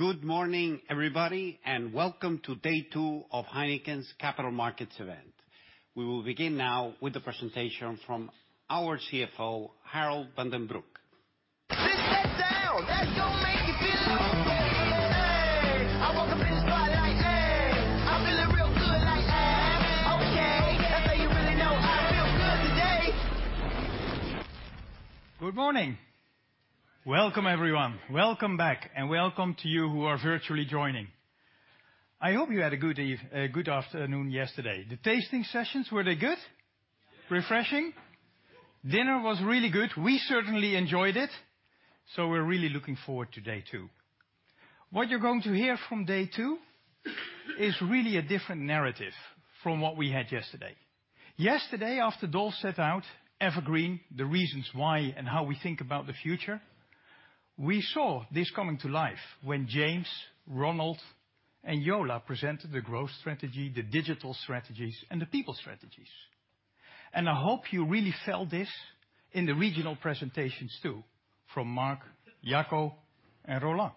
Good morning, everybody, and welcome to day two of Heineken's Capital Markets Event. We will begin now with the presentation from our CFO, Harold van den Broek. Good morning. Welcome, everyone. Welcome back, and welcome to you who are virtually joining. I hope you had a good afternoon yesterday. The tasting sessions, were they good? Refreshing? Dinner was really good. We certainly enjoyed it. We're really looking forward to day two. What you're going to hear from day two is really a different narrative from what we had yesterday. Yesterday, after Dolf set out EverGreen, the reasons why and how we think about the future, we saw this coming to life when James, Ronald, and Jola presented the growth strategy, the digital strategies, and the people strategies. I hope you really felt this in the regional presentations, too, from Marc, Jacco, and Roland.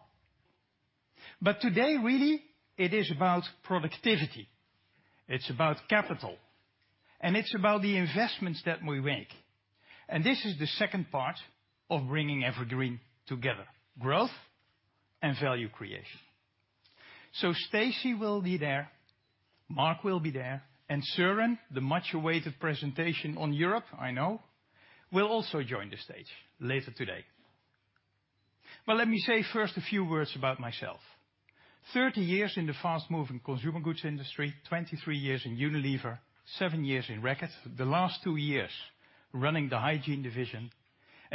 Today, really, it is about productivity, it's about capital, and it's about the investments that we make. This is the second part of bringing EverGreen together, growth and value creation. Stacey will be there, Mark will be there, and Soren, the much awaited presentation on Europe, I know, will also join the stage later today. Let me say first a few words about myself. 30 years in the fast-moving consumer goods industry, 23 years in Unilever, seven years in Reckitt. The last two years running the hygiene division.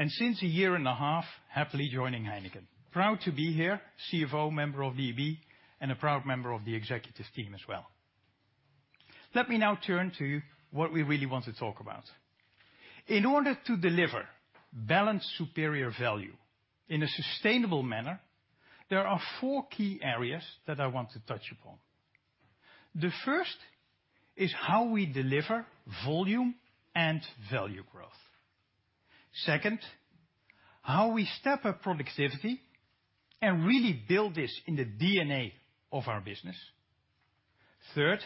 Since a year and a half, happily joining Heineken. Proud to be here, CFO, member of the EB, and a proud member of the executive team as well. Let me now turn to what we really want to talk about. In order to deliver balanced superior value in a sustainable manner, there are four key areas that I want to touch upon. The first is how we deliver volume and value growth. Second, how we step up productivity and really build this in the DNA of our business. Third,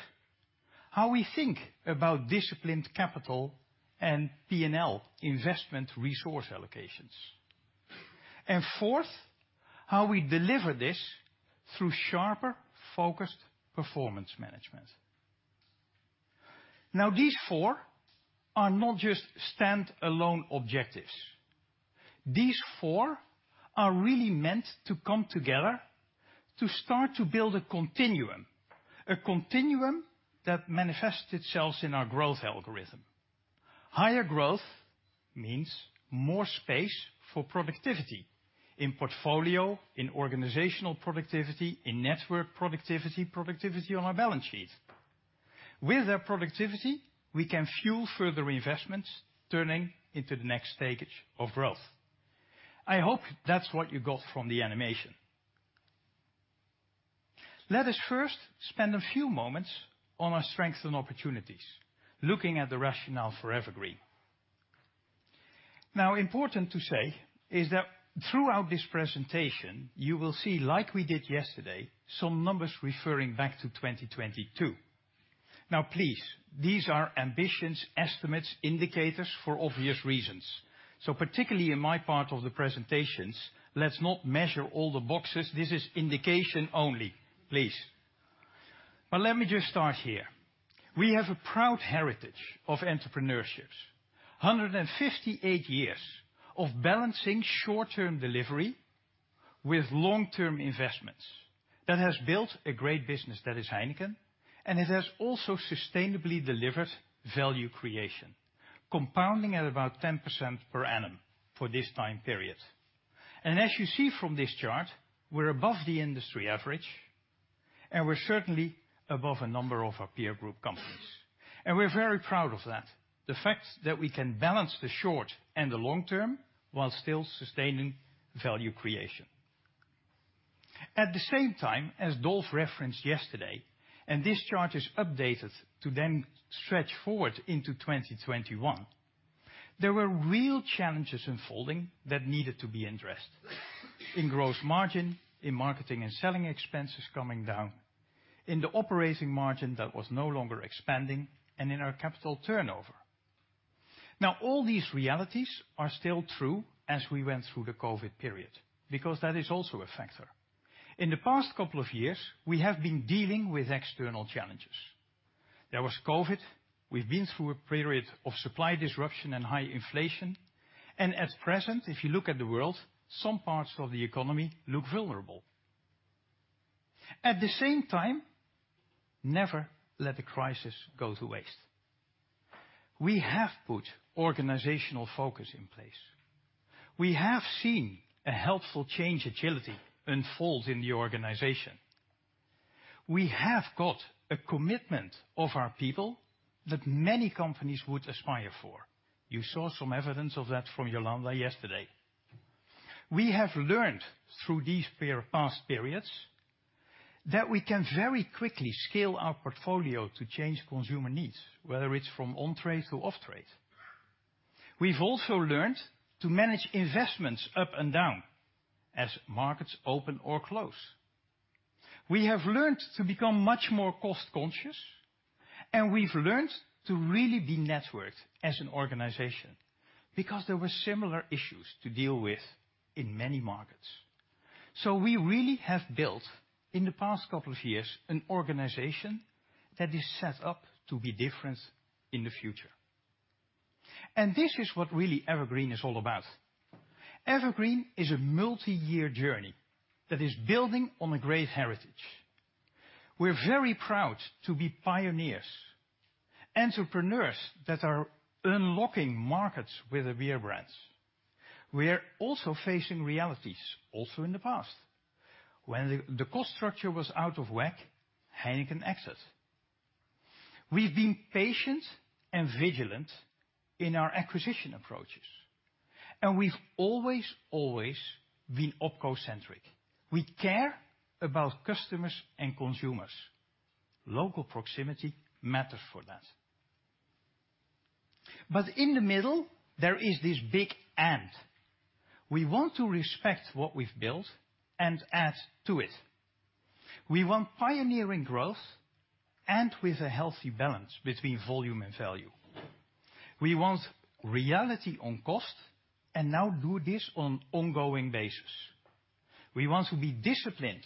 how we think about disciplined capital and P&L investment resource allocations. Fourth, how we deliver this through sharper, focused performance management. Now, these four are not just standalone objectives. These four are really meant to come together to start to build a continuum, a continuum that manifests itself in our growth algorithm. Higher growth means more space for productivity in portfolio, in organizational productivity, in network productivity on our balance sheet. With that productivity, we can fuel further investments, turning into the next stage of growth. I hope that's what you got from the animation. Let us first spend a few moments on our strengths and opportunities, looking at the rationale for EverGreen. Important to say is that throughout this presentation, you will see, like we did yesterday, some numbers referring back to 2022. Please, these are ambitions, estimates, indicators for obvious reasons. Particularly in my part of the presentations, let's not measure all the boxes. This is indication only, please. Let me just start here. We have a proud heritage of entrepreneurships. 158 years of balancing short-term delivery with long-term investments that has built a great business that is Heineken, and it has also sustainably delivered value creation, compounding at about 10% per annum for this time period. As you see from this chart, we're above the industry average, and we're certainly above a number of our peer group companies. We're very proud of that. The fact that we can balance the short and the long term while still sustaining value creation. At the same time, as Dolf referenced yesterday, and this chart is updated to then stretch forward into 2021, there were real challenges unfolding that needed to be addressed in gross margin, in marketing and selling expenses coming down, in the operating margin that was no longer expanding, and in our capital turnover. Now, all these realities are still true as we went through the COVID period, because that is also a factor. In the past couple of years, we have been dealing with external challenges. There was COVID, we've been through a period of supply disruption and high inflation. At present, if you look at the world, some parts of the economy look vulnerable. At the same time, never let a crisis go to waste. We have put organizational focus in place. We have seen a helpful change agility unfold in the organization. We have got a commitment of our people that many companies would aspire for. You saw some evidence of that from Yolanda yesterday. We have learned through these past periods. We can very quickly scale our portfolio to change consumer needs, whether it's from on-trade to off-trade. We've also learned to manage investments up and down as markets open or close. We have learned to become much more cost-conscious, and we've learned to really be networked as an organization, because there were similar issues to deal with in many markets. We really have built, in the past couple of years, an organization that is set up to be different in the future. This is what really EverGreen is all about. EverGreen is a multi-year journey that is building on a great heritage. We're very proud to be pioneers, entrepreneurs that are unlocking markets with their beer brands. We are also facing realities, also in the past. When the cost structure was out of whack, Heineken exit. We've been patient and vigilant in our acquisition approaches. We've always been OpCo-centric. We care about customers and consumers. Local proximity matters for that. In the middle, there is this big and. We want to respect what we've built and add to it. We want pioneering growth and with a healthy balance between volume and value. We want reality on cost, and now do this on ongoing basis. We want to be disciplined,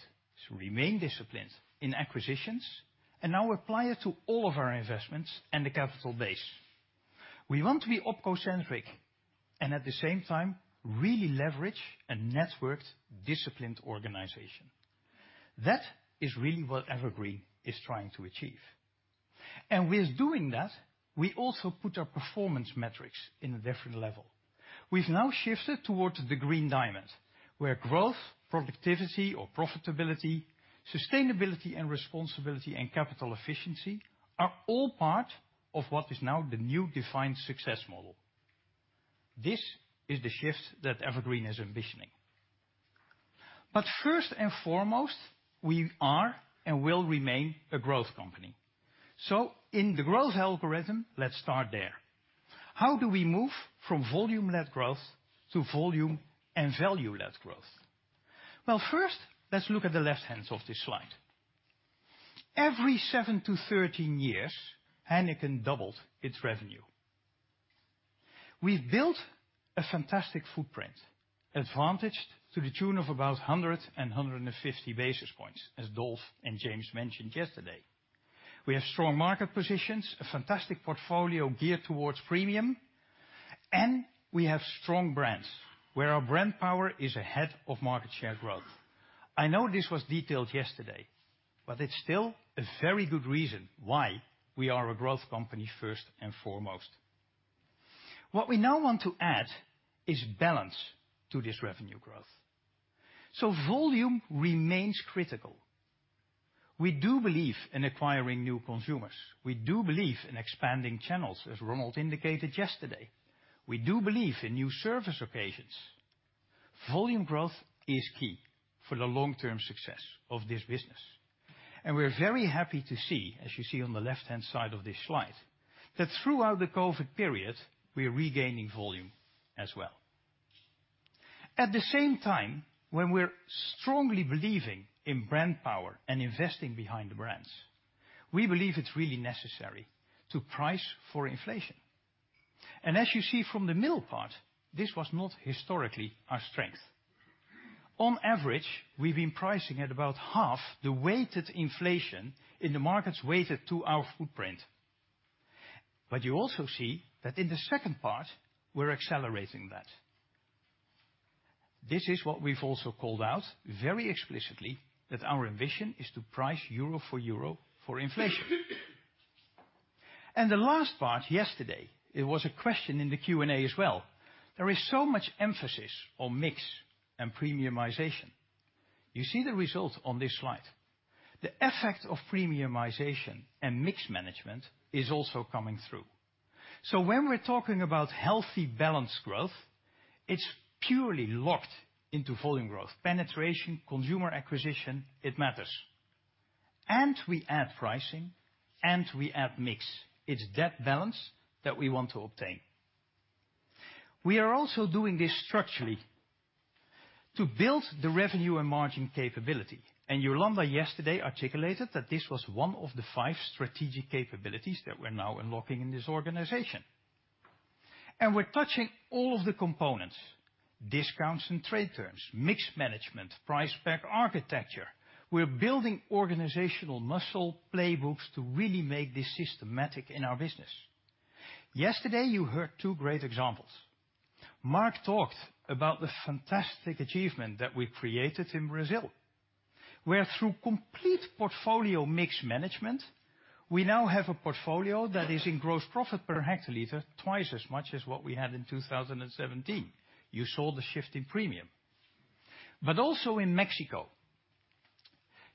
to remain disciplined in acquisitions, and now apply it to all of our investments and the capital base. We want to be OpCo-centric and, at the same time, really leverage a networked, disciplined organization. That is really what EverGreen is trying to achieve. With doing that, we also put our performance metrics in a different level. We've now shifted towards the Green Diamond, where growth, productivity or profitability, sustainability and responsibility, and capital efficiency are all part of what is now the new defined success model. This is the shift that EverGreen is envisioning. First and foremost, we are and will remain a growth company. In the growth algorithm, let's start there. How do we move from volume-led growth to volume and value-led growth? First, let's look at the left-hand of this slide. Every seven to 13 years, Heineken doubled its revenue. We've built a fantastic footprint, advantaged to the tune of about 150 basis points, as Dolf and James mentioned yesterday. We have strong market positions, a fantastic portfolio geared towards premium, and we have strong brands, where our brand power is ahead of market share growth. I know this was detailed yesterday, but it's still a very good reason why we are a growth company first and foremost. What we now want to add is balance to this revenue growth. Volume remains critical. We do believe in acquiring new consumers. We do believe in expanding channels, as Ronald indicated yesterday. We do believe in new service occasions. Volume growth is key for the long-term success of this business. We're very happy to see, as you see on the left-hand side of this slide, that throughout the COVID period, we are regaining volume as well. At the same time, when we're strongly believing in brand power and investing behind the brands, we believe it's really necessary to price for inflation. As you see from the middle part, this was not historically our strength. On average, we've been pricing at about half the weighted inflation in the markets weighted to our footprint. You also see that in the second part, we're accelerating that. This is what we've also called out very explicitly that our ambition is to price euro for euro for inflation. The last part yesterday, it was a question in the Q&A as well. There is so much emphasis on mix and premiumization. You see the results on this slide. The effect of premiumization and mix management is also coming through. When we're talking about healthy, balanced growth, it's purely locked into volume growth. Penetration, consumer acquisition, it matters. We add pricing, and we add mix. It's that balance that we want to obtain. We are also doing this structurally to build the revenue and margin capability. Yolanda yesterday articulated that this was one of the five strategic capabilities that we're now unlocking in this organization. We're touching all of the components: discounts and trade terms, mix management, price-pack architecture. We're building organizational muscle playbooks to really make this systematic in our business. Yesterday, you heard two great examples. Marc talked about the fantastic achievement that we created in Brazil, where through complete portfolio mix management, we now have a portfolio that is in gross profit per hectoliter twice as much as what we had in 2017. You saw the shift in premium. Also in Mexico,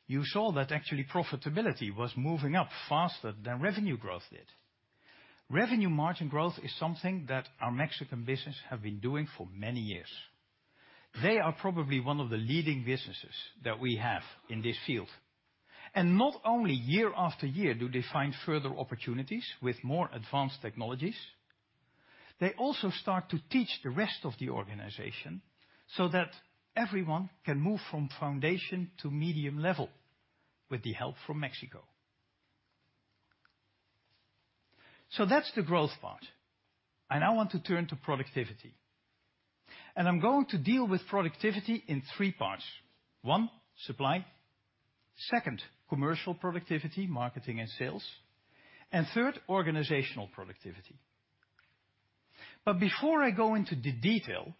you saw that actually profitability was moving up faster than revenue growth did. Revenue margin growth is something that our Mexican business have been doing for many years. They are probably one of the leading businesses that we have in this field. Not only year after year do they find further opportunities with more advanced technologies, they also start to teach the rest of the organization so that everyone can move from foundation to medium level with the help from Mexico. That's the growth part. I now want to turn to productivity. I'm going to deal with productivity in three parts. One, supply. Second, commercial productivity, marketing and sales. Third, organizational productivity. Before I go into the detail,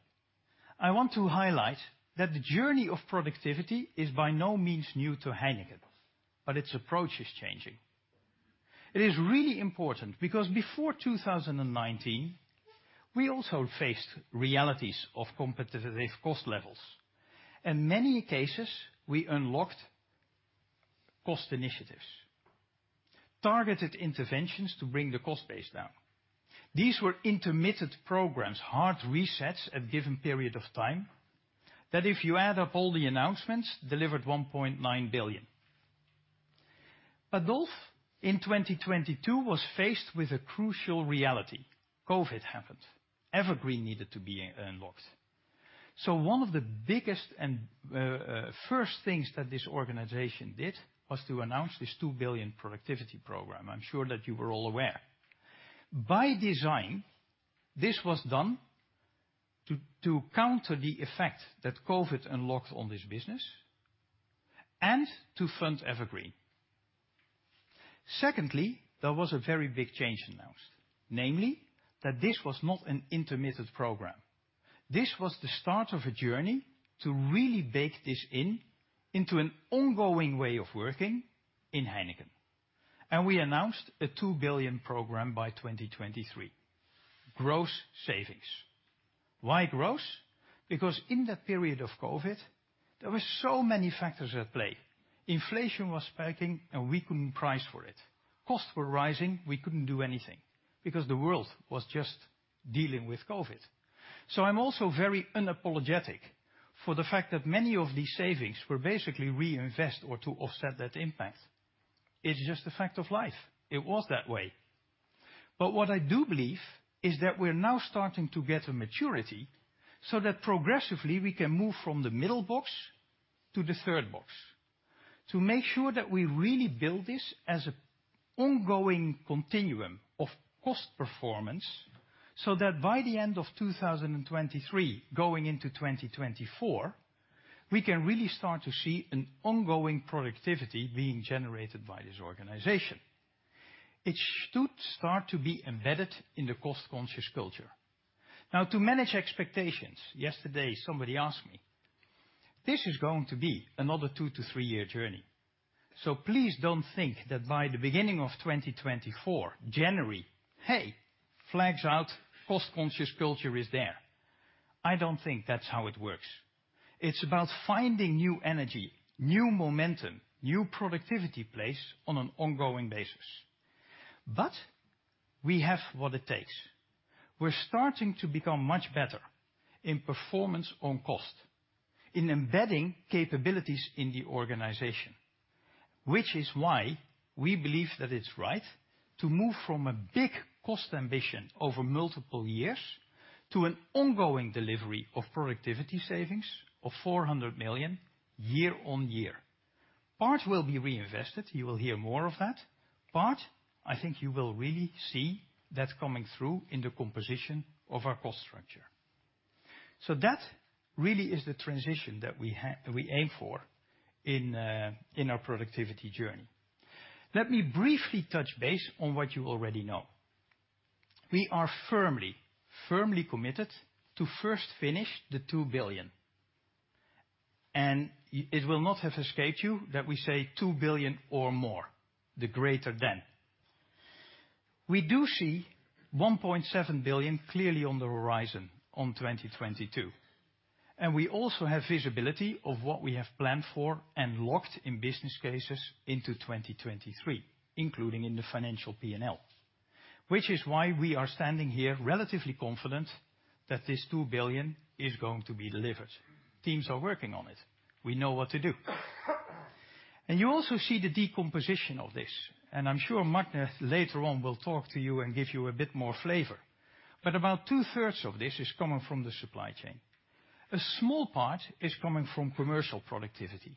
I want to highlight that the journey of productivity is by no means new to Heineken, but its approach is changing. It is really important because before 2019, we also faced realities of competitive cost levels. In many cases, we unlocked cost initiatives, targeted interventions to bring the cost base down. These were intermittent programs, hard resets at given period of time, that if you add up all the announcements, delivered 1.9 billion. Those in 2022 was faced with a crucial reality. COVID happened. Evergreen needed to be unlocked. One of the biggest and first things that this organization did was to announce this 2 billion productivity program. I'm sure that you were all aware. By design, this was done to counter the effect that COVID unlocked on this business and to fund Evergreen. Secondly, there was a very big change announced, namely that this was not an intermittent program. This was the start of a journey to really bake this in into an ongoing way of working in Heineken. We announced a 2 billion program by 2023. Gross savings. Why gross? Because in that period of COVID, there were so many factors at play. Inflation was spiking, and we couldn't price for it. Costs were rising, we couldn't do anything because the world was just dealing with COVID. I'm also very unapologetic for the fact that many of these savings were basically reinvest or to offset that impact. It's just a fact of life. It was that way. What I do believe is that we're now starting to get a maturity so that progressively we can move from the middle box to the third box to make sure that we really build this as an ongoing continuum of cost performance, so that by the end of 2023, going into 2024, we can really start to see an ongoing productivity being generated by this organization. It should start to be embedded in the cost-conscious culture. Now, to manage expectations, yesterday, somebody asked me, this is going to be another two to three year journey. Please don't think that by the beginning of 2024, January, hey, flags out, cost-conscious culture is there. I don't think that's how it works. It's about finding new energy, new momentum, new productivity place on an ongoing basis. We have what it takes. We're starting to become much better in performance on cost, in embedding capabilities in the organization, which is why we believe that it's right to move from a big cost ambition over multiple years to an ongoing delivery of productivity savings of 400 million year-on-year. Part will be reinvested, you will hear more of that. Part, I think you will really see that coming through in the composition of our cost structure. That really is the transition that we aim for in our productivity journey. Let me briefly touch base on what you already know. We are firmly committed to first finish the 2 billion. It will not have escaped you that we say 2 billion or more, the greater than. We do see 1.7 billion clearly on the horizon on 2022. We also have visibility of what we have planned for and locked in business cases into 2023, including in the financial PNL. Which is why we are standing here relatively confident that this 2 billion is going to be delivered. Teams are working on it. We know what to do. You also see the decomposition of this, and I'm sure Magne later on will talk to you and give you a bit more flavor. About two-thirds of this is coming from the supply chain. A small part is coming from commercial productivity.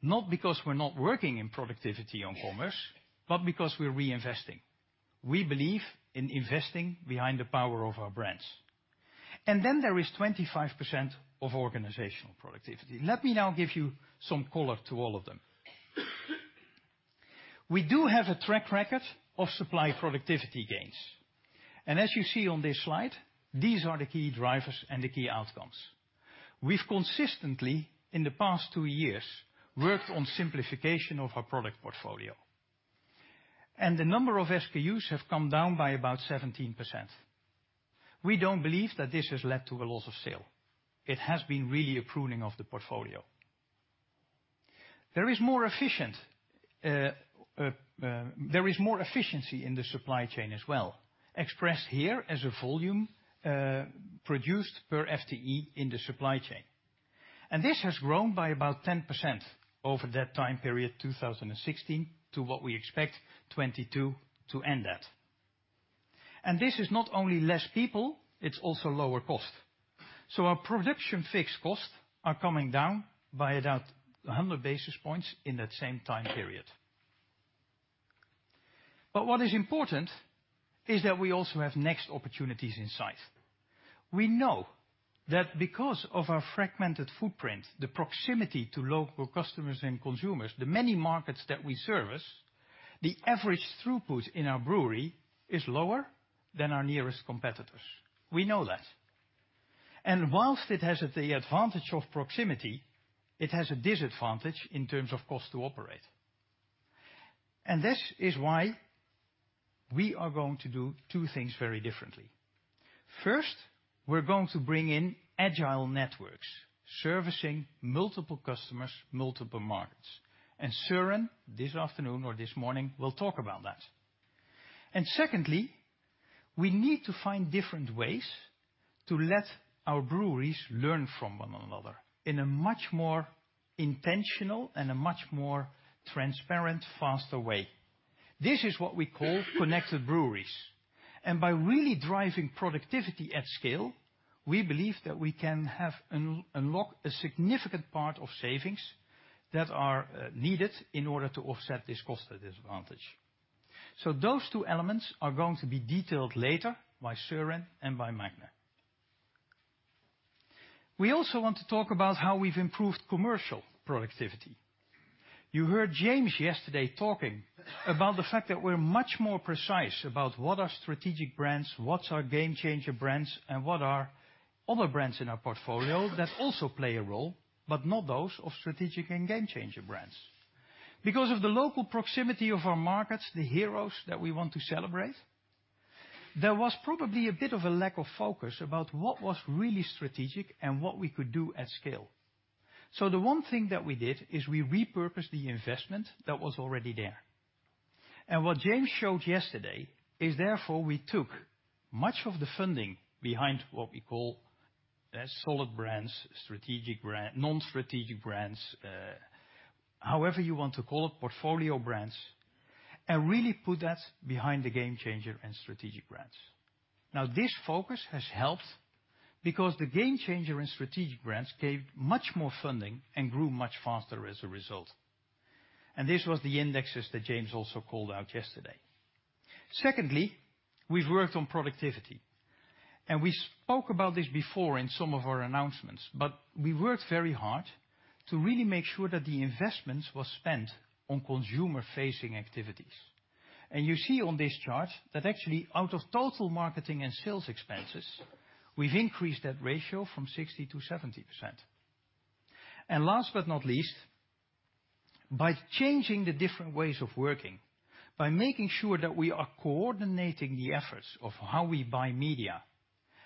Not because we're not working in productivity on commerce, but because we're reinvesting. We believe in investing behind the power of our brands. There is 25% of organizational productivity. Let me now give you some color to all of them. We do have a track record of supply productivity gains. As you see on this slide, these are the key drivers and the key outcomes. We've consistently, in the past two years, worked on simplification of our product portfolio. The number of SKUs have come down by about 17%. We don't believe that this has led to a loss of sale. It has been really a pruning of the portfolio. There is more efficiency in the supply chain as well, expressed here as a volume produced per FTE in the supply chain. This has grown by about 10% over that time period, 2016 to what we expect 2022 to end at. This is not only less people, it's also lower cost. Our production fixed costs are coming down by about 100 basis points in that same time period. What is important is that we also have next opportunities in sight. We know that because of our fragmented footprint, the proximity to local customers and consumers, the many markets that we service, the average throughput in our brewery is lower than our nearest competitors. We know that. Whilst it has the advantage of proximity, it has a disadvantage in terms of cost to operate. This is why we are going to do two things very differently. First, we're going to bring in agile networks servicing multiple customers, multiple markets. Soren, this afternoon or this morning, will talk about that. Secondly, we need to find different ways to let our breweries learn from one another in a much more intentional and a much more transparent, faster way. This is what we call Connected Breweries. By really driving productivity at scale, we believe that we can unlock a significant part of savings that are needed in order to offset this cost disadvantage. Those two elements are going to be detailed later by Soren and by Magne. We also want to talk about how we've improved commercial productivity. You heard James yesterday talking about the fact that we're much more precise about what are strategic brands, what's our game-changer brands, and what are other brands in our portfolio that also play a role, but not those of strategic and game-changer brands. Because of the local proximity of our markets, the heroes that we want to celebrate, there was probably a bit of a lack of focus about what was really strategic and what we could do at scale. The one thing that we did is we repurposed the investment that was already there. What James showed yesterday is therefore we took much of the funding behind what we call as solid brands, strategic brand, non-strategic brands, however you want to call it, portfolio brands, and really put that behind the game-changer and strategic brands. This focus has helped because the game-changer and strategic brands gained much more funding and grew much faster as a result. This was the indexes that James also called out yesterday. Secondly, we've worked on productivity, and we spoke about this before in some of our announcements, but we worked very hard to really make sure that the investments were spent on consumer-facing activities. You see on this chart that actually, out of total marketing and sales expenses, we've increased that ratio from 60% to 70%. Last but not least, by changing the different ways of working, by making sure that we are coordinating the efforts of how we buy media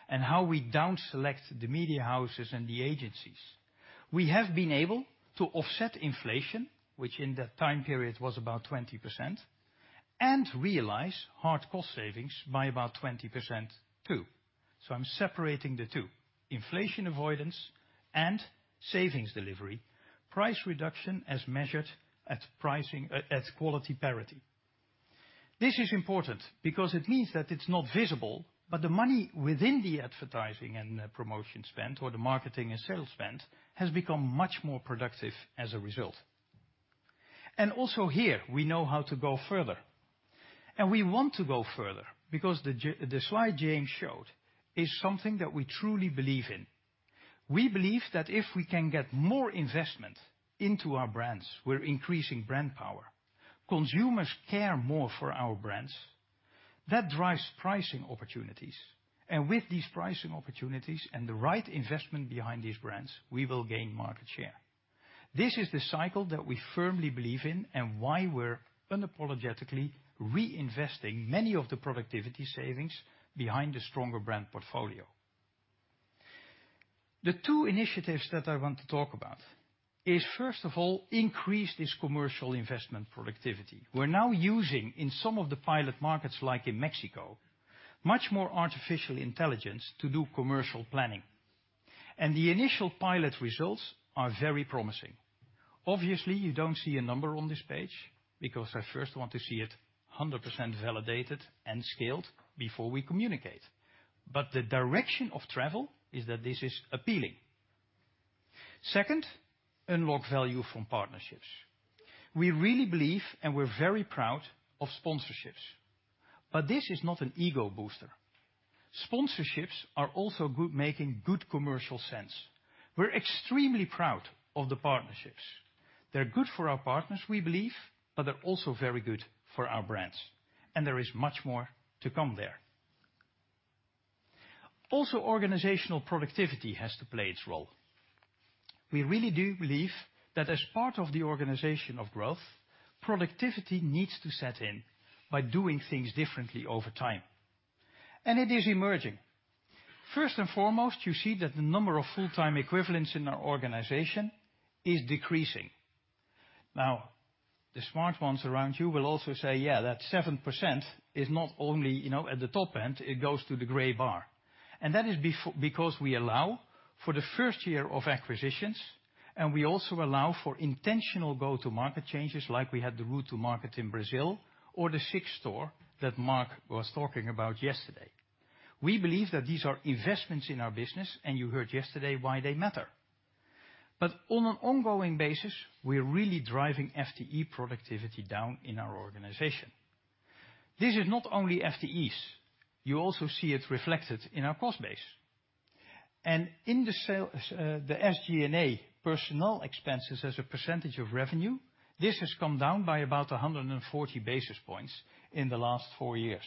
and how we down select the media houses and the agencies, we have been able to offset inflation, which in that time period was about 20%, and realize hard cost savings by about 20% too. I'm separating the two, inflation avoidance and savings delivery, price reduction as measured at quality parity. This is important because it means that it's not visible, but the money within the advertising and promotion spend or the marketing and sales spend has become much more productive as a result. Also here, we know how to go further, and we want to go further because the slide James showed is something that we truly believe in. We believe that if we can get more investment into our brands, we're increasing brand power. Consumers care more for our brands. That drives pricing opportunities. With these pricing opportunities and the right investment behind these brands, we will gain market share. This is the cycle that we firmly believe in and why we're unapologetically reinvesting many of the productivity savings behind the stronger brand portfolio. The two initiatives that I want to talk about is, first of all, increase this commercial investment productivity. We're now using in some of the pilot markets, like in Mexico, much more artificial intelligence to do commercial planning, and the initial pilot results are very promising. Obviously, you don't see a number on this page because I first want to see it 100% validated and scaled before we communicate. The direction of travel is that this is appealing. Second, unlock value from partnerships. We really believe, and we're very proud of sponsorships, but this is not an ego booster. Sponsorships are also making good commercial sense. We're extremely proud of the partnerships. They're good for our partners, we believe, but they're also very good for our brands, and there is much more to come there. Also, organizational productivity has to play its role. We really do believe that as part of the organization of growth, productivity needs to set in by doing things differently over time. It is emerging. First and foremost, you see that the number of full-time equivalents in our organization is decreasing. The smart ones around you will also say, "Yeah, that 7% is not only, you know, at the top end, it goes to the gray bar." That is because we allow for the first year of acquisitions, and we also allow for intentional go-to market changes like we had the route to market in Brazil or the Six store that Mark was talking about yesterday. We believe that these are investments in our business, and you heard yesterday why they matter. On an ongoing basis, we're really driving FTE productivity down in our organization. This is not only FTEs, you also see it reflected in our cost base. In the SG&A personnel expenses as a percentage of revenue, this has come down by about 140 basis points in the last four years.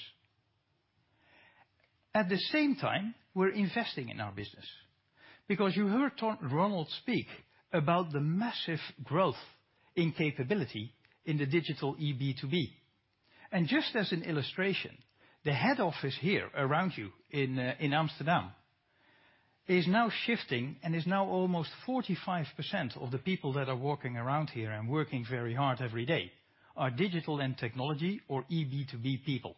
At the same time, we're investing in our business because you heard Ronald speak about the massive growth in capability in the digital eB2B. Just as an illustration, the head office here around you in Amsterdam is now shifting and is now almost 45% of the people that are walking around here and working very hard every day are digital and technology or eB2B people.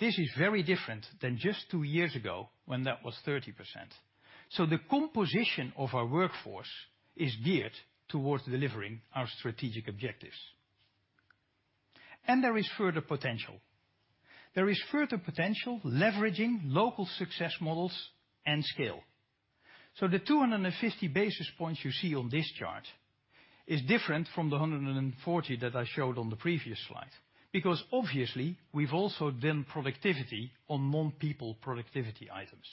This is very different than just two years ago when that was 30%. The composition of our workforce is geared towards delivering our strategic objectives. There is further potential. There is further potential leveraging local success models and scale. The 250 basis points you see on this chart is different from the 140 that I showed on the previous slide because obviously we've also done productivity on non-people productivity items.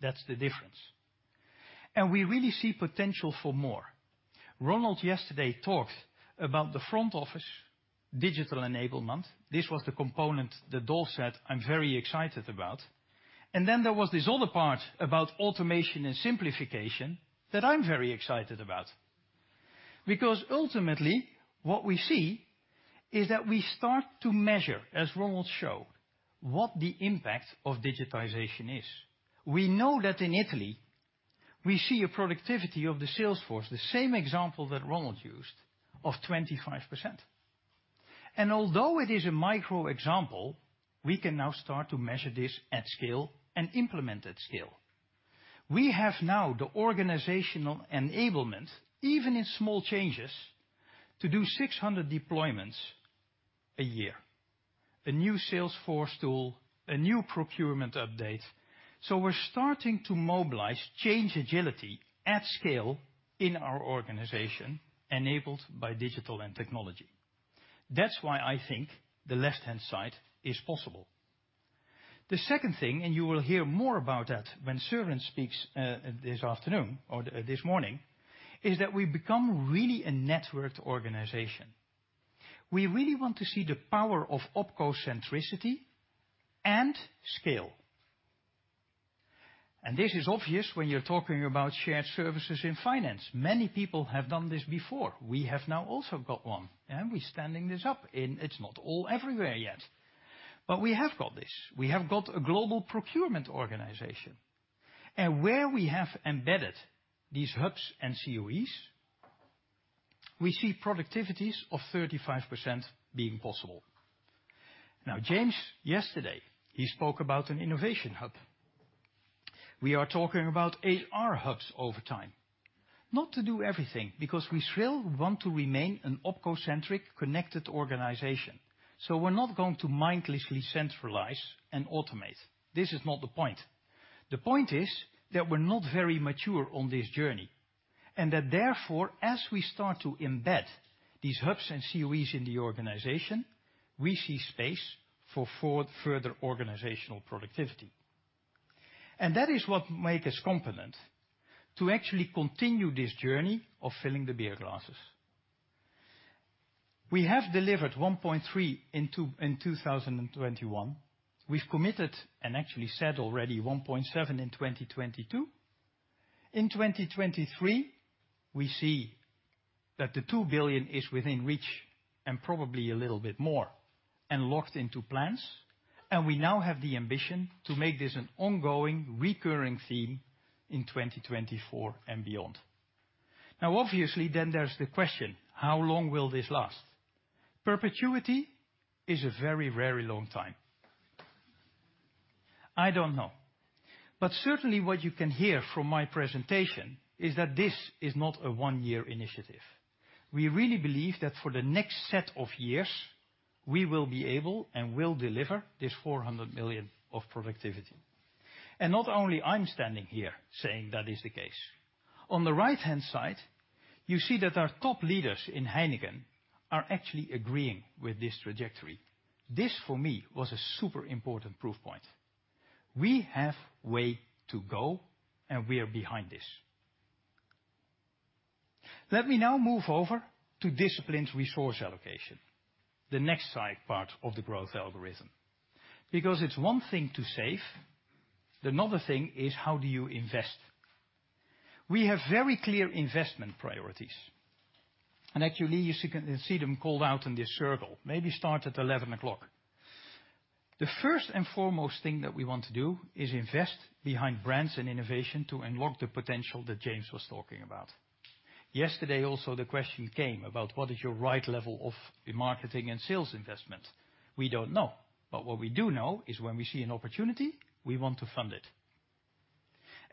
That's the difference. We really see potential for more. Ronald yesterday talked about the front office digital enablement. This was the component that Dolf said, "I'm very excited about." Then there was this other part about automation and simplification that I'm very excited about. Because ultimately, what we see is that we start to measure, as Ronald showed, what the impact of digitization is. We know that in Italy we see a productivity of the sales force, the same example that Ronald used, of 25%. Although it is a micro example, we can now start to measure this at scale and implement at scale. We have now the organizational enablement, even in small changes, to do 600 deployments a year, a new sales force tool, a new procurement update. We're starting to mobilize change agility at scale in our organization, enabled by digital and technology. That's why I think the left-hand side is possible. The second thing, and you will hear more about that when Soren speaks this afternoon or this morning, is that we become really a networked organization. We really want to see the power of OpCo centricity and scale. This is obvious when you're talking about shared services in finance. Many people have done this before. We have now also got one, and we're standing this up in. It's not all everywhere yet, but we have got this. We have got a global procurement organization. Where we have embedded these hubs and CoEs, we see productivities of 35% being possible. James yesterday, he spoke about an innovation hub. We are talking about AR hubs over time. Not to do everything, because we still want to remain an OpCo-centric, connected organization. We're not going to mindlessly centralize and automate. This is not the point. The point is that we're not very mature on this journey, and that therefore, as we start to embed these hubs and CoEs in the organization, we see space for forward further organizational productivity. That is what make us confident to actually continue this journey of filling the beer glasses. We have delivered 1.3 billion in 2021. We've committed and actually said already 1.7 billion in 2022. In 2023, we see that the 2 billion is within reach and probably a little bit more and locked into plans. We now have the ambition to make this an ongoing, recurring theme in 2024 and beyond. Obviously, then there's the question: how long will this last? Perpetuity is a very, very long time. I don't know. Certainly what you can hear from my presentation is that this is not a one-year initiative. We really believe that for the next set of years, we will be able and will deliver this 400 million of productivity. Not only I'm standing here saying that is the case. On the right-hand side, you see that our top leaders in Heineken are actually agreeing with this trajectory. This, for me, was a super important proof point. We have way to go, and we are behind this. Let me now move over to disciplined resource allocation, the next side part of the growth algorithm. It's one thing to save, another thing is how do you invest. We have very clear investment priorities, actually, you can see them called out in this circle, maybe start at 11 o'clock. The first and foremost thing that we want to do is invest behind brands and innovation to unlock the potential that James was talking about. Yesterday, also, the question came about what is your right level of marketing and sales investment? We don't know, what we do know is when we see an opportunity, we want to fund it.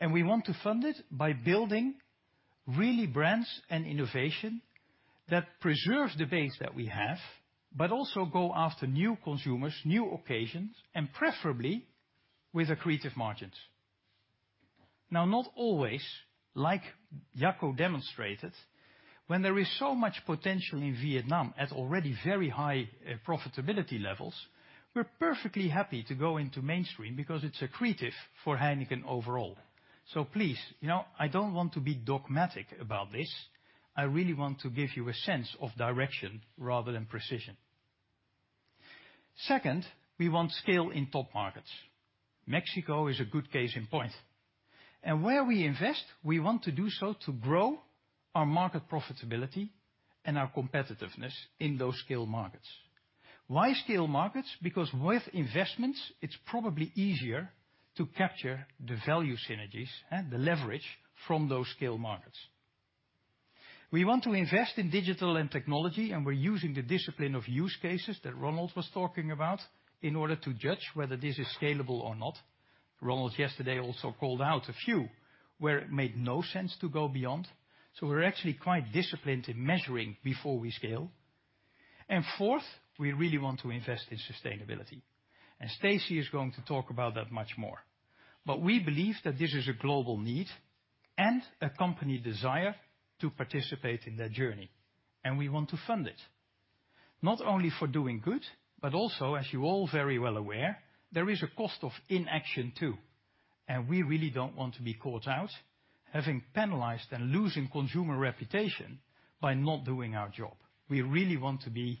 We want to fund it by building really brands and innovation that preserves the base that we have, also go after new consumers, new occasions, and preferably with accretive margins. Not always, like Jacco demonstrated, when there is so much potential in Vietnam at already very high profitability levels, we're perfectly happy to go into mainstream because it's accretive for Heineken overall. Please, you know, I don't want to be dogmatic about this. I really want to give you a sense of direction rather than precision. Second, we want scale in top markets. Mexico is a good case in point. Where we invest, we want to do so to grow our market profitability and our competitiveness in those scale markets. Why scale markets? With investments, it's probably easier to capture the value synergies and the leverage from those scale markets. We want to invest in digital and technology, we're using the discipline of use cases that Ronald was talking about in order to judge whether this is scalable or not. Ronald yesterday also called out a few where it made no sense to go beyond. We're actually quite disciplined in measuring before we scale. Fourth, we really want to invest in sustainability. Stacy is going to talk about that much more. We believe that this is a global need and a company desire to participate in that journey, and we want to fund it. Not only for doing good, but also, as you're all very well aware, there is a cost of inaction too, and we really don't want to be caught out, having penalized and losing consumer reputation by not doing our job. We really want to be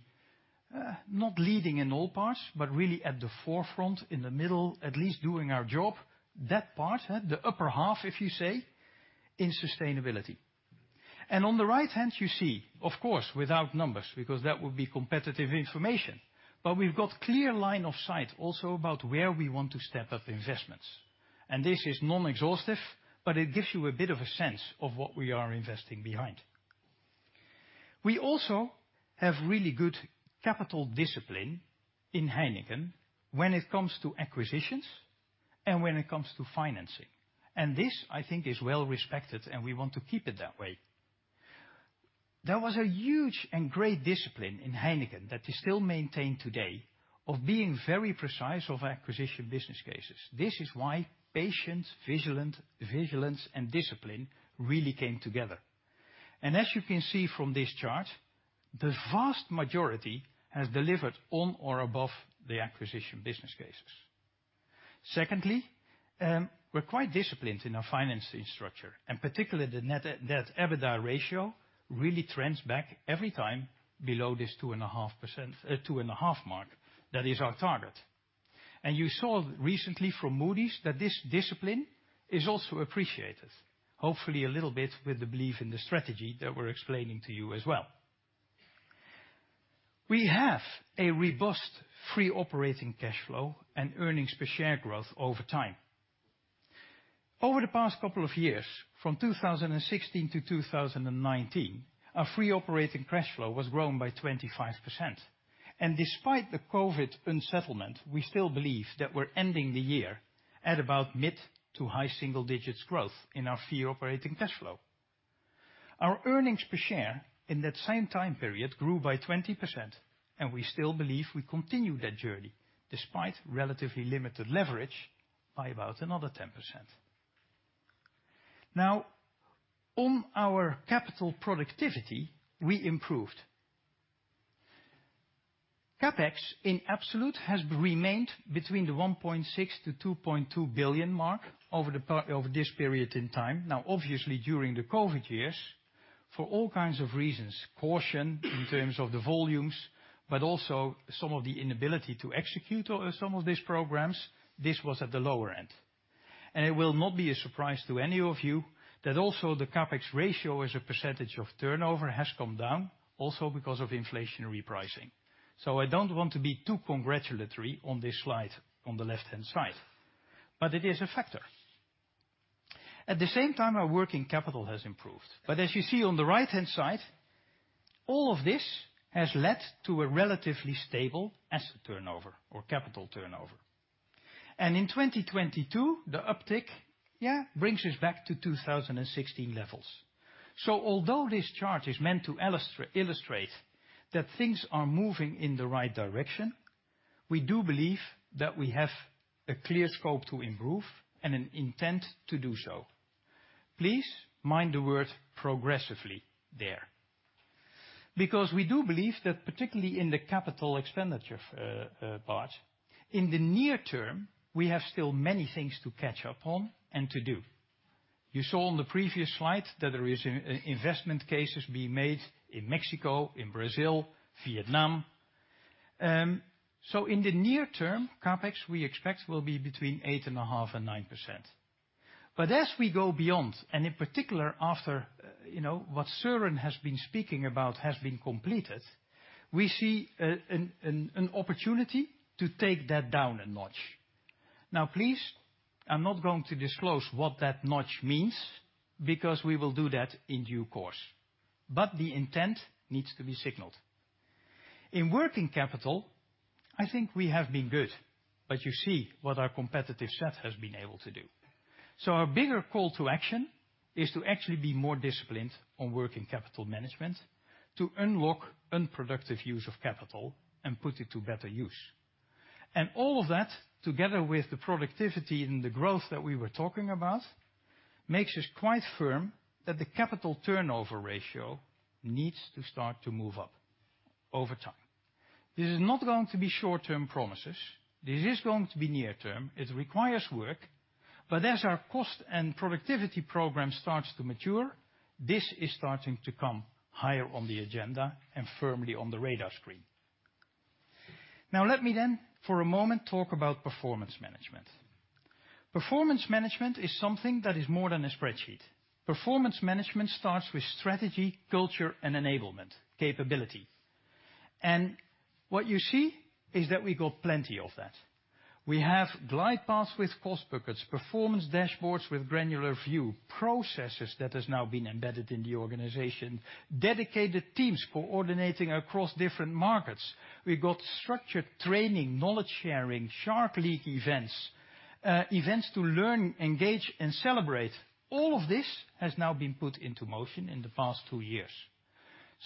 not leading in all parts, but really at the forefront, in the middle, at least doing our job. That part, the upper half, if you say, in sustainability. On the right-hand, you see, of course, without numbers, because that would be competitive information, but we've got clear line of sight also about where we want to step up investments. This is non-exhaustive, but it gives you a bit of a sense of what we are investing behind. We also have really good capital discipline in Heineken when it comes to acquisitions and when it comes to financing. This, I think, is well respected, and we want to keep it that way. There was a huge and great discipline in Heineken that is still maintained today of being very precise of acquisition business cases. This is why patience, vigilance, and discipline really came together. As you can see from this chart, the vast majority has delivered on or above the acquisition business cases. Secondly, we're quite disciplined in our financing structure, and particularly the Net Debt to EBITDA ratio really trends back every time below this 2.5 mark. That is our target. You saw recently from Moody's that this discipline is also appreciated, hopefully a little bit with the belief in the strategy that we're explaining to you as well. We have a robust free operating cash flow and earnings per share growth over time. Over the past couple of years, from 2016 to 2019, our free operating cash flow was grown by 25%. Despite the COVID unsettlement, we still believe that we're ending the year at about mid to high single-digit growth in our free operating cash flow. Our earnings per share in that same time period grew by 20%, and we still believe we continue that journey despite relatively limited leverage by about another 10%. On our capital productivity, we improved. CapEx in absolute has remained between the 1.6 billion-2.2 billion mark over this period in time. Obviously, during the COVID years, for all kinds of reasons, caution in terms of the volumes, but also some of the inability to execute on some of these programs, this was at the lower end. It will not be a surprise to any of you that also the CapEx ratio as a percentage of turnover has come down also because of inflationary pricing. I don't want to be too congratulatory on this slide on the left-hand side, but it is a factor. At the same time, our working capital has improved. As you see on the right-hand side, all of this has led to a relatively stable asset turnover or capital turnover. In 2022, the uptick brings us back to 2016 levels. Although this chart is meant to illustrate that things are moving in the right direction, we do believe that we have a clear scope to improve and an intent to do so. Please mind the word progressively there. We do believe that particularly in the capital expenditure part, in the near term, we have still many things to catch up on and to do. You saw on the previous slide that there is investment cases being made in Mexico, in Brazil, Vietnam. In the near term, CapEx we expect will be between 8.5% and 9%. As we go beyond, and in particular, after, you know, what Soren has been speaking about has been completed, we see an opportunity to take that down a notch. Now please, I'm not going to disclose what that notch means, because we will do that in due course. The intent needs to be signaled. In working capital, I think we have been good. You see what our competitive set has been able to do. Our bigger call to action is to actually be more disciplined on working capital management to unlock unproductive use of capital and put it to better use. All of that, together with the productivity and the growth that we were talking about, makes us quite firm that the capital turnover ratio needs to start to move up over time. This is not going to be short-term promises. This is going to be near term. It requires work. As our cost and productivity program starts to mature, this is starting to come higher on the agenda and firmly on the radar screen. Let me then for a moment talk about performance management. Performance management is something that is more than a spreadsheet. Performance management starts with strategy, culture, and enablement capability. What you see is that we got plenty of that. We have glide paths with cost buckets, performance dashboards with granular view, processes that has now been embedded in the organization, dedicated teams coordinating across different markets. We've got structured training, knowledge sharing, Shark League events to learn, engage, and celebrate. All of this has now been put into motion in the past two years.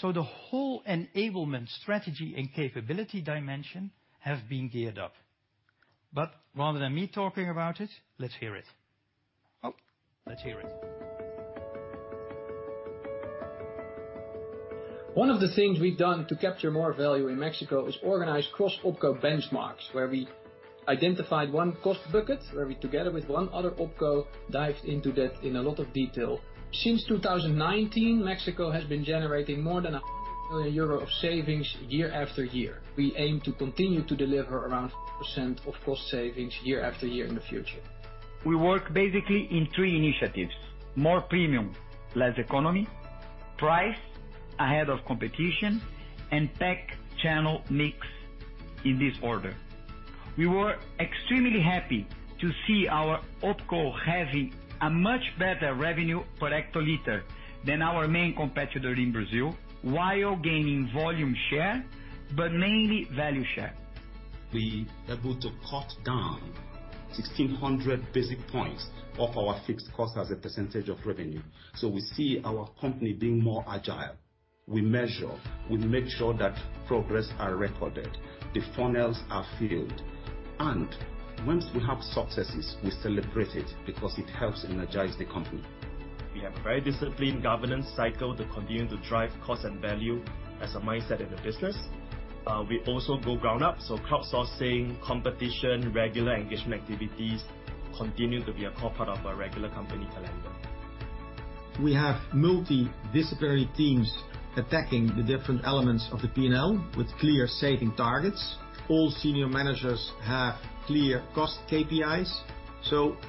The whole enablement strategy and capability dimension have been geared up. Rather than me talking about it, let's hear it. Let's hear it. One of the things we've done to capture more value in Mexico is organize cross OpCo benchmarks, where we identified one cost bucket, where we, together with one other OpCo, dived into that in a lot of detail. Since 2019, Mexico has been generating more than million euro of savings year after year. We aim to continue to deliver around percent of cost savings year after year in the future. We work basically in three initiatives: more premium, less economy, price ahead of competition, and pack channel mix in this order. We were extremely happy to see our OpCo having a much better revenue per hectoliter than our main competitor in Brazil while gaining volume share, but mainly value share. We are able to cut down 1,600 basis points of our fixed cost as a percentage of revenue. We see our company being more agile. We measure. We make sure that progress are recorded, the funnels are filled. Once we have successes, we celebrate it because it helps energize the company. We have very disciplined governance cycle to continue to drive cost and value as a mindset in the business. We also go ground up, crowdsourcing, competition, regular engagement activities continue to be a core part of our regular company calendar. We have multidisciplinary teams attacking the different elements of the P&L with clear saving targets. All senior managers have clear cost KPIs.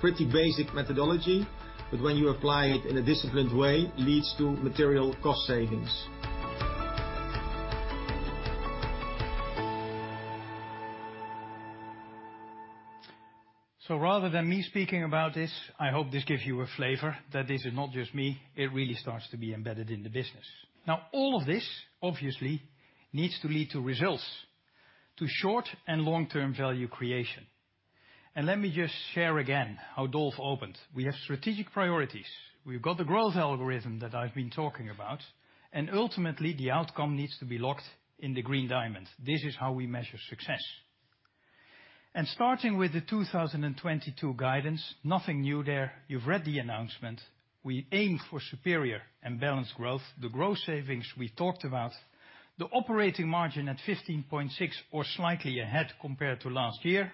Pretty basic methodology, but when you apply it in a disciplined way, leads to material cost savings. Rather than me speaking about this, I hope this gives you a flavor that this is not just me, it really starts to be embedded in the business. All of this obviously needs to lead to results, to short and long-term value creation. Let me just share again how Dolf opened. We have strategic priorities. We've got the growth algorithm that I've been talking about, and ultimately, the outcome needs to be locked in the Green Diamond. This is how we measure success. Starting with the 2022 guidance, nothing new there. You've read the announcement. We aim for superior and balanced growth. The growth savings we talked about. The operating margin at 15.6% or slightly ahead compared to last year.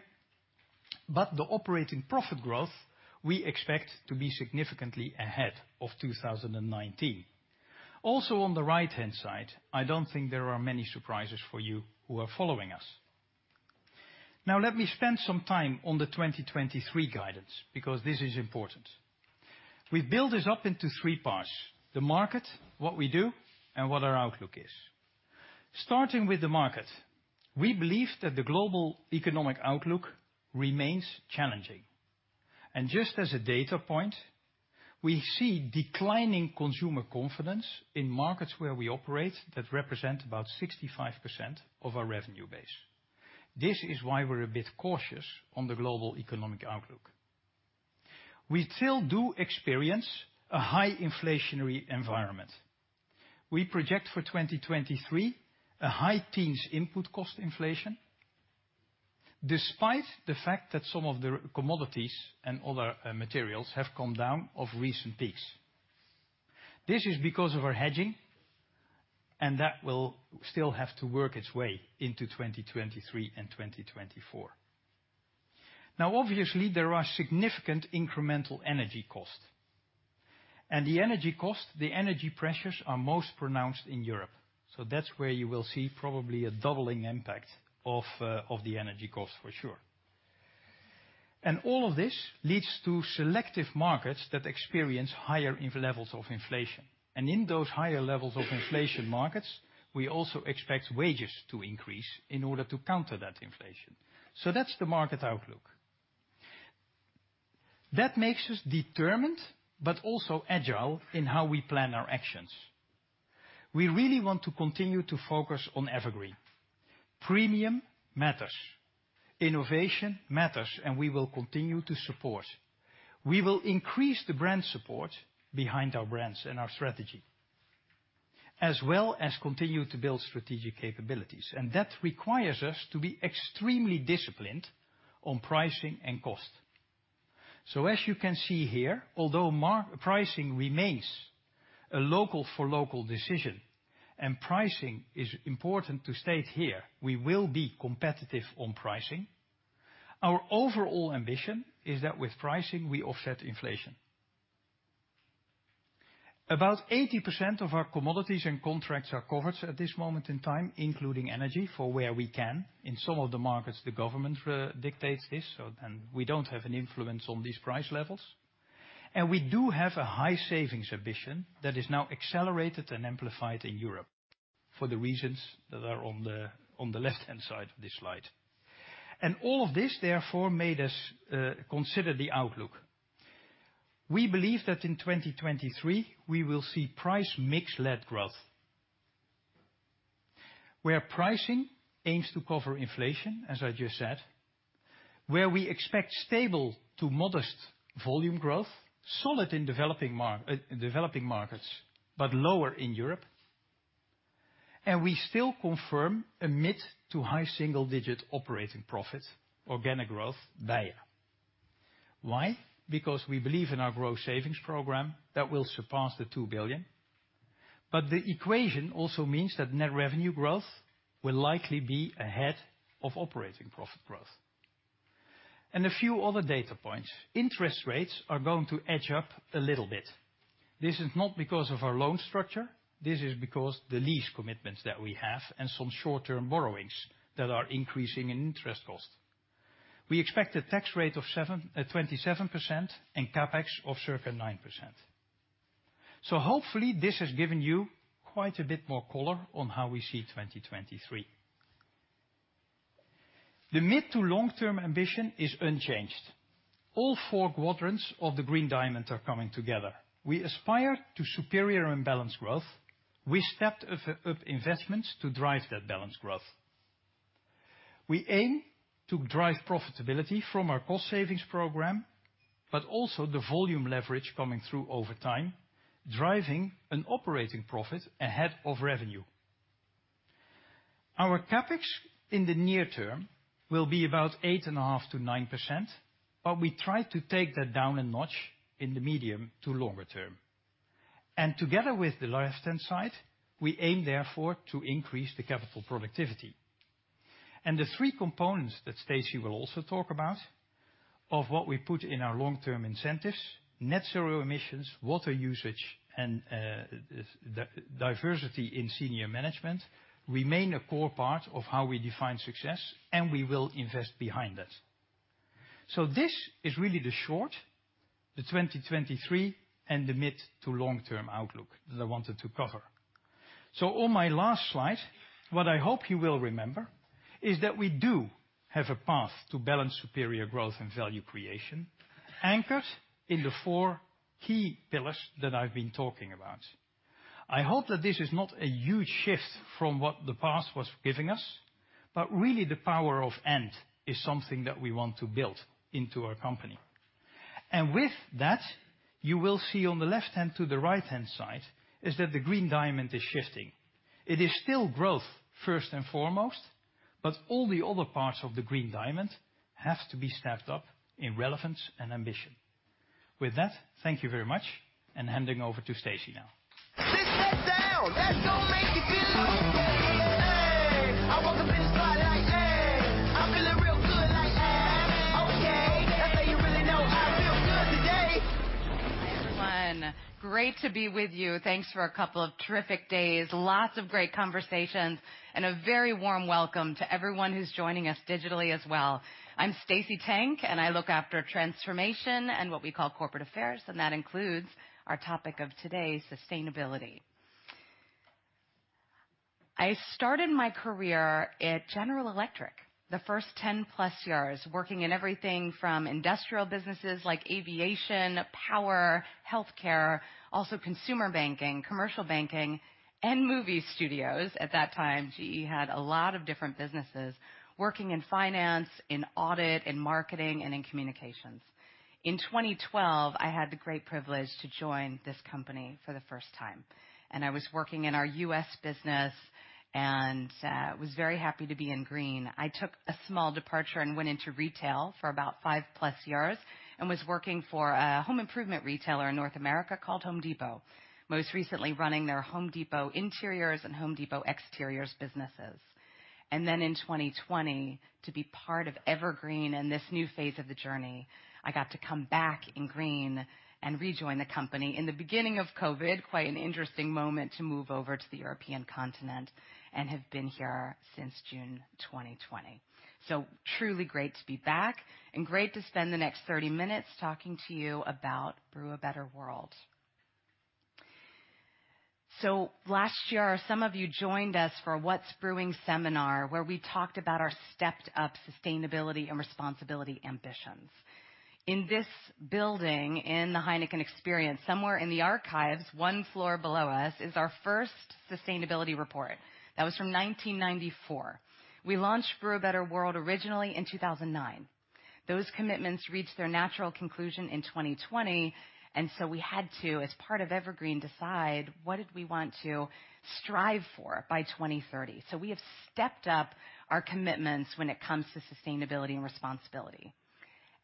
The operating profit growth we expect to be significantly ahead of 2019. Also, on the right-hand side, I don't think there are many surprises for you who are following us. Let me spend some time on the 2023 guidance because this is important. We build this up into three parts: the market, what we do, and what our outlook is. Starting with the market. We believe that the global economic outlook remains challenging. Just as a data point, we see declining consumer confidence in markets where we operate that represent about 65% of our revenue base. This is why we're a bit cautious on the global economic outlook. We still do experience a high inflationary environment. We project for 2023 a high teens input cost inflation despite the fact that some of the commodities and other materials have come down of recent peaks. This is because of our hedging, and that will still have to work its way into 2023 and 2024. Obviously there are significant incremental energy costs. The energy costs, the energy pressures are most pronounced in Europe. That's where you will see probably a doubling impact of the energy costs for sure. All of this leads to selective markets that experience higher levels of inflation. In those higher levels of inflation markets, we also expect wages to increase in order to counter that inflation. That's the market outlook. That makes us determined, but also agile in how we plan our actions. We really want to continue to focus on EverGreen. Premium matters, innovation matters, and we will continue to support. We will increase the brand support behind our brands and our strategy, as well as continue to build strategic capabilities. That requires us to be extremely disciplined on pricing and cost. As you can see here, although pricing remains a local for local decision, and pricing is important to state here, we will be competitive on pricing. Our overall ambition is that with pricing, we offset inflation. About 80% of our commodities and contracts are covered at this moment in time, including energy, for where we can. In some of the markets, the government dictates this, so then we don't have an influence on these price levels. We do have a high savings ambition that is now accelerated and amplified in Europe for the reasons that are on the left-hand side of this slide. All of this, therefore, made us consider the outlook. We believe that in 2023 we will see price mix-led growth, where pricing aims to cover inflation, as I just said, where we expect stable to modest volume growth, solid in developing markets, but lower in Europe. We still confirm a mid to high single-digit operating profit organic growth buyer. Why? Because we believe in our growth savings program that will surpass 2 billion. The equation also means that net revenue growth will likely be ahead of operating profit growth. A few other data points. Interest rates are going to edge up a little bit. This is not because of our loan structure. This is because the lease commitments that we have and some short-term borrowings that are increasing in interest costs. We expect a tax rate of 27% and CapEx of circa 9%. Hopefully this has given you quite a bit more color on how we see 2023. The mid to long term ambition is unchanged. All four quadrants of the Green Diamond are coming together. We aspire to superior and balanced growth. We stepped up investments to drive that balanced growth. We aim to drive profitability from our cost savings program, but also the volume leverage coming through over time, driving an operating profit ahead of revenue. Our CapEx in the near term will be about 8.5%-9%, but we try to take that down a notch in the medium to longer term. Together with the left-hand side, we aim, therefore, to increase the capital productivity. The three components that Stacey will also talk about, of what we put in our long-term incentives, net zero emissions, water usage and diversity in senior management, remain a core part of how we define success, and we will invest behind that. This is really the short, the 2023, and the mid to long term outlook that I wanted to cover. On my last slide, what I hope you will remember is that we do have a path to balance superior growth and value creation anchored in the four key pillars that I've been talking about. I hope that this is not a huge shift from what the past was giving us, but really the power of end is something that we want to build into our company. With that, you will see on the left hand to the right-hand side, is that the Green Diamond is shifting. It is still growth first and foremost, but all the other parts of the Green Diamond have to be stepped up in relevance and ambition. With that, thank you very much and handing over to Stacey now. Everyone, great to be with you. Thanks for a couple of terrific days, lots of great conversations, and a very warm welcome to everyone who's joining us digitally as well. I'm Stacey Tank, and I look after transformation and what we call corporate affairs, and that includes our topic of today, sustainability. I started my career at General Electric, the first 10 plus years working in everything from industrial businesses like aviation, power, healthcare, also consumer banking, commercial banking, and movie studios. At that time, GE had a lot of different businesses working in finance, in audit, in marketing, and in communications. In 2012, I had the great privilege to join this company for the first time, and I was working in our U.S. business and was very happy to be in green. I took a small departure and went into retail for about 5+ years and was working for a home improvement retailer in North America called The Home Depot, most recently running their The Home Depot Interiors and The Home Depot Exteriors businesses. In 2020 to be part of EverGreen and this new phase of the journey, I got to come back in green and rejoin the company in the beginning of COVID. Quite an interesting moment to move over to the European continent and have been here since June 2020. Truly great to be back and great to spend the next 30 minutes talking to you about Brew a Better World. Last year, some of you joined us for a What's Brewing seminar where we talked about our stepped-up sustainability and responsibility ambitions. In this building, in the Heineken Experience, somewhere in the archives, one floor below us is our first sustainability report. That was from 1994. We launched Brew a Better World originally in 2009. Those commitments reached their natural conclusion in 2020, we had to, as part of EverGreen, decide what did we want to strive for by 2030. We have stepped up our commitments when it comes to sustainability and responsibility.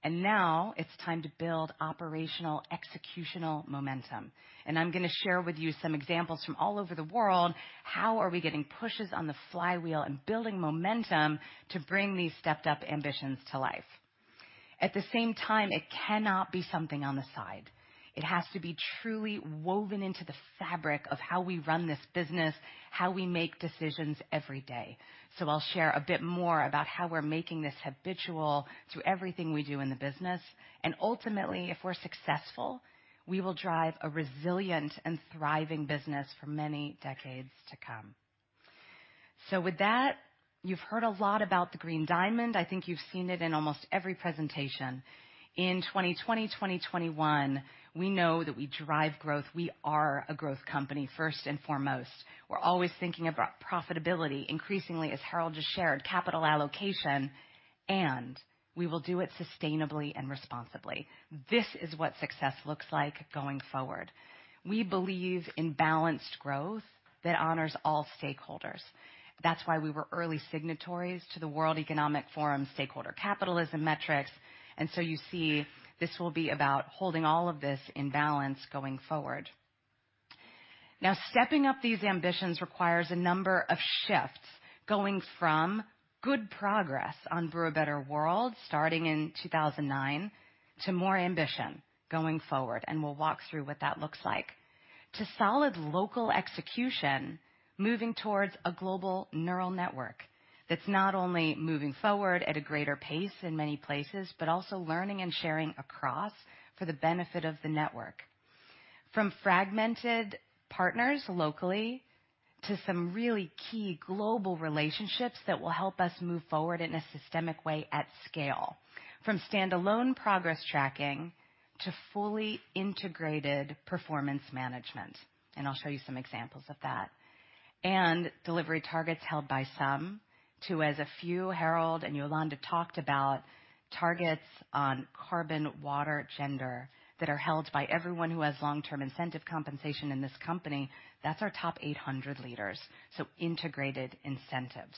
Now it's time to build operational executional momentum. I'm gonna share with you some examples from all over the world, how are we getting pushes on the flywheel and building momentum to bring these stepped up ambitions to life. At the same time, it cannot be something on the side. It has to be truly woven into the fabric of how we run this business, how we make decisions every day. I'll share a bit more about how we're making this habitual to everything we do in the business. Ultimately, if we're successful, we will drive a resilient and thriving business for many decades to come. With that, you've heard a lot about the Green Diamond. I think you've seen it in almost every presentation. In 2020, 2021, we know that we drive growth. We are a growth company first and foremost. We're always thinking about profitability, increasingly, as Harold just shared, capital allocation, and we will do it sustainably and responsibly. This is what success looks like going forward. We believe in balanced growth that honors all stakeholders. That's why we were early signatories to the World Economic Forum Stakeholder Capitalism Metrics. You see, this will be about holding all of this in balance going forward. Stepping up these ambitions requires a number of shifts going from good progress on Brew a Better World, starting in 2009, to more ambition going forward, and we'll walk through what that looks like. To solid local execution, moving towards a global neural network that's not only moving forward at a greater pace in many places, but also learning and sharing across for the benefit of the network. From fragmented partners locally to some really key global relationships that will help us move forward in a systemic way at scale. From standalone progress tracking to fully integrated performance management. I'll show you some examples of that. Delivery targets held by some to, as a few, Harold and Yolanda talked about targets on carbon, water, gender, that are held by everyone who has long-term incentive compensation in this company. That's our top 800 leaders. Integrated incentives.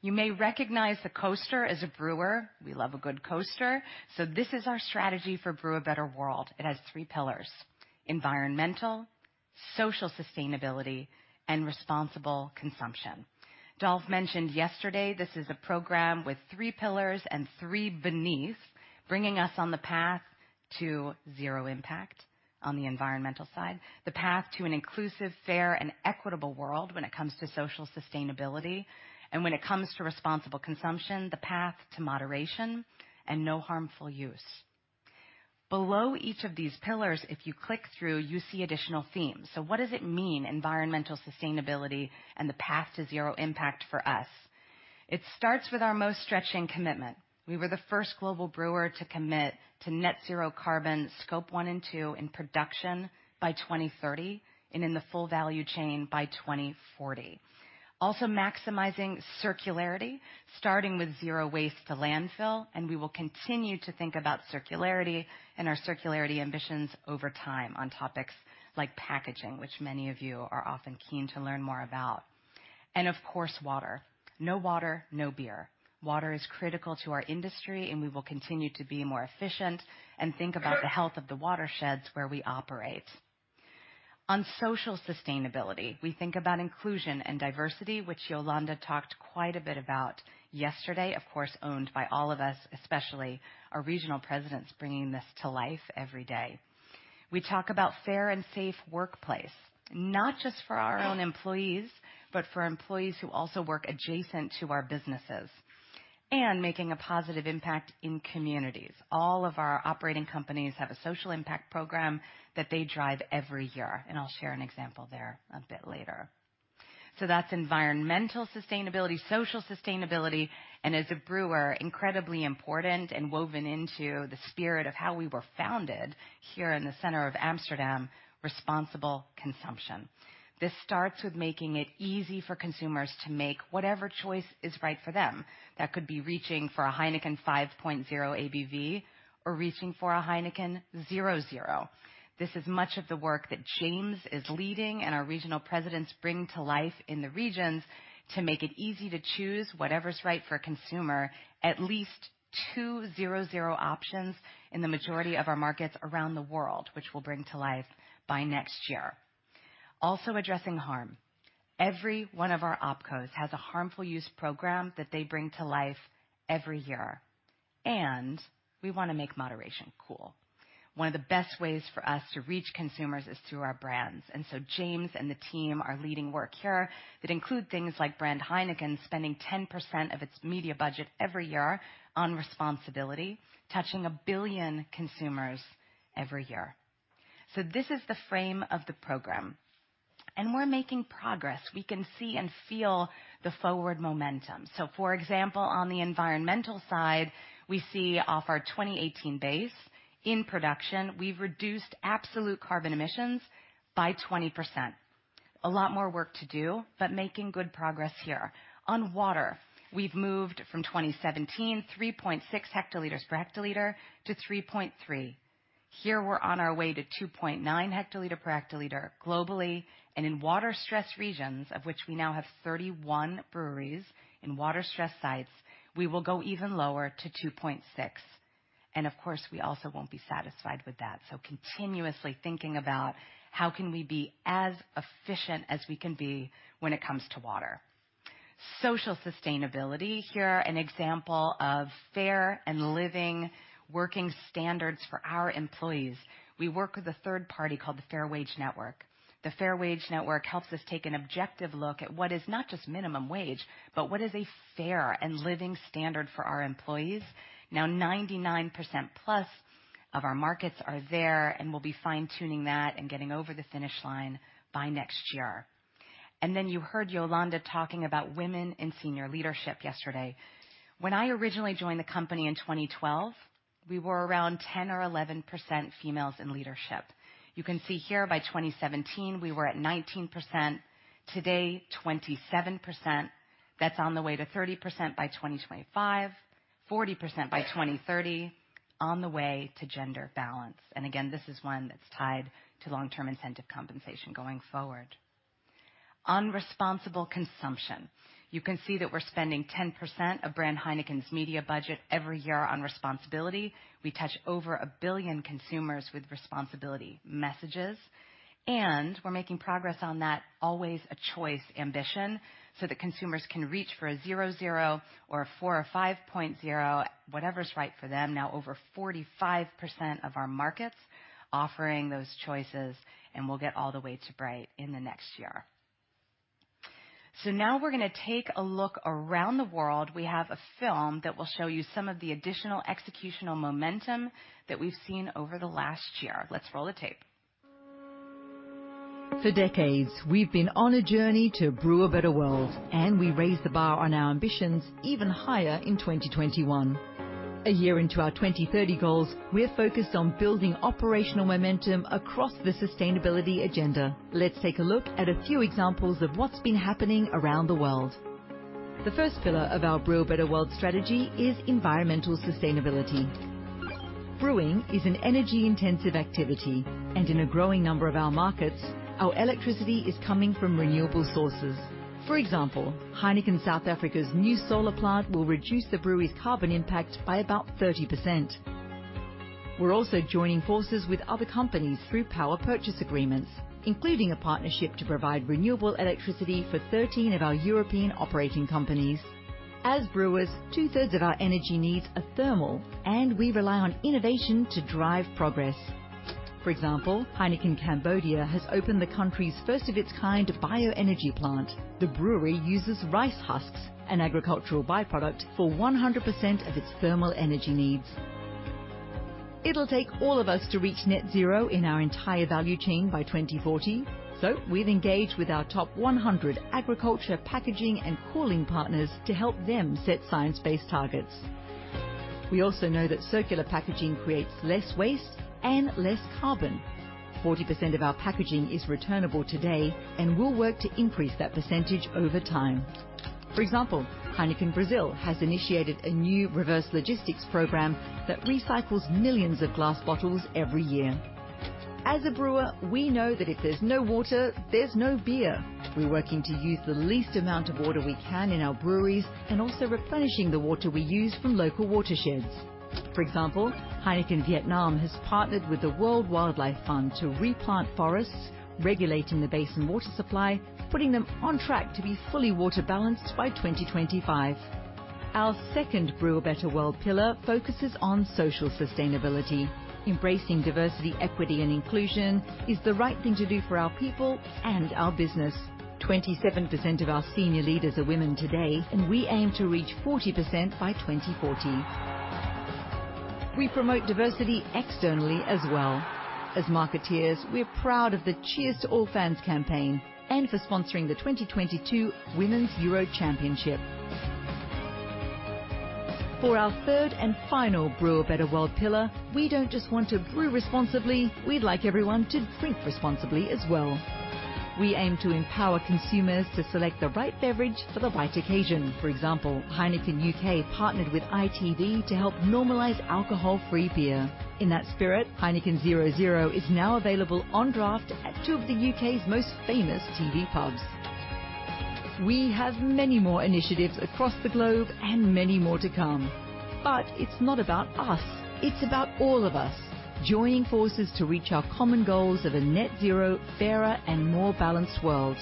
You may recognize the coaster as a brewer. We love a good coaster. This is our strategy for Brew a Better World. It has three pillars, environmental, social sustainability, and responsible consumption. Dolf mentioned yesterday this is a program with three pillars and three beneath, bringing us on the path to zero impact on the environmental side, the path to an inclusive, fair, and equitable world when it comes to social sustainability, and when it comes to responsible consumption, the path to moderation and no harmful use. Below each of these pillars, if you click through, you see additional themes. What does it mean, environmental sustainability and the path to zero impact for us? It starts with our most stretching commitment. We were the first global brewer to commit to net zero carbon Scope one and two in production by 2030 and in the full value chain by 2040. Maximizing circularity, starting with zero waste to landfill, and we will continue to think about circularity and our circularity ambitions over time on topics like packaging, which many of you are often keen to learn more about. Of course, water. No water, no beer. Water is critical to our industry, and we will continue to be more efficient and think about the health of the watersheds where we operate. On social sustainability, we think about inclusion and diversity, which Yolanda talked quite a bit about yesterday, of course, owned by all of us, especially our regional presidents, bringing this to life every day. We talk about fair and safe workplace, not just for our own employees, but for employees who also work adjacent to our businesses and making a positive impact in communities. All of our operating companies have a social impact program that they drive every year. I'll share an example there a bit later. That's environmental sustainability, social sustainability, and as a brewer, incredibly important and woven into the spirit of how we were founded here in the center of Amsterdam, responsible consumption. This starts with making it easy for consumers to make whatever choice is right for them. That could be reaching for a Heineken 5.0 ABV or reaching for a Heineken 0.0. This is much of the work that James is leading and our regional presidents bring to life in the regions to make it easy to choose whatever is right for a consumer at least 200 options in the majority of our markets around the world, which we'll bring to life by next year. Addressing harm. Every one of our OpCos has a harmful use program that they bring to life every year. We wanna make moderation cool. One of the best ways for us to reach consumers is through our brands. James and the team are leading work here that include things like brand Heineken spending 10% of its media budget every year on responsibility, touching 1 billion consumers every year. This is the frame of the program. We're making progress. We can see and feel the forward momentum. For example, on the environmental side, we see off our 2018 base in production, we've reduced absolute carbon emissions by 20%. A lot more work to do, but making good progress here. On water, we've moved from 2017 3.6 hectoliters per hectoliter to 3.3. Here, we're on our way to 2.9 hectoliter per hectoliter globally. In water-stressed regions, of which we now have 31 breweries in water-stressed sites, we will go even lower to 2.6. Of course, we also won't be satisfied with that. Continuously thinking about how can we be as efficient as we can be when it comes to water. Social sustainability. Here, an example of fair and living working standards for our employees. We work with a third party called The Fair Wage Network. The Fair Wage Network helps us take an objective look at what is not just minimum wage, but what is a fair and living standard for our employees. Now, 99%+ of our markets are there, and we'll be fine-tuning that and getting over the finish line by next year. Then you heard Yolanda talking about women in senior leadership yesterday. When I originally joined the company in 2012, we were around 10% or 11% females in leadership. You can see here by 2017, we were at 19%. Today, 27%. That's on the way to 30% by 2025, 40% by 2030, on the way to gender balance. Again, this is one that's tied to long-term incentive compensation going forward. On responsible consumption. You can see that we're spending 10% of brand Heineken's media budget every year on responsibility. We touch over 1 billion consumers with responsibility messages, and we're making progress on that, always a choice ambition, so that consumers can reach for a 0.0 or a 4.0 or 5.0, whatever's right for them. Over 45% of our markets offering those choices, and we'll get all the way to bright in the next year. Now we're gonna take a look around the world. We have a film that will show you some of the additional executional momentum that we've seen over the last year. Let's roll the tape. For decades, we've been on a journey to Brew a Better World, and we raised the bar on our ambitions even higher in 2021. A year into our 2030 goals, we're focused on building operational momentum across the sustainability agenda. Let's take a look at a few examples of what's been happening around the world. The first pillar of our Brew a Better World strategy is environmental sustainability. Brewing is an energy-intensive activity, and in a growing number of our markets, our electricity is coming from renewable sources. For example, HEINEKEN South Africa's new solar plant will reduce the brewery's carbon impact by about 30%. We're also joining forces with other companies through power purchase agreements, including a partnership to provide renewable electricity for 13 of our European operating companies. As brewers, 2/3 of our energy needs are thermal, and we rely on innovation to drive progress. For example, HEINEKEN Cambodia has opened the country's first of its kind bioenergy plant. The brewery uses rice husks, an agricultural byproduct, for 100% of its thermal energy needs. It'll take all of us to reach net zero in our entire value chain by 2040, so we've engaged with our Top 100 agriculture, packaging, and cooling partners to help them set science-based targets. We also know that circular packaging creates less waste and less carbon. 40% of our packaging is returnable today, and we'll work to increase that percentage over time. For example, Heineken Brasil has initiated a new reverse logistics program that recycles millions of glass bottles every year. As a brewer, we know that if there's no water, there's no beer. We're working to use the least amount of water we can in our breweries and also replenishing the water we use from local watersheds. For example, Heineken Vietnam has partnered with the World Wildlife Fund to replant forests, regulating the basin water supply, putting them on track to be fully water balanced by 2025. Our second Brew a Better World pillar focuses on social sustainability. Embracing diversity, equity, and inclusion is the right thing to do for our people and our business. 27% of our senior leaders are women today, and we aim to reach 40% by 2040. We promote diversity externally as well. As marketeers, we're proud of the Cheers To All Fans campaign and for sponsoring the 2022 Women's Euro Championship. For our third and final Brew a Better World pillar, we don't just want to brew responsibly, we'd like everyone to drink responsibly as well. We aim to empower consumers to select the right beverage for the right occasion. For example, Heineken UK partnered with ITV to help normalize alcohol-free beer. In that spirit, Heineken 0.0 is now available on draft at two of the U.K.'s most famous TV pubs. We have many more initiatives across the globe and many more to come. It's not about us. It's about all of us joining forces to reach our common goals of a net zero, fairer, and more balanced world.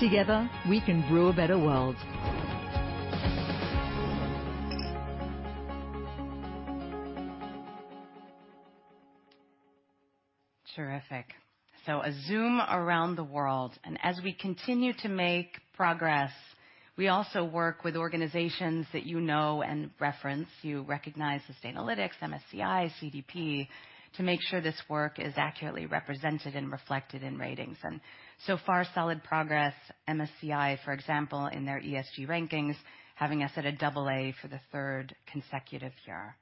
Together, we can Brew a Better World. Terrific. A Zoom around the world, and as we continue to make progress, we also work with organizations that you know and reference. You recognize Sustainalytics, MSCI, CDP, to make sure this work is accurately represented and reflected in ratings. So far, solid progress. MSCI is, for example, in their ESG rankings, having us at a double A for the third consecutive year.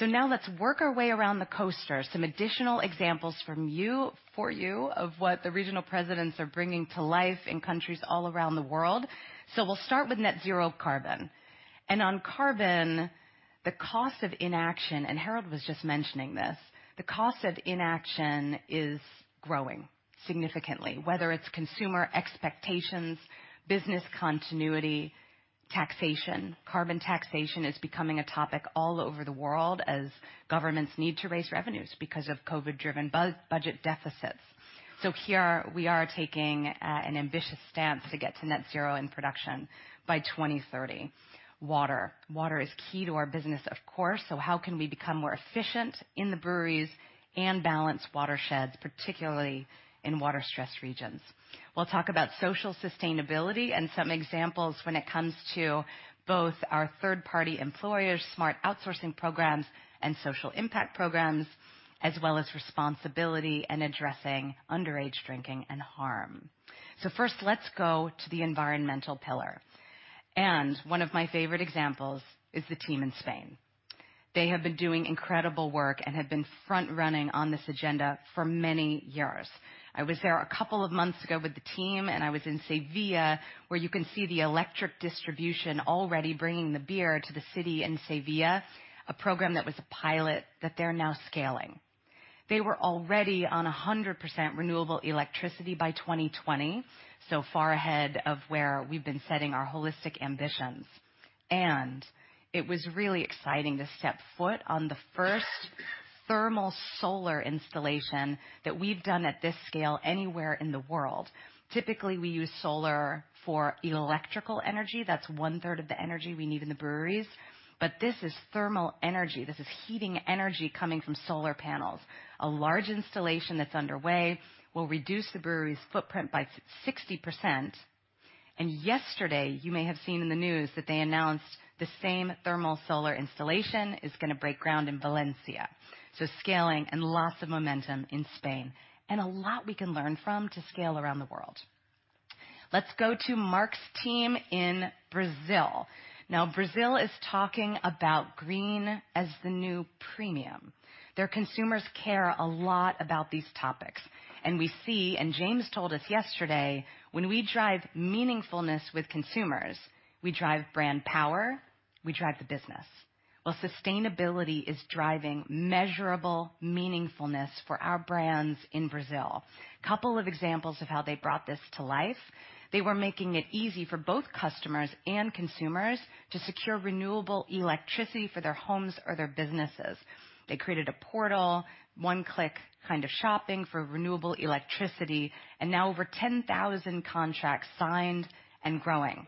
Now let's work our way around the coaster. Some additional examples for you of what the regional presidents are bringing to life in countries all around the world. We'll start with net zero carbon. On carbon, the cost of inaction, and Harold was just mentioning this, the cost of inaction is growing significantly, whether it's consumer expectations, business continuity, taxation. Carbon taxation is becoming a topic all over the world as governments need to raise revenues because of COVID-driven budget deficits. Here we are taking an ambitious stance to get to net zero in production by 2030. Water. Water is key to our business, of course. How can we become more efficient in the breweries and balance watersheds, particularly in water-stressed regions? We'll talk about social sustainability and some examples when it comes to both our third-party employers, smart outsourcing programs and social impact programs, as well as responsibility and addressing underage drinking and harm. First, let's go to the environmental pillar. One of my favorite examples is the team in Spain. They have been doing incredible work and have been front-running on this agenda for many years. I was there a couple of months ago with the team. I was in Sevilla, where you can see the electric distribution already bringing the beer to the city in Sevilla, a program that was a pilot that they're now scaling. They were already on 100% renewable electricity by 2020, so far ahead of where we've been setting our holistic ambitions. It was really exciting to step foot on the first thermal solar installation that we've done at this scale anywhere in the world. Typically, we use solar for electrical energy. That's one-third of the energy we need in the breweries, but this is thermal energy. This is heating energy coming from solar panels. A large installation that's underway will reduce the brewery's footprint by 60%. Yesterday, you may have seen in the news that they announced the same thermal solar installation is gonna break ground in Valencia. Scaling and lots of momentum in Spain and a lot we can learn from to scale around the world. Let's go to Marc's team in Brazil. Brazil is talking about green as the new premium. Their consumers care a lot about these topics. We see, James told us yesterday, when we drive meaningfulness with consumers, we drive brand power, we drive the business. Sustainability is driving measurable meaningfulness for our brands in Brazil. Couple of examples of how they brought this to life. They were making it easy for both customers and consumers to secure renewable electricity for their homes or their businesses. They created a portal, one-click kind of shopping for renewable electricity, and now over 10,000 contracts signed and growing.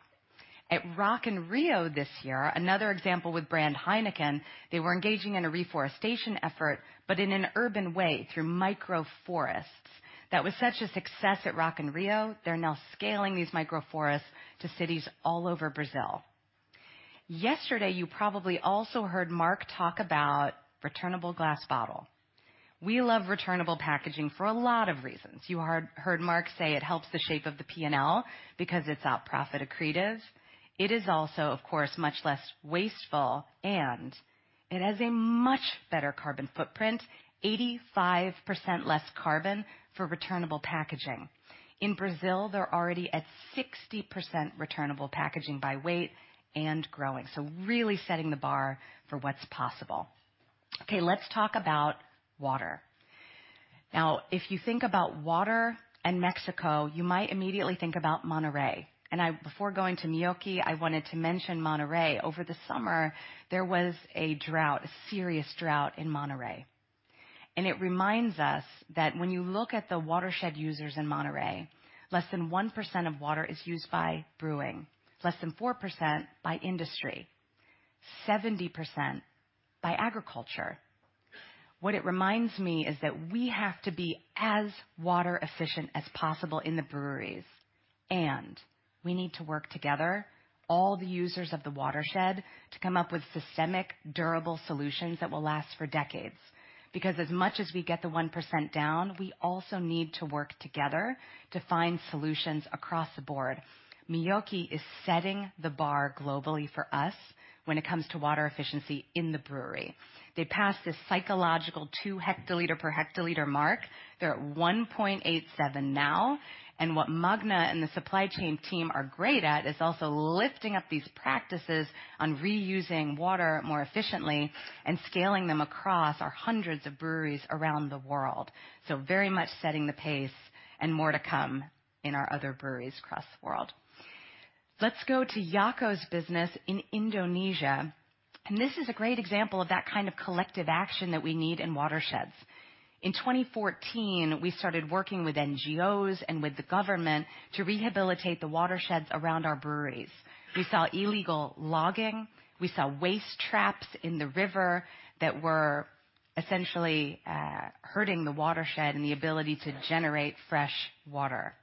At Rock in Rio this year, another example with brand Heineken, they were engaging in a reforestation effort but in an urban way through micro forests. That was such a success at Rock in Rio, they're now scaling these micro forests to cities all over Brazil. Yesterday, you probably also heard Mark talk about returnable glass bottle. We love returnable packaging for a lot of reasons. You heard Mark say it helps the shape of the P&L because it's out profit accretive. It is also, of course, much less wasteful, and it has a much better carbon footprint, 85% less carbon for returnable packaging. In Brazil, they're already at 60% returnable packaging by weight and growing. Really setting the bar for what's possible. Okay, let's talk about water. If you think about water and Mexico, you might immediately think about Monterrey. Before going to Meoqui, I wanted to mention Monterrey. Over the summer, there was a drought, a serious drought in Monterrey. It reminds us that when you look at the watershed users in Monterrey, less than 1% of water is used by brewing, less than 4% by industry, 70% by agriculture. What it reminds me is that we have to be as water efficient as possible in the breweries, and we need to work together, all the users of the watershed, to come up with systemic, durable solutions that will last for decades. As much as we get the 1% down, we also need to work together to find solutions across the board. Meoqui is setting the bar globally for us when it comes to water efficiency in the brewery. They passed this psychological two hectoliter per hectoliter mark. They're at 1.87 now. What Magne and the supply chain team are great at is also lifting up these practices on reusing water more efficiently and scaling them across our hundreds of breweries around the world. Very much setting the pace and more to come in our other breweries across the world. Let's go to Jacco van der Linden's business in Indonesia. This is a great example of that kind of collective action that we need in watersheds. In 2014, we started working with NGOs and with the government to rehabilitate the watersheds around our breweries. We saw illegal logging. We saw waste traps in the river that were essentially hurting the watershed and the ability to generate fresh water.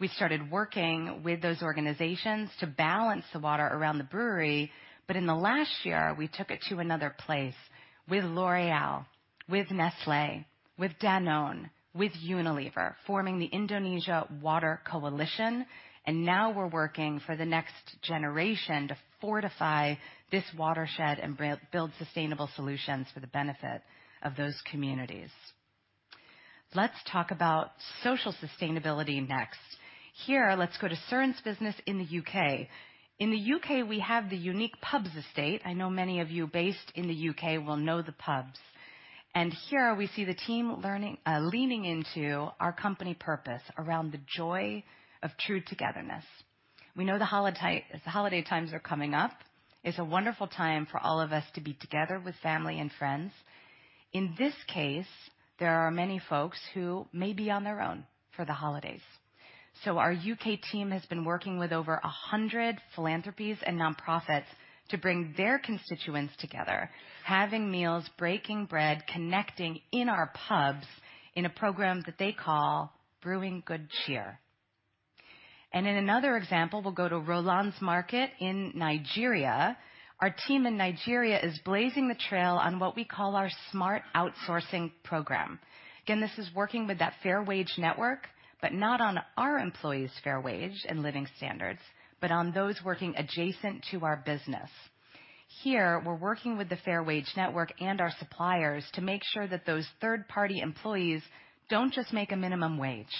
We started working with those organizations to balance the water around the brewery. In the last year, we took it to another place with L'Oréal, with Nestlé, with Danone, with Unilever, forming the Indonesia Water Coalition. Now we're working for the next generation to fortify this watershed and build sustainable solutions for the benefit of those communities. Let's talk about social sustainability next. Here, let's go to Soren's business in the U.K. In the U.K., we have the unique pubs estate. I know many of you based in the U.K. will know the pubs. And here we see the team leaning into our company purpose around the joy of true togetherness. We know the holiday times are coming up. It's a wonderful time for all of us to be together with family and friends. In this case, there are many folks who may be on their own for the holidays. Our U.K. team has been working with over 100 philanthropies and nonprofits to bring their constituents together, having meals, breaking bread, connecting in our pubs in a program that they call Brewing Good Cheer. In another example, we'll go to Roland's market in Nigeria. Our team in Nigeria is blazing the trail on what we call our smart outsourcing program. Again, this is working with that Fair Wage Network, but not on our employees' fair wage and living standards, but on those working adjacent to our business. Here, we're working with the Fair Wage Network and our suppliers to make sure that those third-party employees don't just make a minimum wage,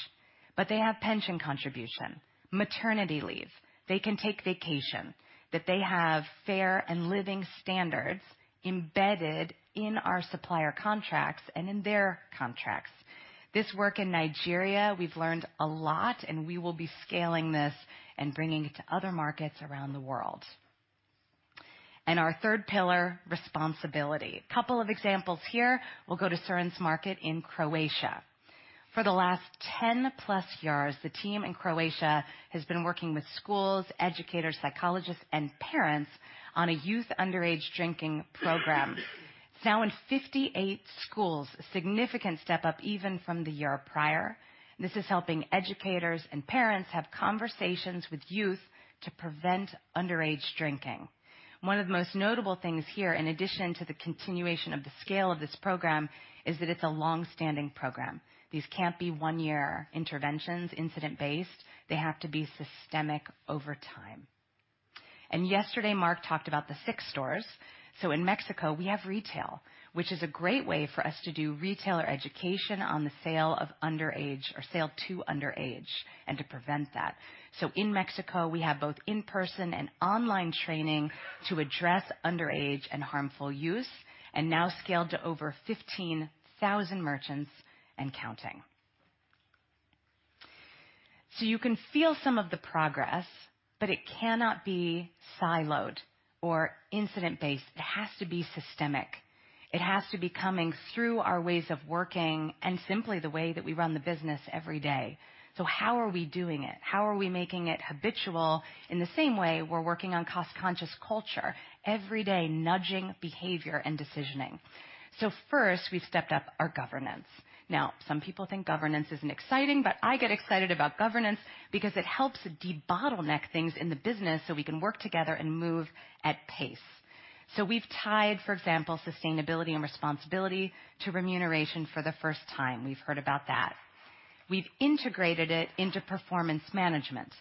but they have pension contribution, maternity leave, they can take vacation, that they have fair and living standards embedded in our supplier contracts and in their contracts. We will be scaling this and bringing it to other markets around the world. Our third pillar, responsibility. A couple of examples here. We'll go to Soren's market in Croatia. For the last 10 plus years, the team in Croatia has been working with schools, educators, psychologists, and parents on a youth underage drinking program. It's now in 58 schools, a significant step up even from the year prior. This is helping educators and parents have conversations with youth to prevent underage drinking. One of the most notable things here, in addition to the continuation of the scale of this program, is that it's a long-standing program. These can't be one-year interventions, incident-based. They have to be systemic over time. Yesterday, Marc talked about the Six stores. In Mexico, we have retail, which is a great way for us to do retailer education on the sale of underage or sale to underage and to prevent that. In Mexico, we have both in-person and online training to address underage and harmful use, and now scaled to over 15,000 merchants and counting. You can feel some of the progress, but it cannot be siloed or incident-based. It has to be systemic. It has to be coming through our ways of working and simply the way that we run the business every day. How are we doing it? How are we making it habitual in the same way we're working on cost-conscious culture every day, nudging behavior and decisioning? First, we've stepped up our governance. Now, some people think governance isn't exciting, but I get excited about governance because it helps debottleneck things in the business so we can work together and move at pace. We've tied, for example, sustainability and responsibility to remuneration for the first time. We've heard about that. We've integrated it into performance management.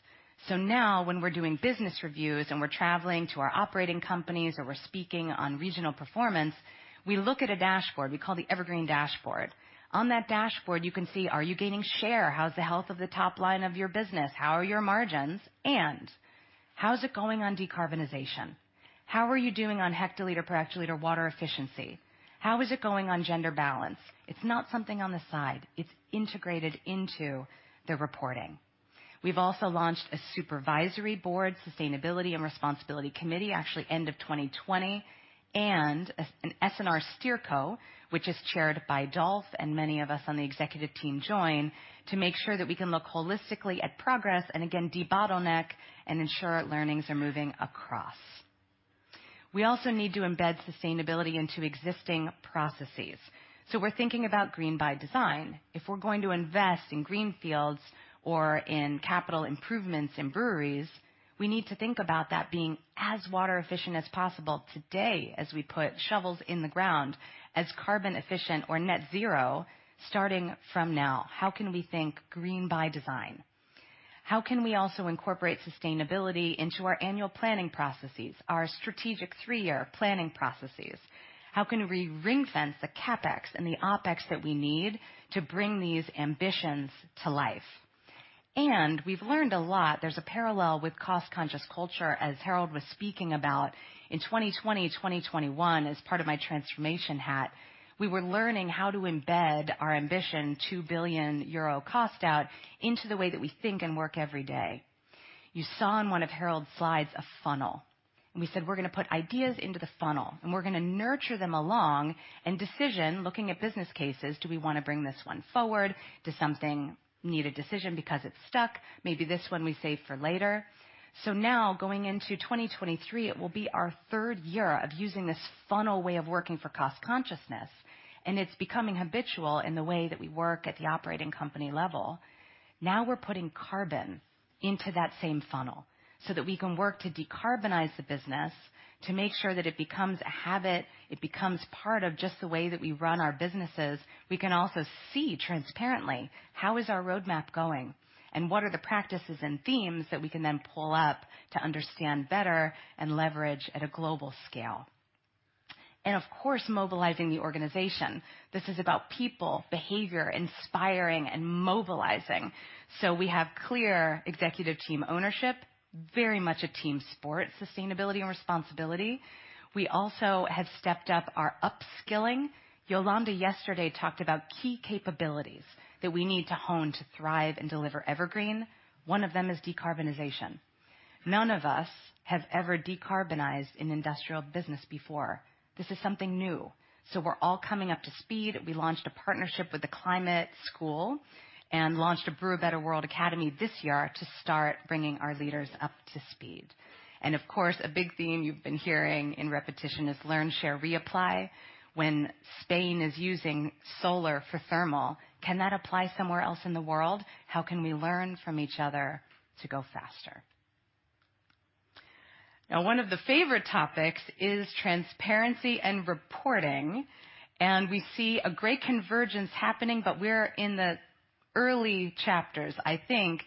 Now when we're doing business reviews and we're traveling to our operating companies or we're speaking on regional performance, we look at a dashboard we call the Evergreen dashboard. On that dashboard, you can see, are you gaining share? How's the health of the top line of your business? How are your margins? And how is it going on decarbonization? How are you doing on hectoliter per hectoliter water efficiency? How is it going on gender balance? It's not something on the side. It's integrated into the reporting. We've also launched a supervisory board, Sustainability and Responsibility Committee, actually end of 2020, and an SNR Steerco, which is chaired by Dolf and many of us on the executive team join to make sure that we can look holistically at progress and again, debottleneck and ensure learnings are moving across. We also need to embed sustainability into existing processes. We're thinking about green by design. If we're going to invest in green fields or in capital improvements in breweries, we need to think about that being as water efficient as possible today as we put shovels in the ground, as carbon efficient or net zero starting from now. How can we think green by design? How can we also incorporate sustainability into our annual planning processes, our strategic three-year planning processes? How can we ring-fence the CapEx and the OpEx that we need to bring these ambitions to life? We've learned a lot. There's a parallel with cost-conscious culture, as Harald was speaking about. In 2020, 2021, as part of my transformation hat, we were learning how to embed our ambition, 2 billion euro cost out, into the way that we think and work every day. You saw in one of Harald's slides a funnel. We said we're gonna put ideas into the funnel, we're gonna nurture them along and decision, looking at business cases. Do we wanna bring this one forward? Does something need a decision because it's stuck? Maybe this one we save for later. Now going into 2023, it will be our third year of using this funnel way of working for cost consciousness, and it's becoming habitual in the way that we work at the OpCo level. Now we're putting carbon into that same funnel so that we can work to decarbonize the business to make sure that it becomes a habit, it becomes part of just the way that we run our businesses. We can also see transparently how is our roadmap going and what are the practices and themes that we can then pull up to understand better and leverage at a global scale. Of course, mobilizing the organization. This is about people, behavior, inspiring and mobilizing. We have clear executive team ownership, very much a team sport, sustainability and responsibility. We also have stepped up our upskilling. Yolanda yesterday talked about key capabilities that we need to hone to thrive and deliver EverGreen. One of them is decarbonization. None of us have ever decarbonized an industrial business before. This is something new, so we're all coming up to speed. We launched a partnership with the Climate School and launched a Brew a Better World Academy this year to start bringing our leaders up to speed. Of course, a big theme you've been hearing in repetition is learn, share, reapply. When Spain is using solar for thermal, can that apply somewhere else in the world? How can we learn from each other to go faster? One of the favorite topics is transparency and reporting, and we see a great convergence happening, but we're in the early chapters. I think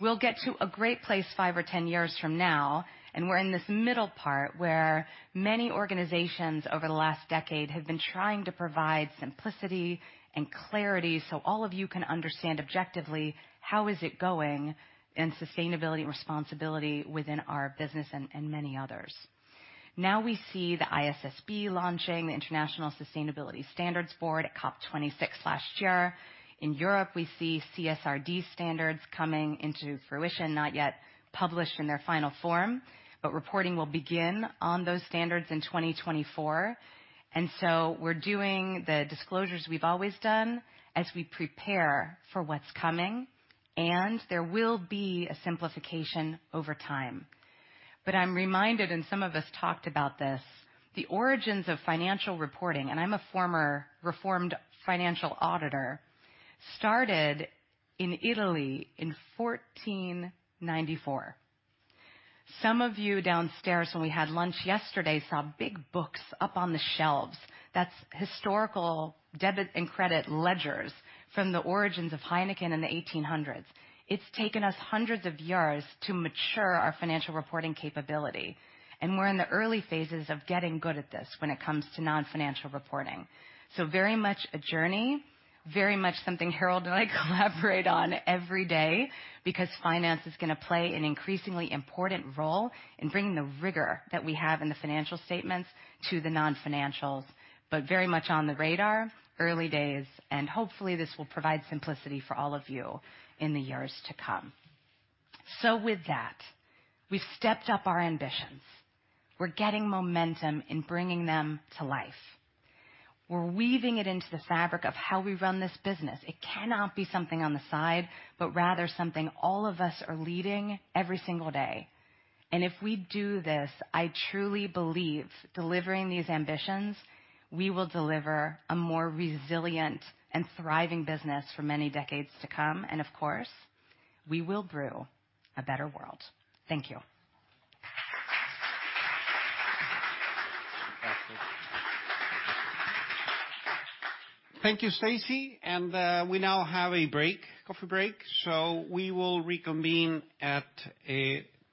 we'll get to a great place five or 10 years from now, and we're in this middle part where many organizations over the last decade have been trying to provide simplicity and clarity so all of you can understand objectively how is it going in sustainability and responsibility within our business and many others. We see the ISSB launching, the International Sustainability Standards Board at COP26 last year. In Europe, we see CSRD standards coming into fruition, not yet published in their final form, but reporting will begin on those standards in 2024. We're doing the disclosures we've always done as we prepare for what's coming, and there will be a simplification over time. I'm reminded, and some of us talked about this, the origins of financial reporting, and I'm a former reformed financial auditor, started in Italy in 1494. Some of you downstairs when we had lunch yesterday, saw big books up on the shelves. That's historical debit and credit ledgers from the origins of Heineken in the 1800s. It's taken us hundreds of years to mature our financial reporting capability, and we're in the early phases of getting good at this when it comes to non-financial reporting. Very much a journey. Very much something Harald and I collaborate on every day because finance is gonna play an increasingly important role in bringing the rigor that we have in the financial statements to the non-financials, but very much on the radar, early days, and hopefully, this will provide simplicity for all of you in the years to come. With that, we've stepped up our ambitions. We're getting momentum in bringing them to life. We're weaving it into the fabric of how we run this business. It cannot be something on the side, but rather something all of us are leading every single day. If we do this, I truly believe delivering these ambitions, we will deliver a more resilient and thriving business for many decades to come, and of course, we will Brew a Better World. Thank you. Thank you, Stacey. We now have a break, coffee break, so we will reconvene at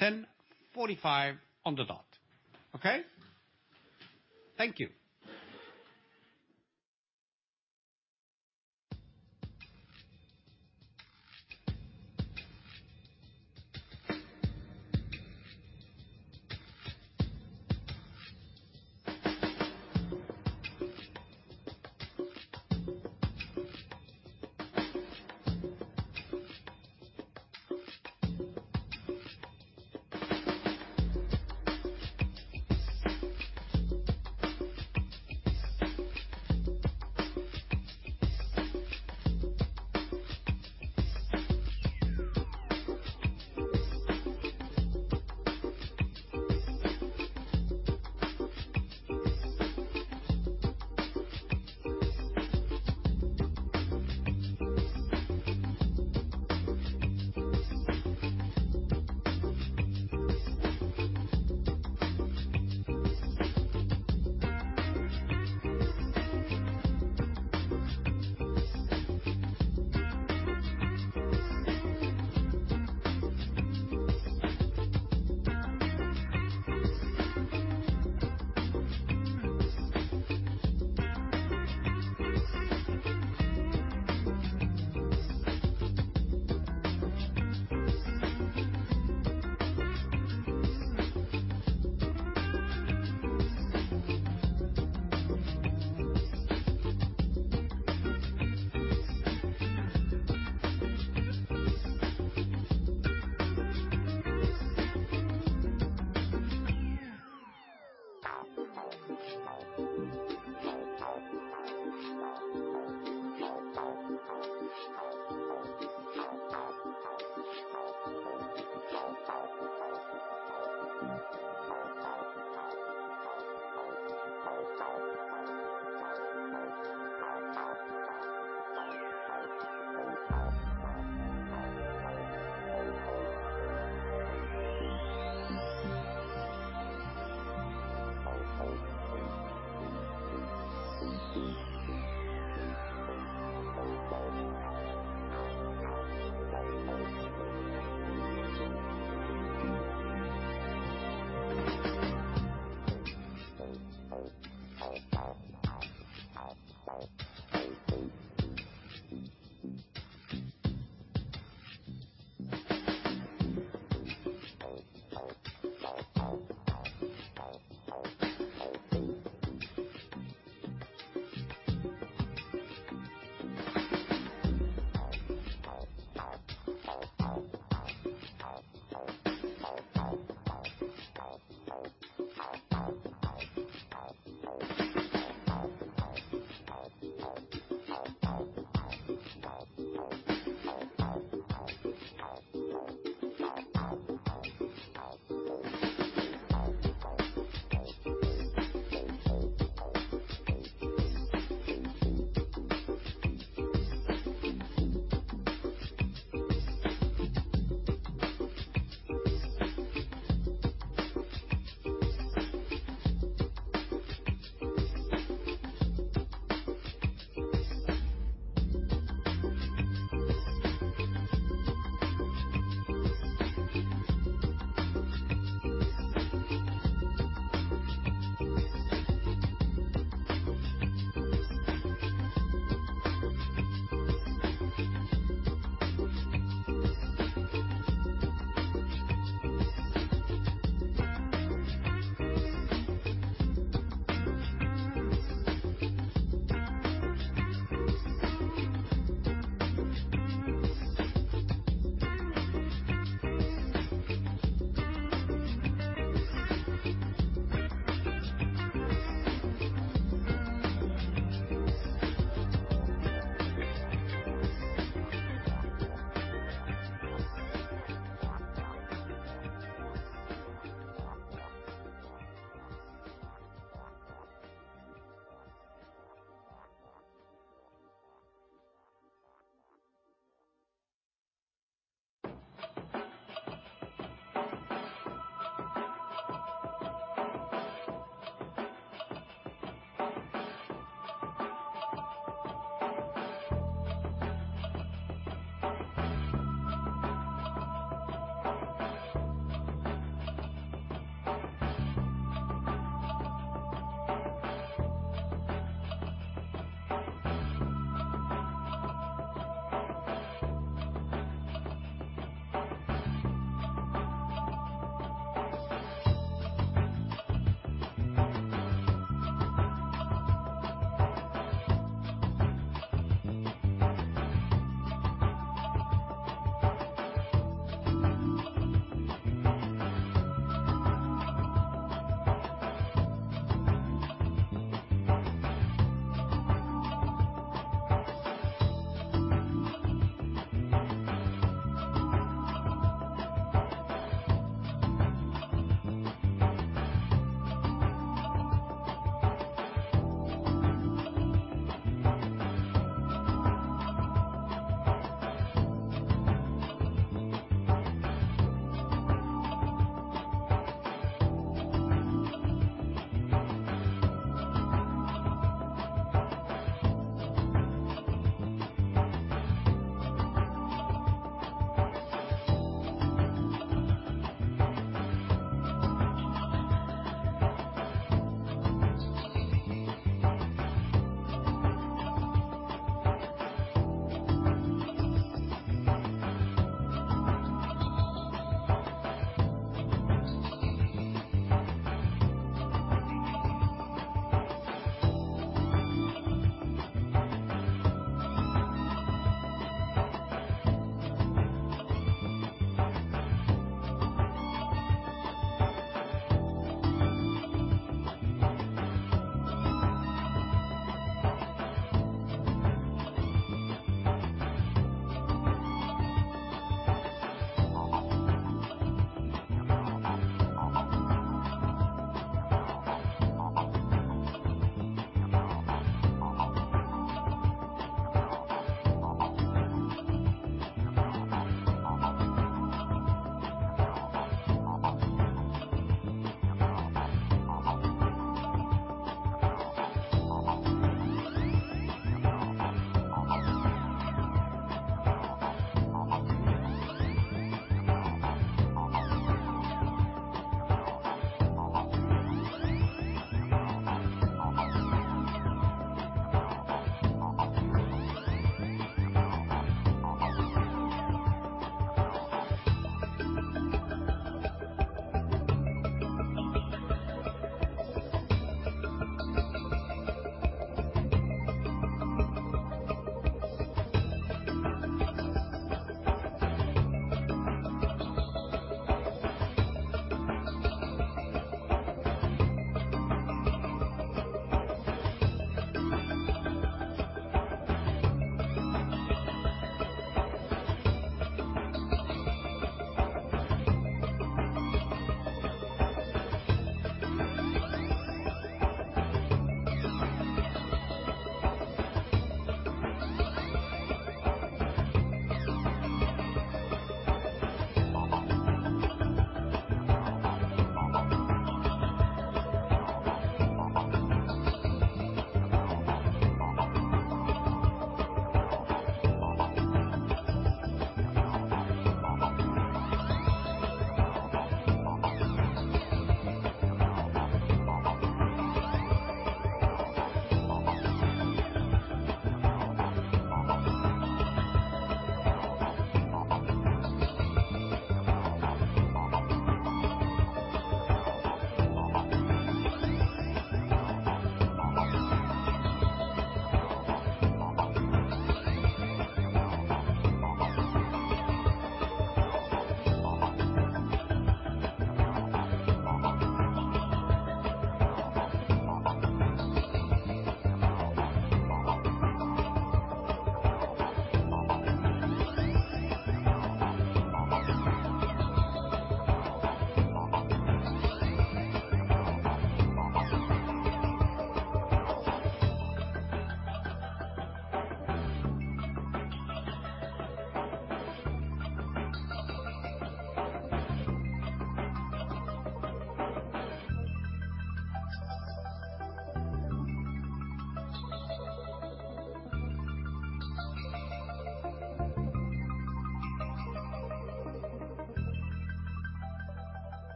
10:45 on the dot. Okay?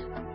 Thank you.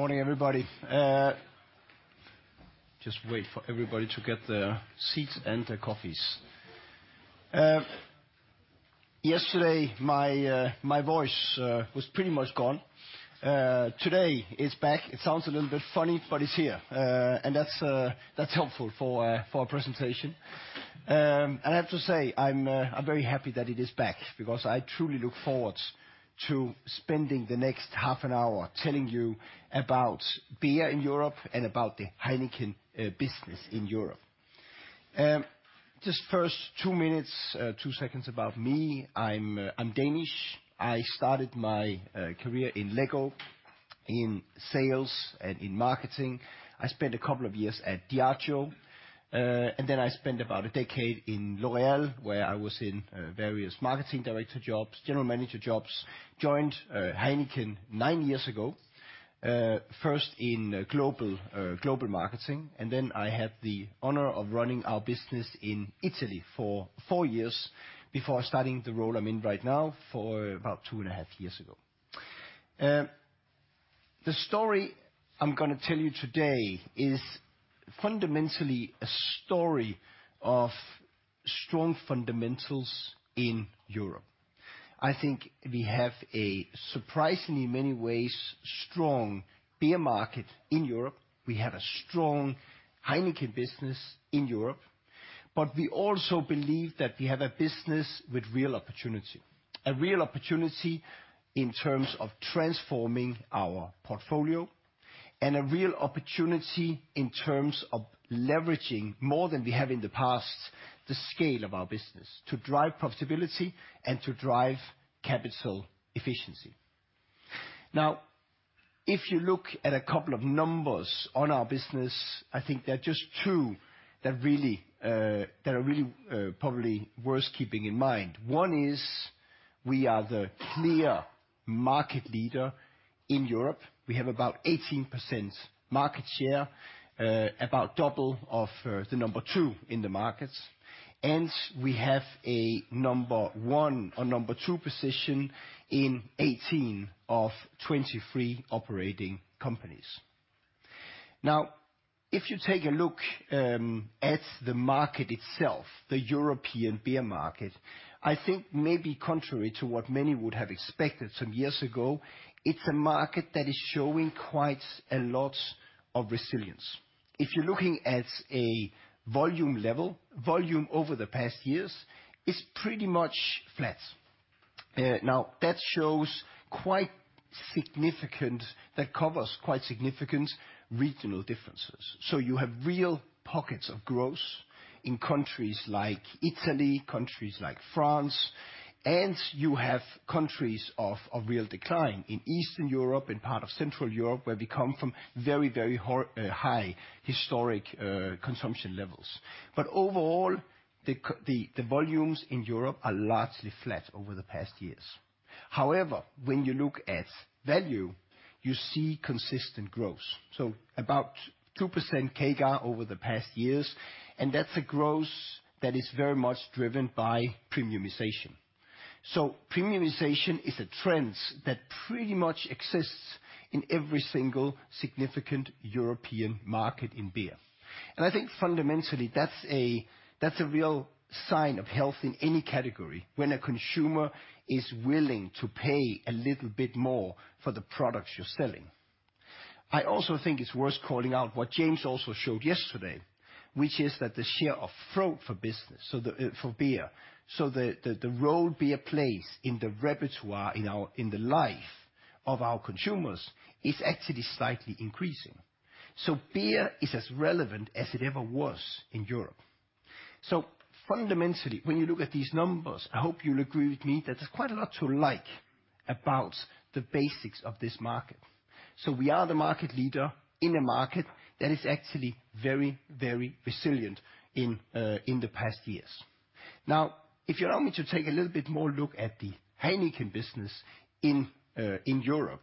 Good morning, everybody. Just wait for everybody to get their seats and their coffees. Yesterday, my voice was pretty much gone. Today it's back. It sounds a little bit funny, but it's here. That's that's helpful for for a presentation. I have to say, I'm I'm very happy that it is back because I truly look forward to spending the next half an hour telling you about beer in Europe and about the Heineken business in Europe. Just first two minutes, two seconds about me. I'm I'm Danish. I started my career in The LEGO Group in sales and in marketing. I spent a couple of years at Diageo plc. I spent about a decade in L'Oréal, where I was in various marketing director jobs, general manager jobs. Joined Heineken nine years ago, first in global marketing, and then I had the honor of running our business in Italy for four years before starting the role I'm in right now for about two and a half years ago. The story I'm gonna tell you today is fundamentally a story of strong fundamentals in Europe. I think we have a surprisingly in many ways strong beer market in Europe. We have a strong Heineken business in Europe. We also believe that we have a business with real opportunity. A real opportunity in terms of transforming our portfolio, and a real opportunity in terms of leveraging, more than we have in the past, the scale of our business to drive profitability and to drive capital efficiency. If you look at a couple of numbers on our business, I think there are just two that really that are really probably worth keeping in mind. One is we are the clear market leader in Europe. We have about 18% market share, about double of the number two in the markets. We have a number one or number two position in 18 of 23 operating companies. If you take a look at the market itself, the European beer market, I think maybe contrary to what many would have expected some years ago, it's a market that is showing quite a lot of resilience. If you're looking at a volume level, volume over the past years is pretty much flat. That covers quite significant regional differences. You have real pockets of growth in countries like Italy, countries like France, and you have countries of real decline in Eastern Europe and part of Central Europe, where we come from very, very high historic consumption levels. Overall, the volumes in Europe are largely flat over the past years. However, when you look at value, you see consistent growth. About 2% CAGR over the past years, and that's a growth that is very much driven by premiumization. Premiumization is a trend that pretty much exists in every single significant European market in beer. I think fundamentally, that's a, that's a real sign of health in any category, when a consumer is willing to pay a little bit more for the products you're selling. I also think it's worth calling out what James also showed yesterday, which is that the share of throat for business, so the for beer, so the role beer plays in the repertoire in the life of our consumers is actually slightly increasing. Beer is as relevant as it ever was in Europe. Fundamentally, when you look at these numbers, I hope you'll agree with me that there's quite a lot to like about the basics of this market. We are the market leader in a market that is actually very, very resilient in the past years. If you allow me to take a little bit more look at the Heineken business in Europe,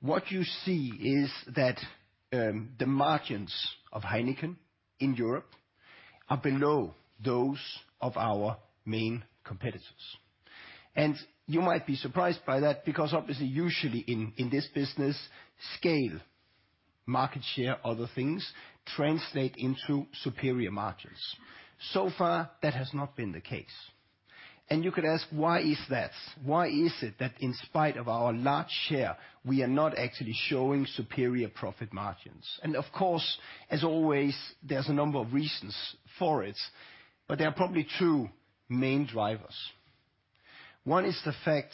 what you see is that the margins of Heineken in Europe are below those of our main competitors. You might be surprised by that because obviously, usually in this business, scale, market share, other things translate into superior margins. So far, that has not been the case. You could ask, why is that? Why is it that in spite of our large share, we are not actually showing superior profit margins? Of course, as always, there's a number of reasons for it, but there are probably two main drivers. One is the fact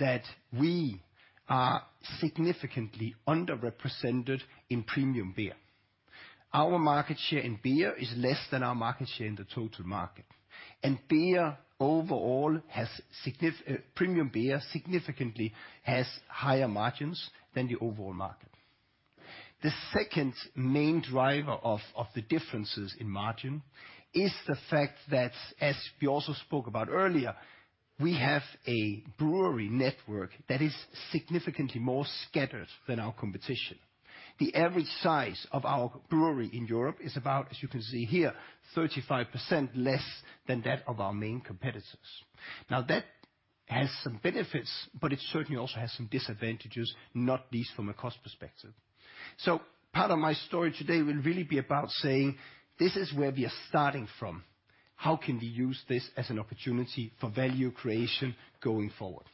that we are significantly underrepresented in premium beer. Our market share in beer is less than our market share in the total market. Premium beer significantly has higher margins than the overall market. The second main driver of the differences in margin is the fact that, as we also spoke about earlier, we have a brewery network that is significantly more scattered than our competition. The average size of our brewery in Europe is about, as you can see here, 35% less than that of our main competitors. That has some benefits, but it certainly also has some disadvantages, not least from a cost perspective. Part of my story today will really be about saying, this is where we are starting from. How can we use this as an opportunity for value creation going forward?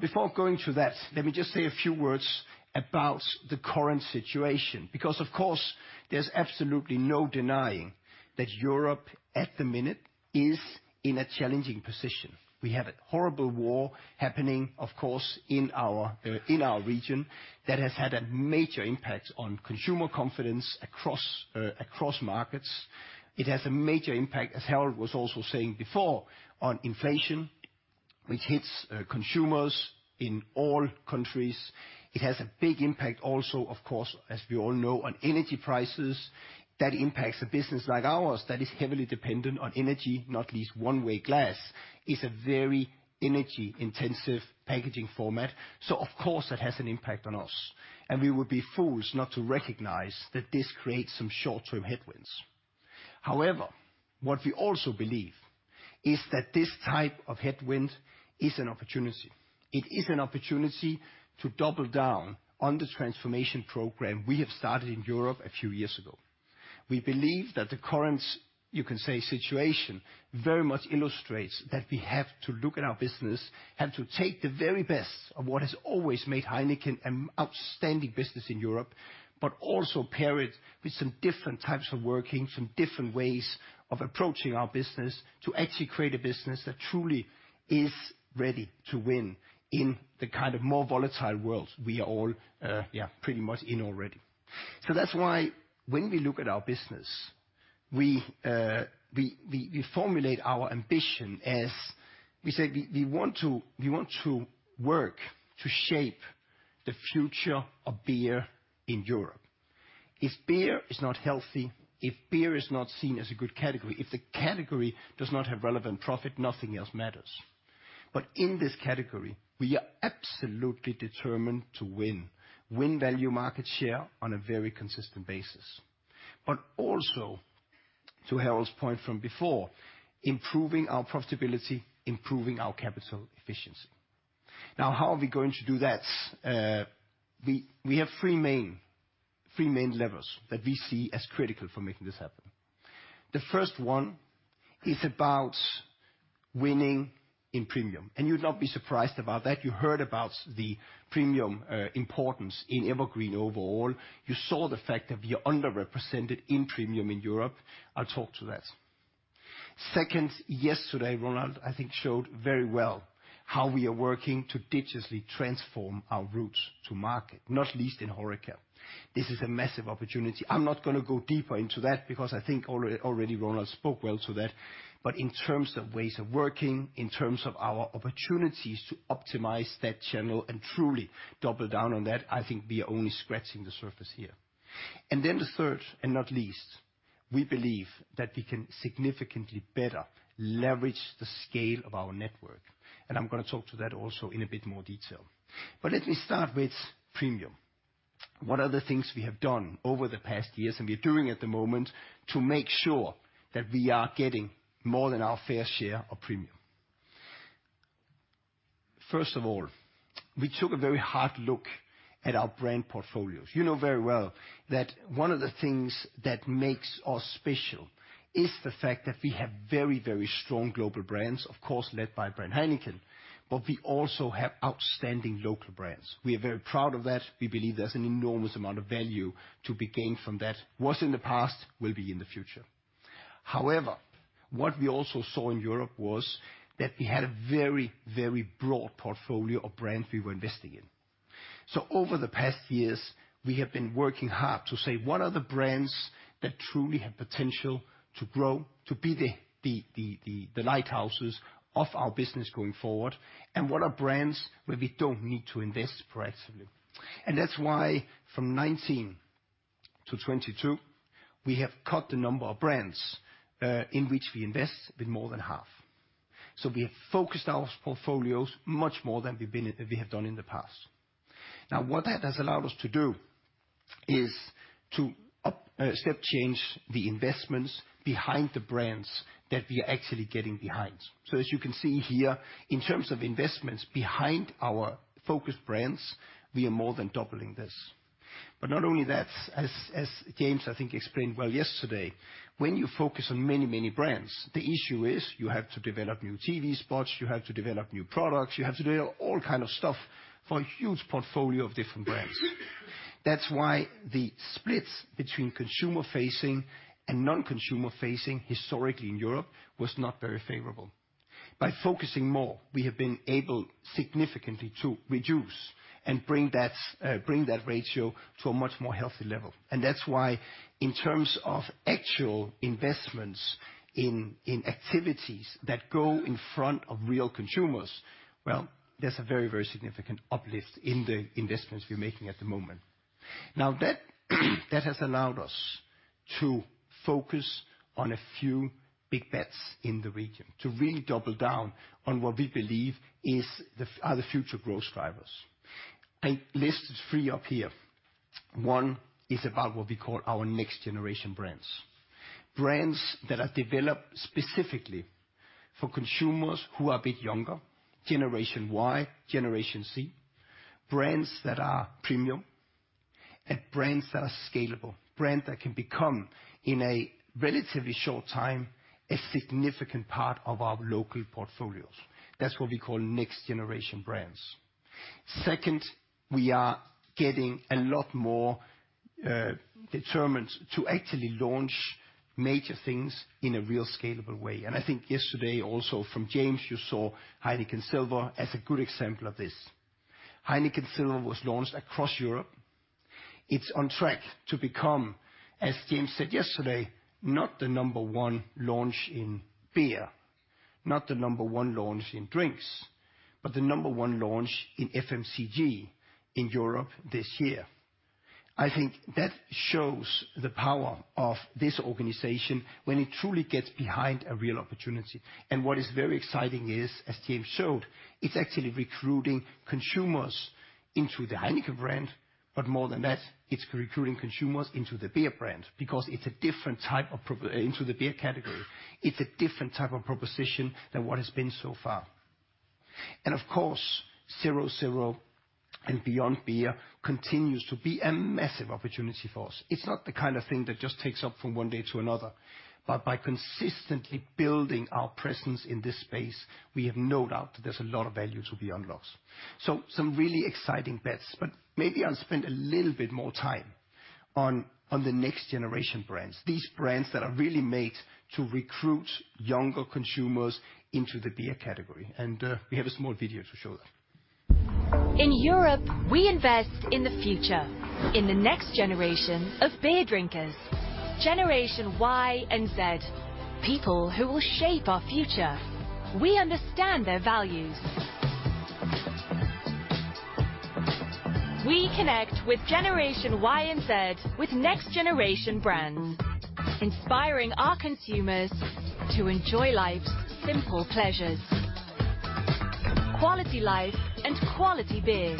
Before going to that, let me just say a few words about the current situation, because of course, there's absolutely no denying that Europe at the minute is in a challenging position. We have a horrible war happening, of course, in our in our region that has had a major impact on consumer confidence across across markets. It has a major impact, as Harald was also saying before, on inflation, which hits consumers in all countries. It has a big impact also, of course, as we all know, on energy prices. That impacts a business like ours that is heavily dependent on energy, not least one-way glass is a very energy-intensive packaging format. Of course, that has an impact on us, and we would be fools not to recognize that this creates some short-term headwinds. What we also believe is that this type of headwind is an opportunity. It is an opportunity to double down on the transformation program we have started in Europe a few years ago. We believe that the current, you can say, situation very much illustrates that we have to look at our business and to take the very best of what has always made Heineken an outstanding business in Europe, but also pair it with some different types of working, some different ways of approaching our business to actually create a business that truly is ready to win in the kind of more volatile world we are all in already. That's why when we look at our business, we formulate our ambition as we say we want to work to shape the future of beer in Europe. If beer is not healthy, if beer is not seen as a good category, if the category does not have relevant profit, nothing else matters. In this category, we are absolutely determined to win value market share on a very consistent basis. Also, to Harald's point from before, improving our profitability, improving our capital efficiency. How are we going to do that? We have three main levers that we see as critical for making this happen. The first one is about winning in premium, and you'd not be surprised about that. You heard about the premium importance in EverGreen overall. You saw the fact that we are underrepresented in premium in Europe. I'll talk to that. Second, yesterday, Ronald, I think, showed very well how we are working to digitally transform our routes to market, not least in HoReCa. This is a massive opportunity. I'm not gonna go deeper into that because I think already Ronald spoke well to that. In terms of ways of working, in terms of our opportunities to optimize that channel and truly double down on that, I think we are only scratching the surface here. The third, and not least, we believe that we can significantly better leverage the scale of our network, and I'm gonna talk to that also in a bit more detail. Let me start with premium. What are the things we have done over the past years and we're doing at the moment to make sure that we are getting more than our fair share of premium? First of all, we took a very hard look at our brand portfolios. You know very well that one of the things that makes us special is the fact that we have very, very strong global brands, of course, led by brand Heineken, but we also have outstanding local brands. We are very proud of that. We believe there's an enormous amount of value to be gained from that. Was in the past, will be in the future. What we also saw in Europe was that we had a very, very broad portfolio of brands we were investing in. Over the past years, we have been working hard to say, what are the brands that truly have potential to grow, to be the lighthouses of our business going forward, and what are brands where we don't need to invest proactively? That's why from 19 to 22, we have cut the number of brands in which we invest in more than half. We have focused our portfolios much more than we have done in the past. What that has allowed us to do is to step change the investments behind the brands that we are actually getting behind. As you can see here, in terms of investments behind our focus brands, we are more than doubling this. Not only that, as James, I think, explained well yesterday, when you focus on many, many brands, the issue is you have to develop new TV spots, you have to develop new products, you have to do all kind of stuff for a huge portfolio of different brands. That's why the split between consumer-facing and non-consumer-facing historically in Europe was not very favorable. By focusing more, we have been able significantly to reduce and bring that ratio to a much more healthy level. That's why in terms of actual investments in activities that go in front of real consumers, well, there's a very, very significant uplift in the investments we're making at the moment. Now that has allowed us to focus on a few big bets in the region, to really double down on what we believe are the future growth drivers. I listed three up here. One is about what we call our next generation brands that are developed specifically for consumers who are a bit younger, Generation Y, Generation Z, brands that are premium and brands that are scalable, brand that can become, in a relatively short time, a significant part of our local portfolios. That's what we call next generation brands. Second, we are getting a lot more determined to actually launch major things in a real scalable way, and I think yesterday also from James you saw Heineken Silver as a good example of this. Heineken Silver was launched across Europe. It's on track to become, as James said yesterday, not the number one launch in beer, not the number one launch in drinks, but the number one launch in FMCG in Europe this year. I think that shows the power of this organization when it truly gets behind a real opportunity. What is very exciting is, as James showed, it's actually recruiting consumers into the Heineken brand, but more than that, it's recruiting consumers into the beer brand because it's a different type of proposition than what has been so far. Of course, 0.0 and beyond beer continues to be a massive opportunity for us. It's not the kind of thing that just takes off from one day to another, but by consistently building our presence in this space, we have no doubt that there's a lot of value to be unlocked. Some really exciting bets. Maybe I'll spend a little bit more time on the next generation brands, these brands that are really made to recruit younger consumers into the beer category, and we have a small video to show that. In Europe, we invest in the future, in the next generation of beer drinkers, Generation Y and Z, people who will shape our future. We understand their values. We connect with Generation Y and Z with next generation brands, inspiring our consumers to enjoy life's simple pleasures. Quality life and quality beer.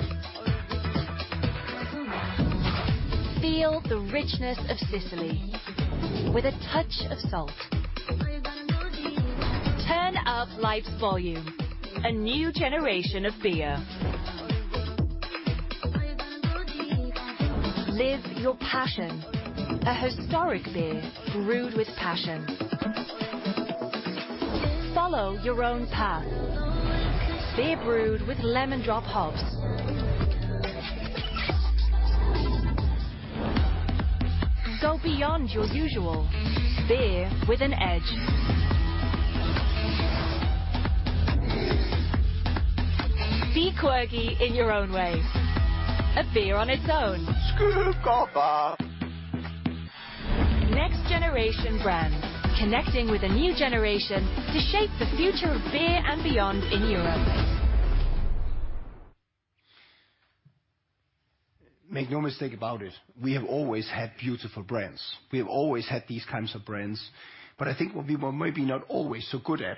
Feel the richness of Sicily with a touch of salt. Turn up life's volume, a new generation of beer. Live your passion, a historic beer brewed with passion. Follow your own path, beer brewed with lemon drop hops. Go beyond your usual, beer with an edge. Be quirky in your own way, a beer on its own. Next generation brands, connecting with a new generation to shape the future of beer and beyond in Europe. Make no mistake about it, we have always had beautiful brands. We have always had these kinds of brands. I think what we were maybe not always so good at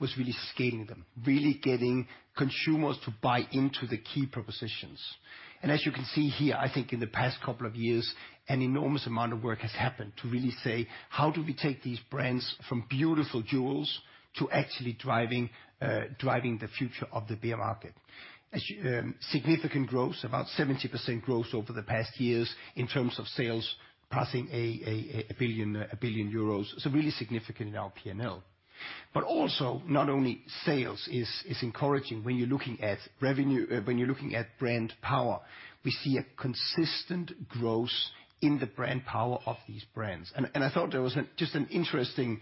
was really scaling them, really getting consumers to buy into the key propositions. As you can see here, I think in the past couple of years, an enormous amount of work has happened to really say, "How do we take these brands from beautiful jewels to actually driving the future of the beer market?" Significant growth, about 70% growth over the past years in terms of sales passing 1 billion euros, so really significant in our P&L. Also, not only sales is encouraging when you're looking at revenue. When you're looking at brand power, we see a consistent growth in the brand power of these brands. I thought there was just an interesting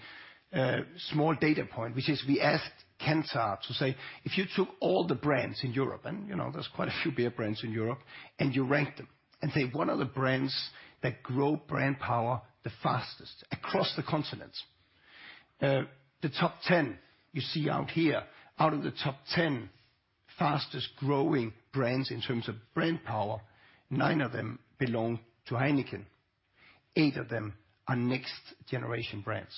small data point, which is we asked Kantar to say, "If you took all the brands in Europe," and you know, there's quite a few beer brands in Europe, "and you ranked them and say, what are the brands that grow brand power the fastest across the continent?" The top 10 you see out here, out of the top 10 fastest growing brands in terms of brand power, nine of them belong to Heineken. eight of them are next generation brands.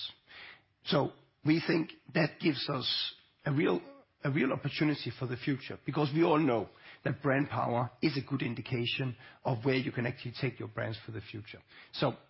We think that gives us a real opportunity for the future, because we all know that brand power is a good indication of where you can actually take your brands for the future.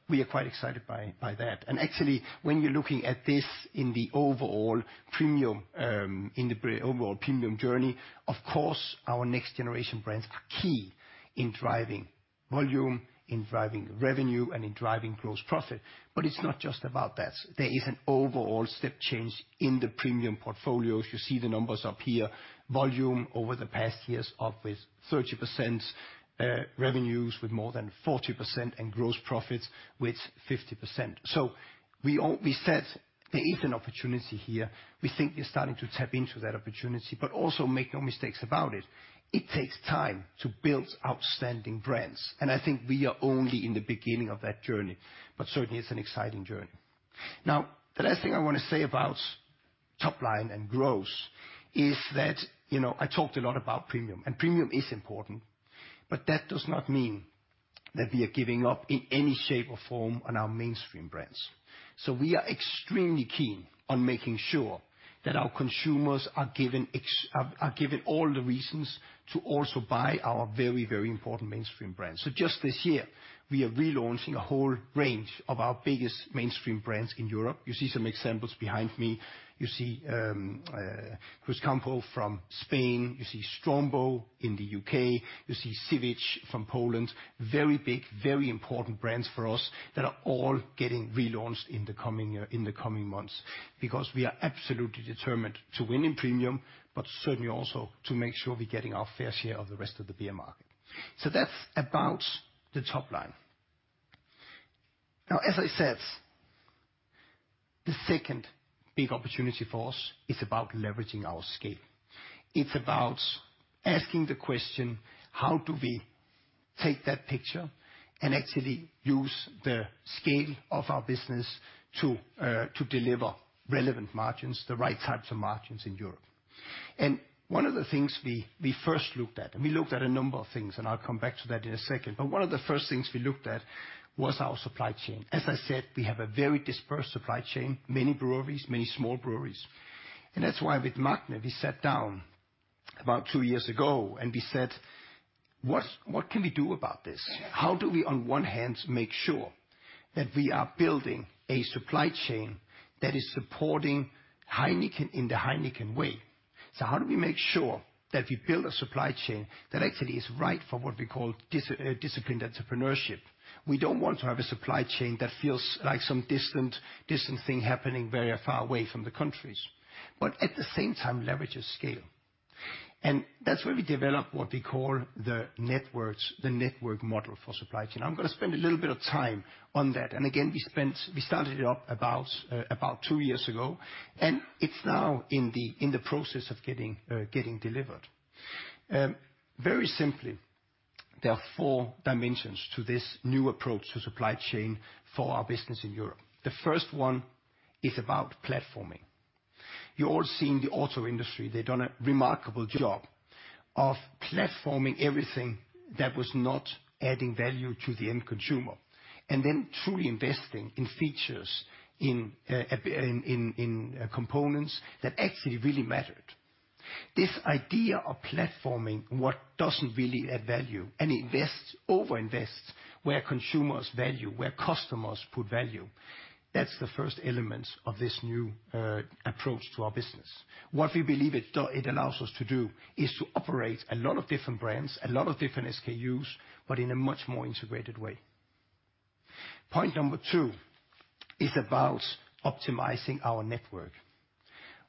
We are quite excited by that. Actually, when you're looking at this in the overall premium, Overall premium journey, of course our next generation brands are key in driving. Volume in driving revenue and in driving gross profit. It's not just about that. There is an overall step change in the premium portfolio. As you see the numbers up here, volume over the past years up with 30%, revenues with more than 40% and gross profits with 50%. We said there is an opportunity here. We think we're starting to tap into that opportunity, but also, make no mistakes about it takes time to build outstanding brands. I think we are only in the beginning of that journey. Certainly it's an exciting journey. Now, the last thing I wanna say about top line and gross is that, you know, I talked a lot about premium, and premium is important, but that does not mean that we are giving up in any shape or form on our mainstream brands. We are extremely keen on making sure that our consumers are given all the reasons to also buy our very important mainstream brands. Just this year, we are relaunching a whole range of our biggest mainstream brands in Europe. You see some examples behind me. You see Cruzcampo from Spain. You see Strongbow in the U.K. You see Żywiec from Poland. Very big, very important brands for us that are all getting relaunched in the coming year, in the coming months. We are absolutely determined to win in premium, but certainly also to make sure we're getting our fair share of the rest of the beer market. That's about the top line. As I said, the second big opportunity for us is about leveraging our scale. It's about asking the question, how do we take that picture and actually use the scale of our business to deliver relevant margins, the right types of margins in Europe? One of the things we first looked at, and we looked at a number of things, and I'll come back to that in a second, but one of the first things we looked at was our supply chain. As I said, we have a very dispersed supply chain, many breweries, many small breweries. That's why with Magne, we sat down about two years ago and we said, "What can we do about this? How do we on one hand make sure that we are building a supply chain that is supporting Heineken in the Heineken way? How do we make sure that we build a supply chain that actually is right for what we call disciplined entrepreneurship. We don't want to have a supply chain that feels like some distant thing happening very far away from the countries, but at the same time leverages scale. That's where we developed what we call the network model for supply chain. I'm going to spend a little bit of time on that. Again, we started it up about two years ago, and it's now in the process of getting delivered. Very simply, there are four dimensions to this new approach to supply chain for our business in Europe. The first one is about platforming. You're all seeing the auto industry. They've done a remarkable job of platforming everything that was not adding value to the end consumer, and then truly investing in features in components that actually really mattered. This idea of platforming what doesn't really add value and overinvest where consumers value, where customers put value, that's the first element of this new approach to our business. What we believe it allows us to do is to operate a lot of different brands, a lot of different SKUs, in a much more integrated way. Point two is about optimizing our network.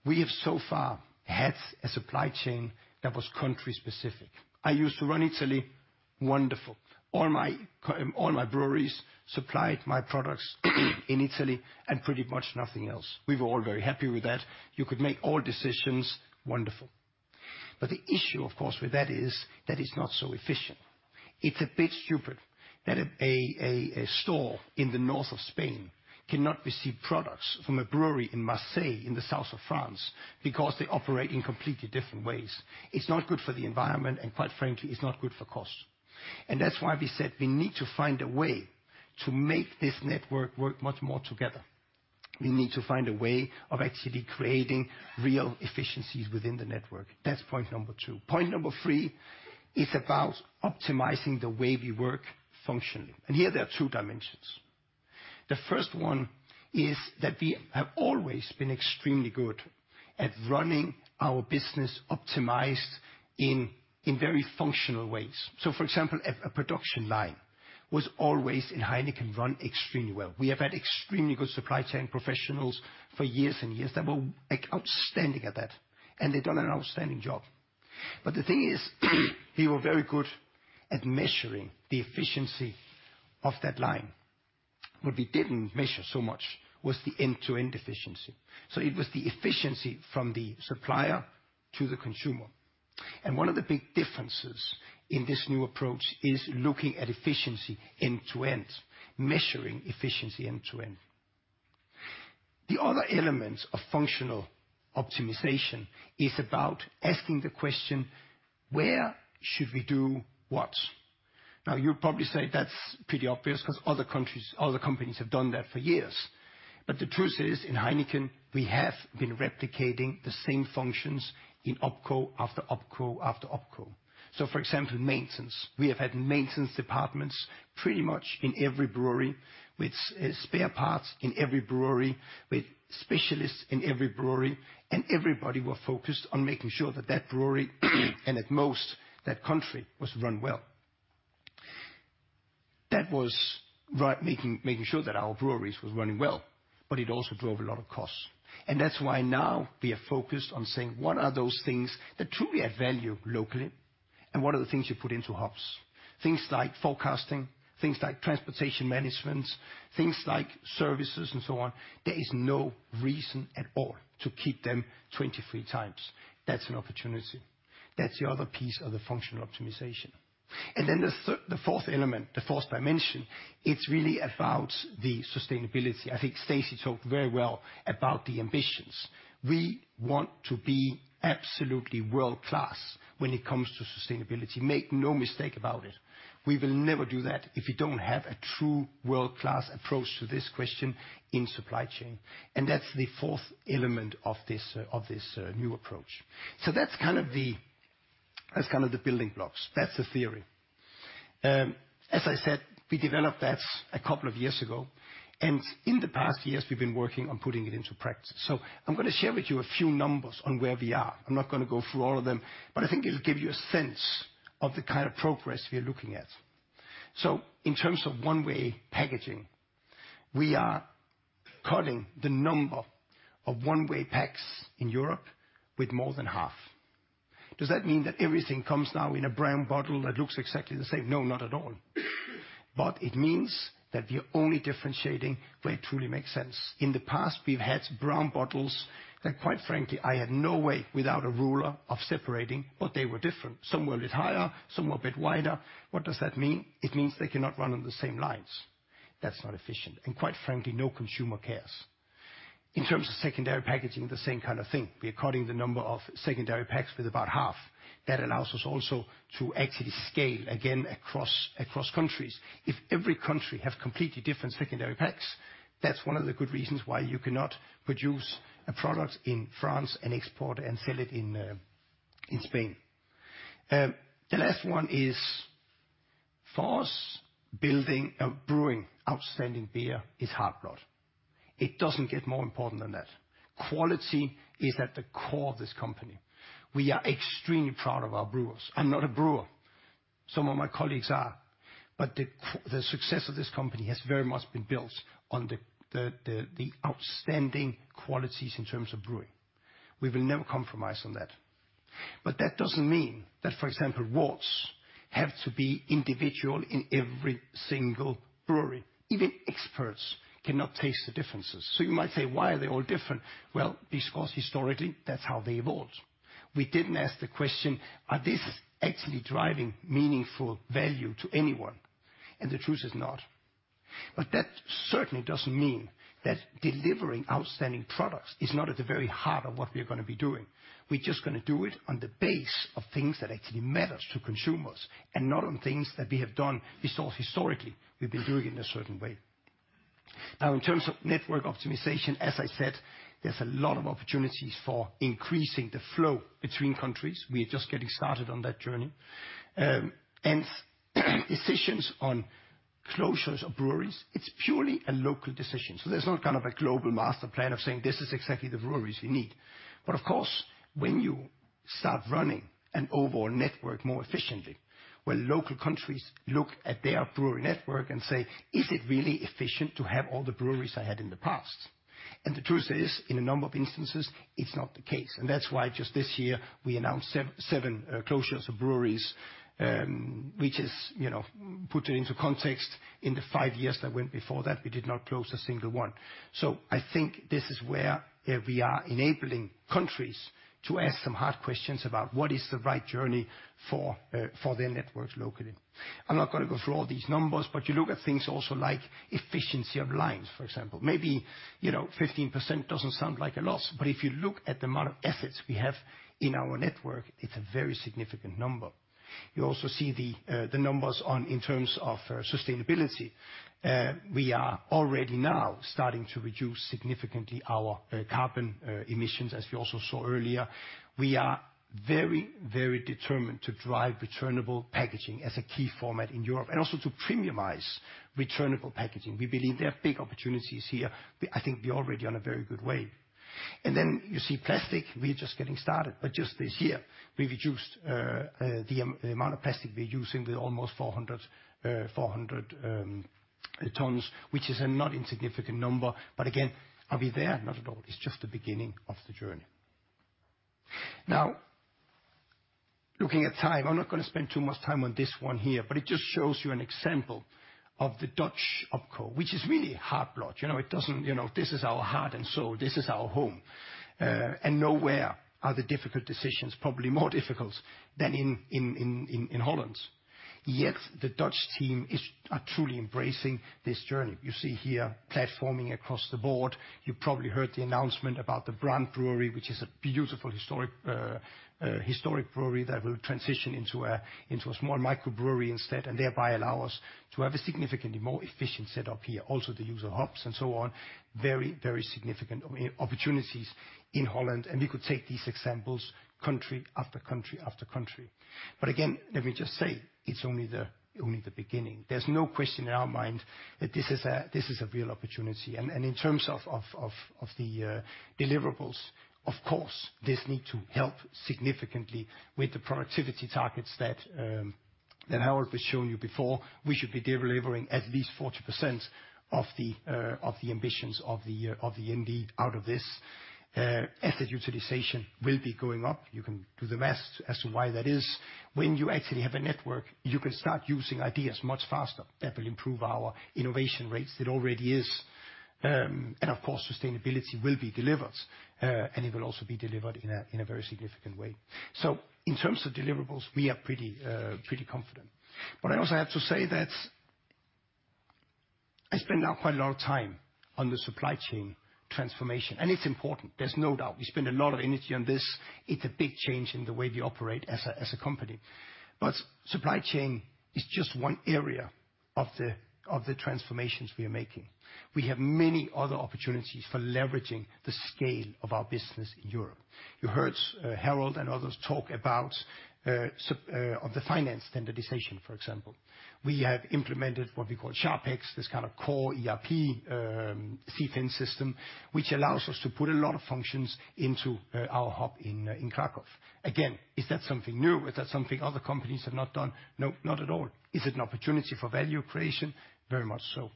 We have so far had a supply chain that was country-specific. I used to run Italy, wonderful. All my breweries supplied my products in Italy and pretty much nothing else. We were all very happy with that. You could make all decisions, wonderful. The issue, of course, with that is that is not so efficient. It's a bit stupid that a store in the north of Spain cannot receive products from a brewery in Marseilles in the south of France because they operate in completely different ways. It's not good for the environment, and quite frankly, it's not good for cost. That's why we said we need to find a way to make this network work much more together. We need to find a way of actually creating real efficiencies within the network. That's point number two. Point number three is about optimizing the way we work functionally, and here there are two dimensions. The first one is that we have always been extremely good at running our business optimized in very functional ways. For example, a production line was always in Heineken run extremely well. We have had extremely good supply chain professionals for years and years that were, like outstanding at that, and they've done an outstanding job. The thing is, we were very good at measuring the efficiency of that line. What we didn't measure so much was the end-to-end efficiency, so it was the efficiency from the supplier to the consumer. One of the big differences in this new approach is looking at efficiency end-to-end, measuring efficiency end-to-end. The other element of functional optimization is about asking the question: where should we do what? Now you'll probably say that's pretty obvious because other countries, other companies have done that for years. The truth is, in Heineken, we have been replicating the same functions in OpCo after OpCo after OpCo. For example, maintenance. We have had maintenance departments. Pretty much in every brewery, with spare parts in every brewery, with specialists in every brewery, everybody was focused on making sure that that brewery, and at most that country, was run well. That was making sure that our breweries was running well, but it also drove a lot of costs. That's why now we are focused on saying, "What are those things that truly add value locally, and what are the things you put into hubs?" Things like forecasting, things like transportation management, things like services and so on, there is no reason at all to keep them 23 times. That's an opportunity. That's the other piece of the functional optimization. The fourth element, the fourth dimension, it's really about the sustainability. I think Stacey talked very well about the ambitions. We want to be absolutely world-class when it comes to sustainability. Make no mistake about it. We will never do that if you don't have a true world-class approach to this question in supply chain, and that's the fourth element of this, of this new approach. That's kind of the, that's kind of the building blocks. That's the theory. As I said, we developed that a couple of years ago, and in the past years we've been working on putting it into practice. I'm gonna share with you a few numbers on where we are. I'm not gonna go through all of them, but I think it'll give you a sense of the kind of progress we are looking at. In terms of one-way packaging, we are cutting the number of one-way packs in Europe with more than half. Does that mean that everything comes now in a brown bottle that looks exactly the same? No, not at all. It means that we're only differentiating where it truly makes sense. In the past, we've had brown bottles that quite frankly, I had no way without a ruler of separating, but they were different. Some were a bit higher, some were a bit wider. What does that mean? It means they cannot run on the same lines. That's not efficient, and quite frankly, no consumer cares. In terms of secondary packaging, the same kind of thing. We are cutting the number of secondary packs with about half. That allows us also to actually scale again across countries. If every country have completely different secondary packs, that's one of the good reasons why you cannot produce a product in France and export and sell it in Spain. The last one is, for us, building a brewing outstanding beer is heartblood. It doesn't get more important than that. Quality is at the core of this company. We are extremely proud of our brewers. I'm not a brewer. Some of my colleagues are. The success of this company has very much been built on the outstanding qualities in terms of brewing. We will never compromise on that. That doesn't mean that, for example, worts have to be individual in every single brewery. Even experts cannot taste the differences. You might say, "Why are they all different?" Because historically, that's how they evolved. We didn't ask the question, "Are this actually driving meaningful value to anyone?" The truth is not. That certainly doesn't mean that delivering outstanding products is not at the very heart of what we're gonna be doing. We're just gonna do it on the base of things that actually matters to consumers, and not on things that we have done because historically we've been doing it in a certain way. In terms of network optimization, as I said, there's a lot of opportunities for increasing the flow between countries. We are just getting started on that journey. Decisions on closures of breweries, it's purely a local decision. There's not kind of a global master plan of saying, "This is exactly the breweries you need." Of course, when you start running an overall network more efficiently, where local countries look at their brewery network and say, "Is it really efficient to have all the breweries I had in the past?" The truth is, in a number of instances, it's not the case. That's why just this year we announced seven closures of breweries, which is, you know, put into context, in the five years that went before that, we did not close a single one. I think this is where we are enabling countries to ask some hard questions about what is the right journey for their networks locally. I'm not gonna go through all these numbers, but you look at things also like efficiency of lines, for example. Maybe, you know, 15% doesn't sound like a lot, but if you look at the amount of assets we have in our network, it's a very significant number. You also see the numbers on, in terms of sustainability. We are already now starting to reduce significantly our carbon emissions, as we also saw earlier. We are very determined to drive returnable packaging as a key format in Europe, and also to premiumize returnable packaging. We believe there are big opportunities here. I think we're already on a very good way. Then you see plastic, we're just getting started. Just this year we've reduced the amount of plastic we're using with almost 400 tons, which is a not insignificant number. Again, are we there? Not at all. It's just the beginning of the journey. Looking at time, I'm not gonna spend too much time on this one here, but it just shows you an example of the Dutch OpCo, which is really heartblood. You know, this is our heart and soul. This is our home. And nowhere are the difficult decisions probably more difficult than in Holland. Yet the Dutch team are truly embracing this journey. You see here platforming across the board. You probably heard the announcement about the Brand Brewery, which is a beautiful historic historic brewery that will transition into a small microbrewery instead, thereby allow us to have a significantly more efficient setup here. The use of hubs and so on, very significant opportunities in Holland. We could take these examples country after country after country. Again, let me just say, it's only the beginning. There's no question in our mind that this is a real opportunity. In terms of the deliverables, of course, this need to help significantly with the productivity targets that Harold was showing you before, we should be delivering at least 40% of the ambitions of the indeed out of this. Asset utilization will be going up. You can do the math as to why that is. When you actually have a network, you can start using ideas much faster. That will improve our innovation rates. It already is. Of course, sustainability will be delivered, and it will also be delivered in a very significant way. In terms of deliverables, we are pretty confident. I also have to say that I spend now quite a lot of time on the supply chain transformation, and it's important, there's no doubt. We spend a lot of energy on this. It's a big change in the way we operate as a company. Supply chain is just one area of the transformations we are making. We have many other opportunities for leveraging the scale of our business in Europe. You heard Harold and others talk about on the finance standardization, for example. We have implemented what we call SharpEx, this kind of core ERP, CFIN system, which allows us to put a lot of functions into our hub in Krakow. Again, is that something new? Is that something other companies have not done? No, not at all. Is it an opportunity for value creation? Very much so.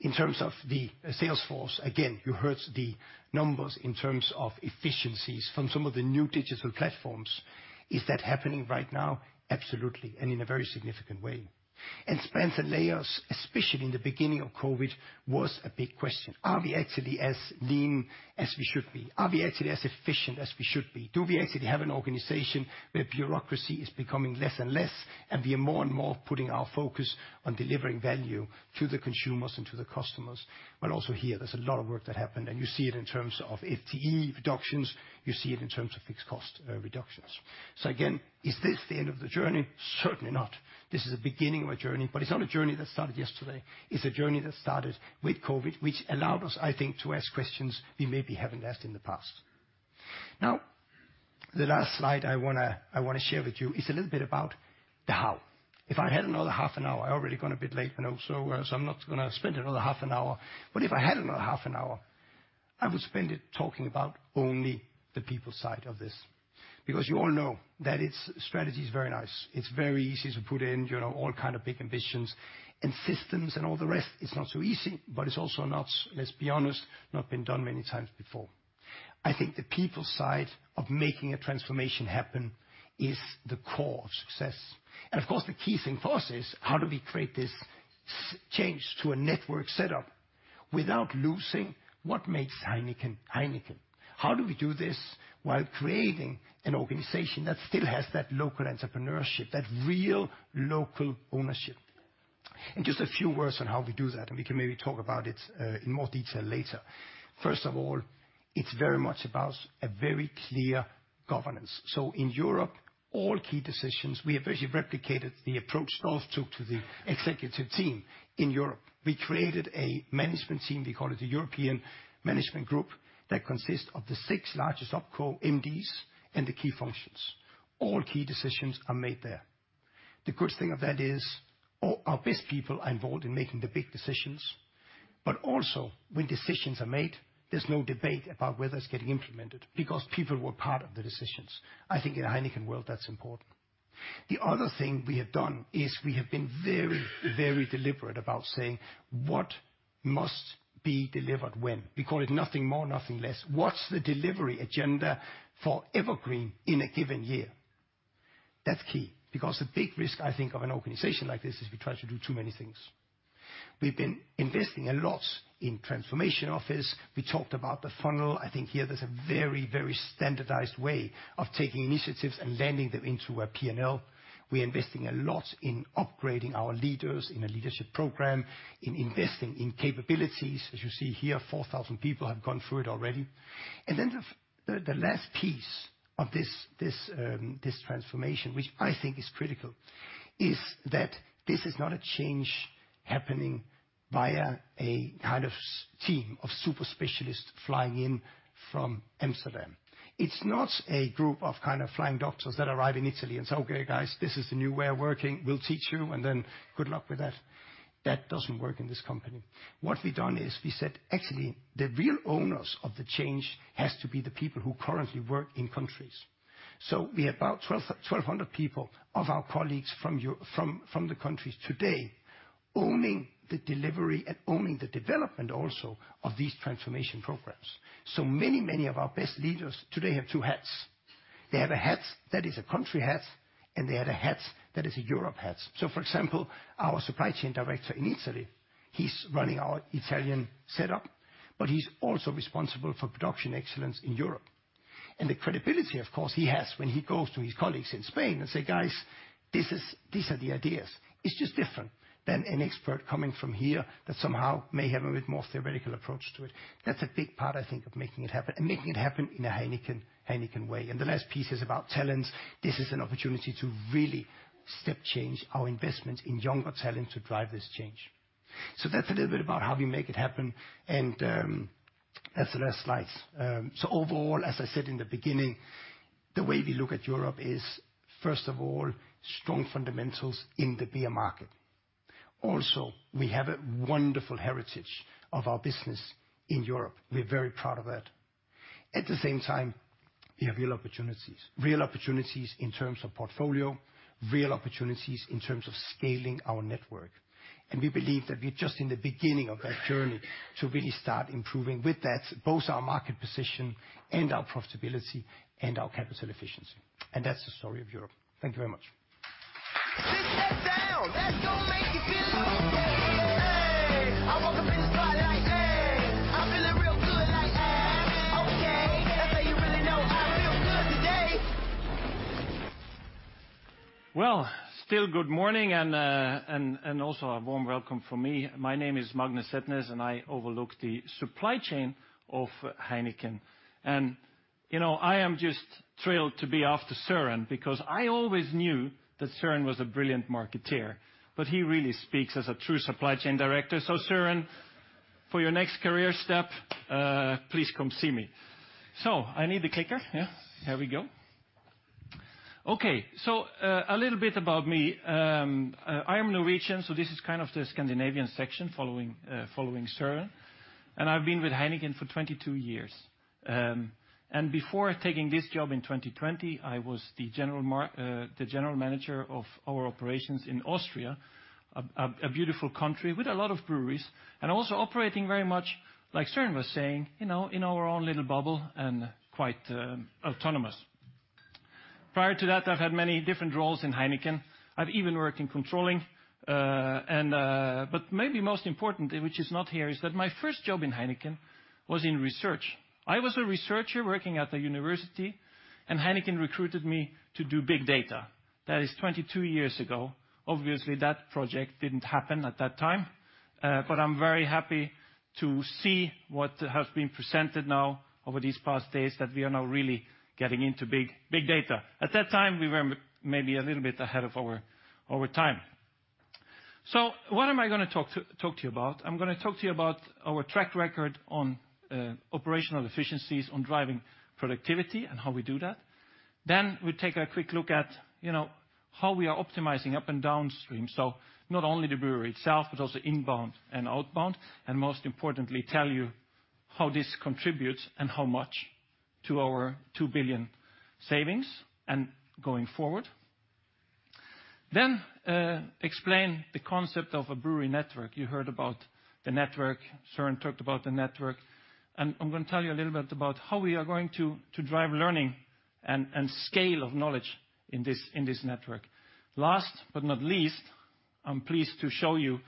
In terms of the sales force, again, you heard the numbers in terms of efficiencies from some of the new digital platforms. Is that happening right now? Absolutely, and in a very significant way. Spans and layers, especially in the beginning of COVID, was a big question. Are we actually as lean as we should be? Are we actually as efficient as we should be? Do we actually have an organization where bureaucracy is becoming less and less, and we are more and more putting our focus on delivering value to the consumers and to the customers? Also here, there's a lot of work that happened, and you see it in terms of FTE reductions. You see it in terms of fixed cost reductions. Again, is this the end of the journey? Certainly not. This is the beginning of a journey, it's not a journey that started yesterday. It's a journey that started with COVID, which allowed us, I think, to ask questions we maybe haven't asked in the past. The last slide I wanna share with you is a little bit about the how. If I had another half an hour, I've already gone a bit late, I know, so I'm not gonna spend another half an hour. But if I had another half an hour, I would spend it talking about only the people side of this. Because you all know that its strategy is very nice. It's very easy to put in, you know, all kind of big ambitions and systems and all the rest. It's not so easy, but it's also not, let's be honest, not been done many times before. I think the people side of making a transformation happen is the core of success. And of course, the key thing for us is how do we create this change to a network setup without losing what makes Heineken? How do we do this while creating an organization that still has that local entrepreneurship, that real local ownership? Just a few words on how we do that, and we can maybe talk about it in more detail later. First of all, it's very much about a very clear governance. In Europe, all key decisions, we have basically replicated the approach Rolf took to the executive team in Europe. We created a management team, we call it the European Management Group, that consists of the six largest OpCo MDs and the key functions. All key decisions are made there. Also, when decisions are made, there's no debate about whether it's getting implemented because people were part of the decisions. I think in a Heineken world, that's important. The other thing we have done is we have been very, very deliberate about saying what must be delivered when. We call it nothing more, nothing less. What's the delivery agenda for EverGreen in a given year? That's key, because the big risk, I think, of an organization like this is we try to do too many things. We've been investing a lot in transformation office. We talked about the funnel. I think here there's a very, very standardized way of taking initiatives and landing them into our P&L. We're investing a lot in upgrading our leaders in a leadership program, in investing in capabilities. As you see here, 4,000 people have gone through it already. The last piece of this transformation, which I think is critical, is that this is not a change happening via a kind of team of super specialists flying in from Amsterdam. It's not a group of kind of flying doctors that arrive in Italy and say, "Okay, guys, this is the new way of working. We'll teach you, and then good luck with that." That doesn't work in this company. What we've done is we said, "Actually, the real owners of the change has to be the people who currently work in countries." We have about 1,200 people of our colleagues from the countries today owning the delivery and owning the development also of these transformation programs. Many, many of our best leaders today have two hats. They have a hat that is a country hat, and they have a hat that is a Europe hat. For example, our supply chain director in Italy, he's running our Italian setup, but he's also responsible for production excellence in Europe. The credibility, of course, he has when he goes to his colleagues in Spain and say, "Guys, this is, these are the ideas," it's just different than an expert coming from here that somehow may have a bit more theoretical approach to it. That's a big part, I think, of making it happen and making it happen in a Heineken way. The last piece is about talents. This is an opportunity to really step change our investment in younger talent to drive this change. That's a little bit about how we make it happen, and, that's the last slide. Overall, as I said in the beginning, the way we look at Europe is, first of all, strong fundamentals in the beer market. We have a wonderful heritage of our business in Europe. We're very proud of that. At the same time, we have real opportunities. Real opportunities in terms of portfolio, real opportunities in terms of scaling our network. We believe that we're just in the beginning of that journey to really start improving with that, both our market position and our profitability and our capital efficiency. That's the story of Europe. Thank you very much. Well, still good morning and also a warm welcome from me. My name is Magne Setnes, and I overlook the supply chain of Heineken. You know, I am just thrilled to be after Soren, because I always knew that Soren was a brilliant marketeer, but he really speaks as a true supply chain director. Soren, for your next career step, please come see me. I need the clicker. Here we go. A little bit about me. I am Norwegian, so this is kind of the Scandinavian section following Soren. I've been with Heineken for 22 years. Before taking this job in 2020, I was the general manager of our operations in Austria, a beautiful country with a lot of breweries, and also operating very much, like Soren was saying, you know, in our own little bubble and quite autonomous. Prior to that, I've had many different roles in Heineken. I've even worked in controlling. Maybe most important, which is not here, is that my first job in Heineken was in research. I was a researcher working at the university, and Heineken recruited me to do big data. That is 22 years ago. Obviously, that project didn't happen at that time. I'm very happy to see what has been presented now over these past days that we are now really getting into big, big data. At that time, we were maybe a little bit ahead of our time. What am I gonna talk to you about? I'm gonna talk to you about our track record on operational efficiencies, on driving productivity and how we do that. We take a quick look at, you know, how we are optimizing up and downstream. Not only the brewery itself, but also inbound and outbound, and most importantly, tell you how this contributes and how much to our 2 billion savings and going forward. Explain the concept of a brewery network. You heard about the network. Soren talked about the network. I'm gonna tell you a little bit about how we are going to drive learning and scale of knowledge in this network. Last but not least, I'm pleased to show you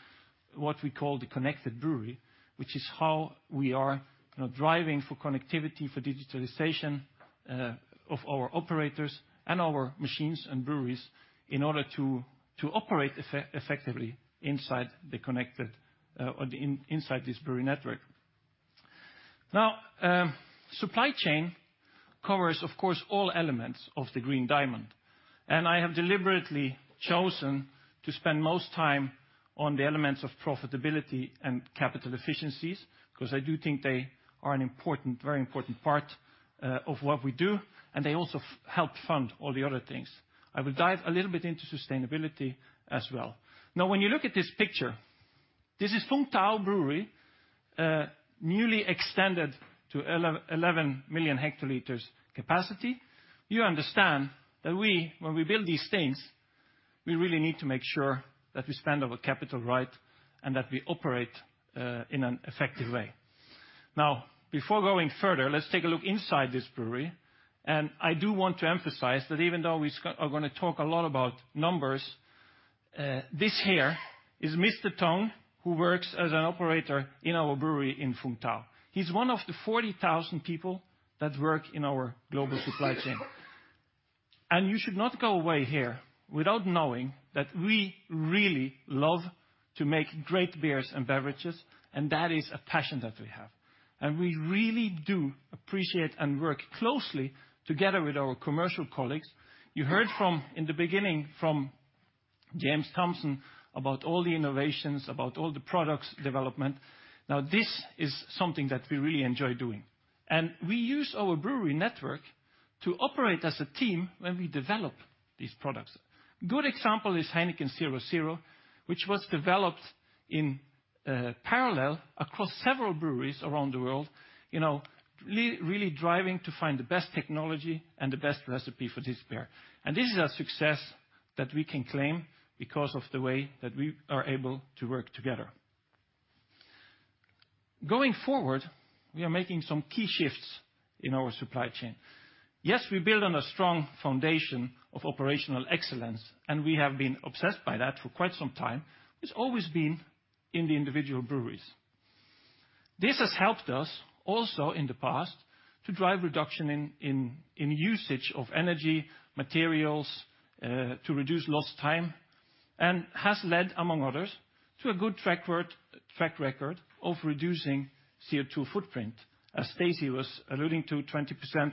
what we call the Connected Brewery, which is how we are, you know, driving for connectivity for digitalization of our operators and our machines and breweries in order to operate effectively inside the connected or inside this brewery network. Supply chain covers, of course, all elements of the Green Diamond. I have deliberately chosen to spend most time on the elements of profitability and capital efficiencies, 'cause I do think they are an important, very important part of what we do, and they also help fund all the other things. I will dive a little bit into sustainability as well. When you look at this picture, this is Vung Tau Brewery, newly extended to 11 million hectoliters capacity. You understand that we, when we build these things, we really need to make sure that we spend our capital right and that we operate in an effective way. Before going further, let's take a look inside this brewery. I do want to emphasize that even though we are gonna talk a lot about numbers, this here is Mr. Tung, who works as an operator in our brewery in Vung Tau. He's one of the 40,000 people that work in our global supply chain. You should not go away here without knowing that we really love to make great beers and beverages, and that is a passion that we have. We really do appreciate and work closely together with our commercial colleagues. You heard from, in the beginning, from James Thompson about all the innovations, about all the products development. Now, this is something that we really enjoy doing. We use our brewery network to operate as a team when we develop these products. Good example is Heineken 0.0, which was developed in parallel across several breweries around the world, you know, really driving to find the best technology and the best recipe for this beer. This is a success that we can claim because of the way that we are able to work together. Going forward, we are making some key shifts in our supply chain. We build on a strong foundation of operational excellence, and we have been obsessed by that for quite some time. It's always been in the individual breweries. This has helped us also in the past to drive reduction in usage of energy, materials, to reduce lost time, and has led, among others, to a good track record of reducing CO2 footprint. As Stacey was alluding to, 20%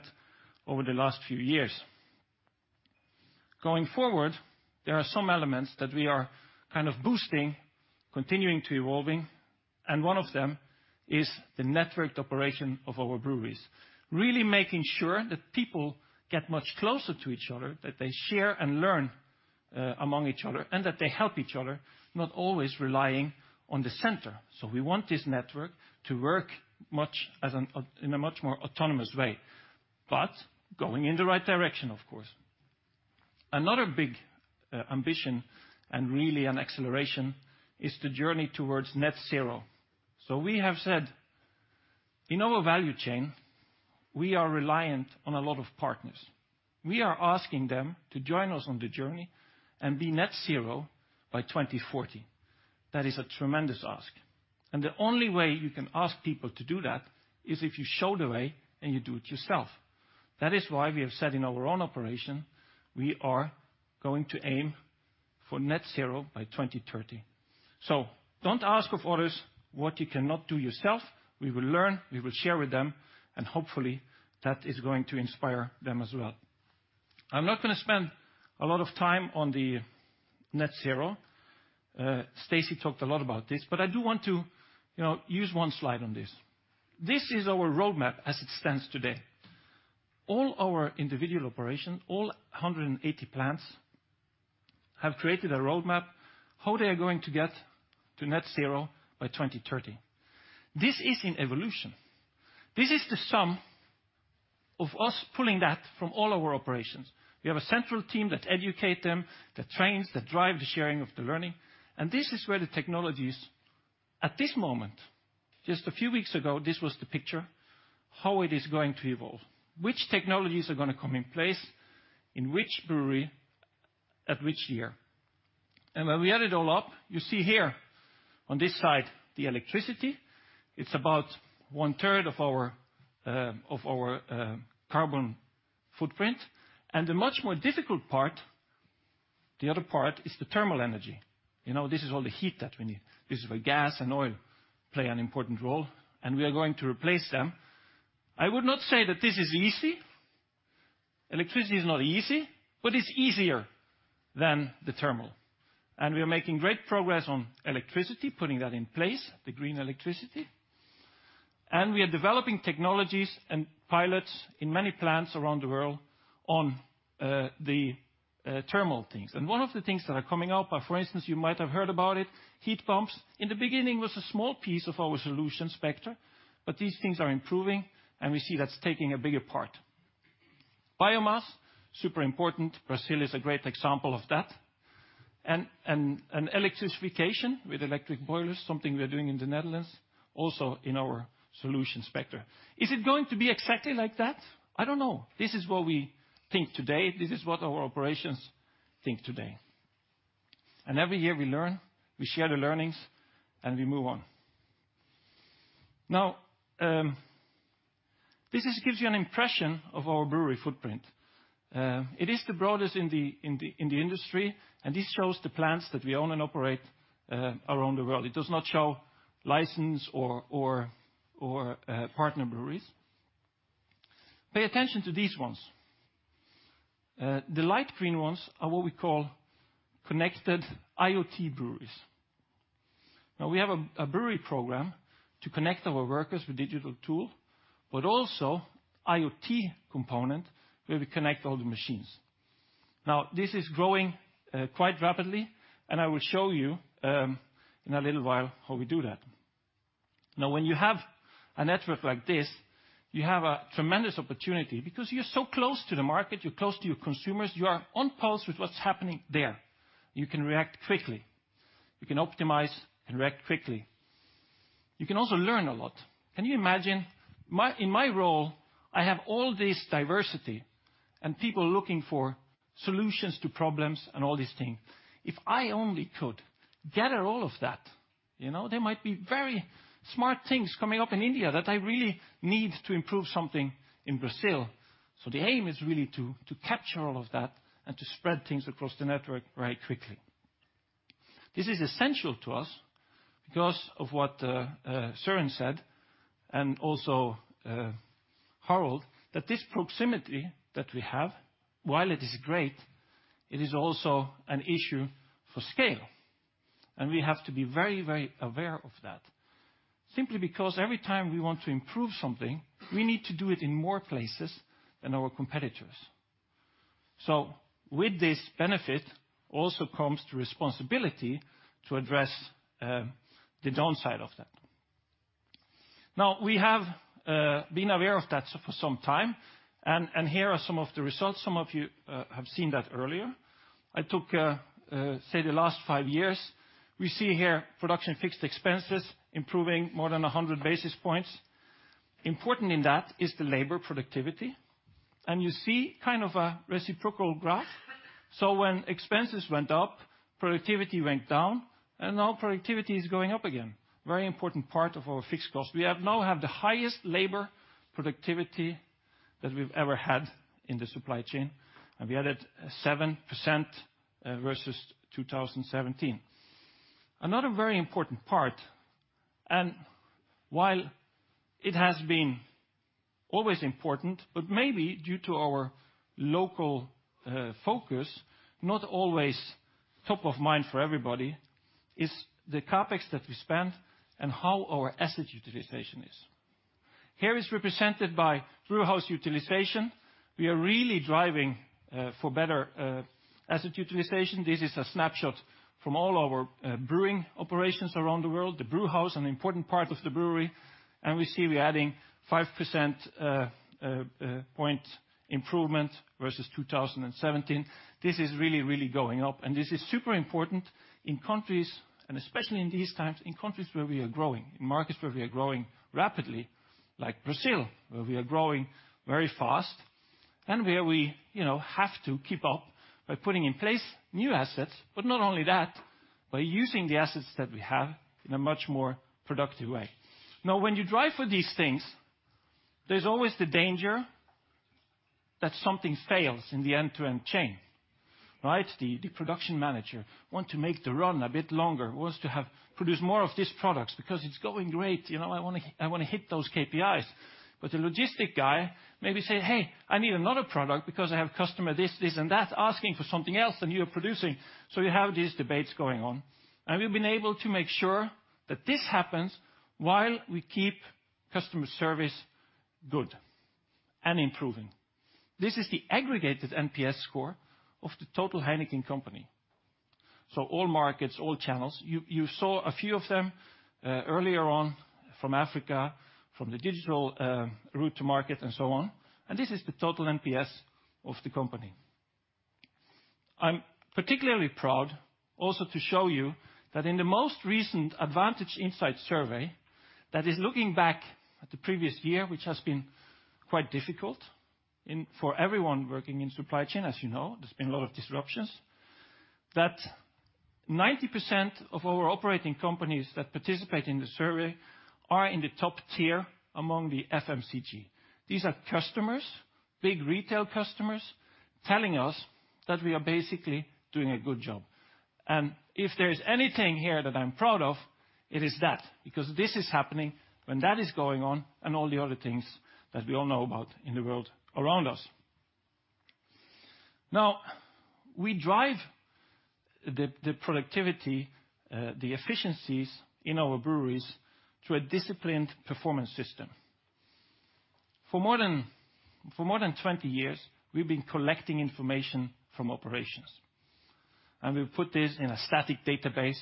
over the last few years. Going forward, there are some elements that we are kind of boosting, continuing to evolving. One of them is the networked operation of our breweries. Really making sure that people get much closer to each other, that they share and learn among each other, and that they help each other, not always relying on the center. We want this network to work in a much more autonomous way, but going in the right direction, of course. Another big ambition and really an acceleration is the journey towards net zero. We have said in our value chain, we are reliant on a lot of partners. We are asking them to join us on the journey and be net zero by 2040. That is a tremendous ask. The only way you can ask people to do that is if you show the way and you do it yourself. That is why we have said in our own operation, we are going to aim for net zero by 2030. Don't ask of others what you cannot do yourself. We will learn, we will share with them, and hopefully that is going to inspire them as well. I'm not gonna spend a lot of time on the net zero. Stacey talked a lot about this, but I do want to, you know, use one slide on this. This is our roadmap as it stands today. All our individual operations, all 180 plants have created a roadmap how they are going to get to net zero by 2030. This is an evolution. This is the sum of us pulling that from all our operations. We have a central team that educate them, that trains, that drive the sharing of the learning. This is where the technologies at this moment, just a few weeks ago, this was the picture, how it is going to evolve, which technologies are gonna come in place, in which brewery, at which year. When we add it all up, you see here on this side, the electricity, it's about 1/3 of our carbon footprint. The much more difficult part, the other part, is the thermal energy. You know, this is all the heat that we need. This is where gas and oil play an important role, and we are going to replace them. I would not say that this is easy. Electricity is not easy, but it's easier than the thermal. We are making great progress on electricity, putting that in place, the green electricity. We are developing technologies and pilots in many plants around the world on the thermal things. One of the things that are coming up are, for instance, you might have heard about it, heat pumps. In the beginning was a small piece of our solution spectra, but these things are improving, and we see that's taking a bigger part. Biomass, super important. Brazil is a great example of that. Electrification with electric boilers, something we're doing in the Netherlands, also in our solution spectra. Is it going to be exactly like that? I don't know. This is what we think today. This is what our operations think today. Every year we learn, we share the learnings, and we move on. This gives you an impression of our brewery footprint. It is the broadest in the industry, and this shows the plants that we own and operate around the world. It does not show license or partner breweries. Pay attention to these ones. The light green ones are what we call connected IoT breweries. We have a brewery program to connect our workers with digital tool, but also IoT component where we connect all the machines. This is growing quite rapidly, and I will show you in a little while how we do that. When you have a network like this, you have a tremendous opportunity because you're so close to the market, you're close to your consumers, you are on pulse with what's happening there. You can react quickly. You can optimize and react quickly. You can also learn a lot. Can you imagine in my role, I have all this diversity and people looking for solutions to problems and all these things. If I only could gather all of that, you know, there might be very smart things coming up in India that I really need to improve something in Brazil. The aim is really to capture all of that and to spread things across the network very quickly. This is essential to us because of what Soren said, and also Harald, that this proximity that we have, while it is great, it is also an issue for scale. We have to be very, very aware of that simply because every time we want to improve something, we need to do it in more places than our competitors. With this benefit also comes the responsibility to address the downside of that. Now, we have been aware of that for some time, here are some of the results. Some of you have seen that earlier. I took the last 5 years. We see here production fixed expenses improving more than 100 basis points. Important in that is the labor productivity. You see kind of a reciprocal graph. When expenses went up, productivity went down, and now productivity is going up again. Very important part of our fixed cost. We now have the highest labor productivity that we've ever had in the supply chain, and we added 7% versus 2017. Another very important part While it has been always important, but maybe due to our local focus, not always top of mind for everybody, is the CapEx that we spend and how our asset utilization is. Here is represented by brewhouse utilization. We are really driving for better asset utilization. This is a snapshot from all our brewing operations around the world, the brewhouse, an important part of the brewery. We see we're adding 5% point improvement versus 2017. This is really going up. This is super important in countries, especially in these times, in countries where we are growing, in markets where we are growing rapidly, like Brazil, where we are growing very fast where we, you know, have to keep up by putting in place new assets. Not only that, by using the assets that we have in a much more productive way. When you drive for these things, there's always the danger that something fails in the end-to-end chain, right? The production manager want to make the run a bit longer, wants to have produce more of these products because it's going great. You know, I wanna hit those KPIs. The logistics guy maybe says, "Hey, I need another product because I have customer this, and that asking for something else than you are producing." You have these debates going on. We've been able to make sure that this happens while we keep customer service good and improving. This is the aggregated NPS score of the total Heineken company. All markets, all channels. You saw a few of them earlier on from Africa, from the digital route to market and so on, this is the total NPS of the company. I'm particularly proud also to show you that in the most recent Advantage Insight survey, that is looking back at the previous year, which has been quite difficult in for everyone working in supply chain, as you know, there's been a lot of disruptions. That 90% of our operating companies that participate in the survey are in the top tier among the FMCG. These are customers, big retail customers, telling us that we are basically doing a good job. If there is anything here that I'm proud of, it is that, because this is happening when that is going on and all the other things that we all know about in the world around us. We drive the productivity, the efficiencies in our breweries through a disciplined performance system. For more than 20 years, we've been collecting information from operations, and we've put this in a static database,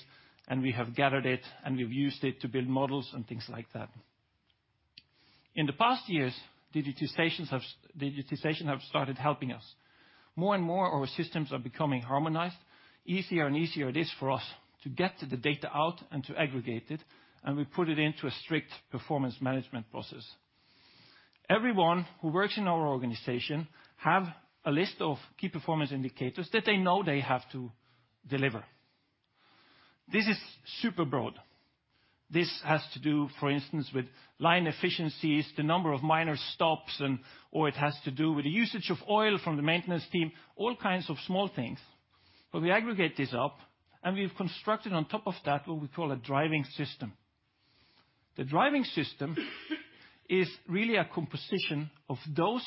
and we have gathered it, and we've used it to build models and things like that. In the past years, digitization has started helping us. More and more, our systems are becoming harmonized. Easier and easier it is for us to get to the data out and to aggregate it, we put it into a strict performance management process. Everyone who works in our organization have a list of key performance indicators that they know they have to deliver. This is super broad. This has to do, for instance, with line efficiencies, the number of minor stops or it has to do with the usage of oil from the maintenance team, all kinds of small things. We aggregate this up, and we've constructed on top of that what we call a driving system. The driving system is really a composition of those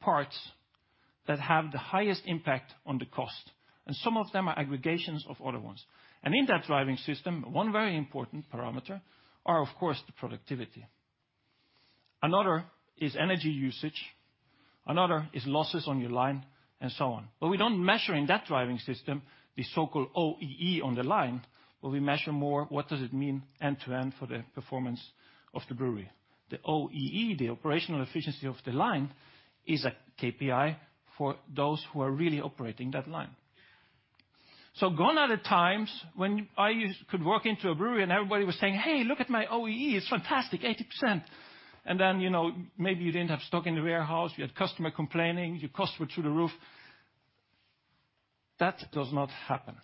parts that have the highest impact on the cost, and some of them are aggregations of other ones. In that driving system, one very important parameter are, of course, the productivity. Another is energy usage. Another is losses on your line and so on. We don't measure in that driving system the so-called OEE on the line, but we measure more what does it mean end to end for the performance of the brewery. The OEE, the operational efficiency of the line, is a KPI for those who are really operating that line. Gone are the times when I could walk into a brewery and everybody was saying, "Hey, look at my OEE. It's fantastic, 80%." You know, maybe you didn't have stock in the warehouse. You had customer complaining. Your costs were through the roof. That does not happen.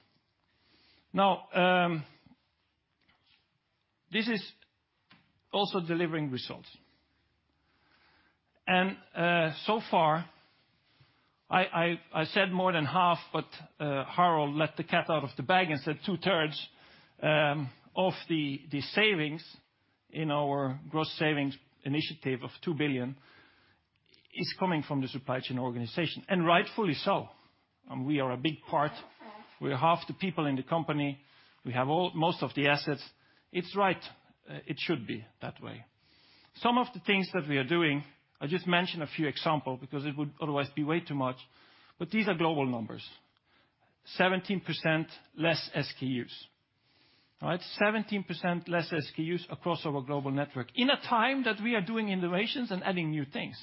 Now, this is also delivering results. So far, I said more than half, but Harald let the cat out of the bag and said two-thirds of the savings in our gross savings initiative of 2 billion is coming from the supply chain organization. Rightfully so. We are a big part. We are half the people in the company. We have most of the assets. It's right. It should be that way. Some of the things that we are doing, I just mention a few example because it would otherwise be way too much, but these are global numbers. 17% less SKUs. All right? 17% less SKUs across our global network in a time that we are doing innovations and adding new things.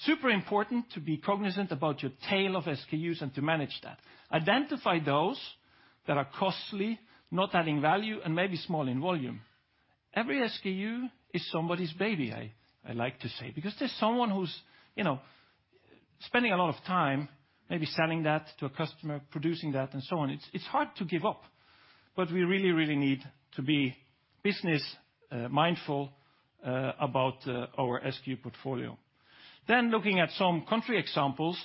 Super important to be cognizant about your tail of SKUs and to manage that. Identify those that are costly, not adding value, and maybe small in volume. Every SKU is somebody's baby, I like to say, because there's someone who's, you know, spending a lot of time maybe selling that to a customer, producing that, and so on. It's hard to give up, but we really, really need to be business mindful about our SKU portfolio. Looking at some country examples.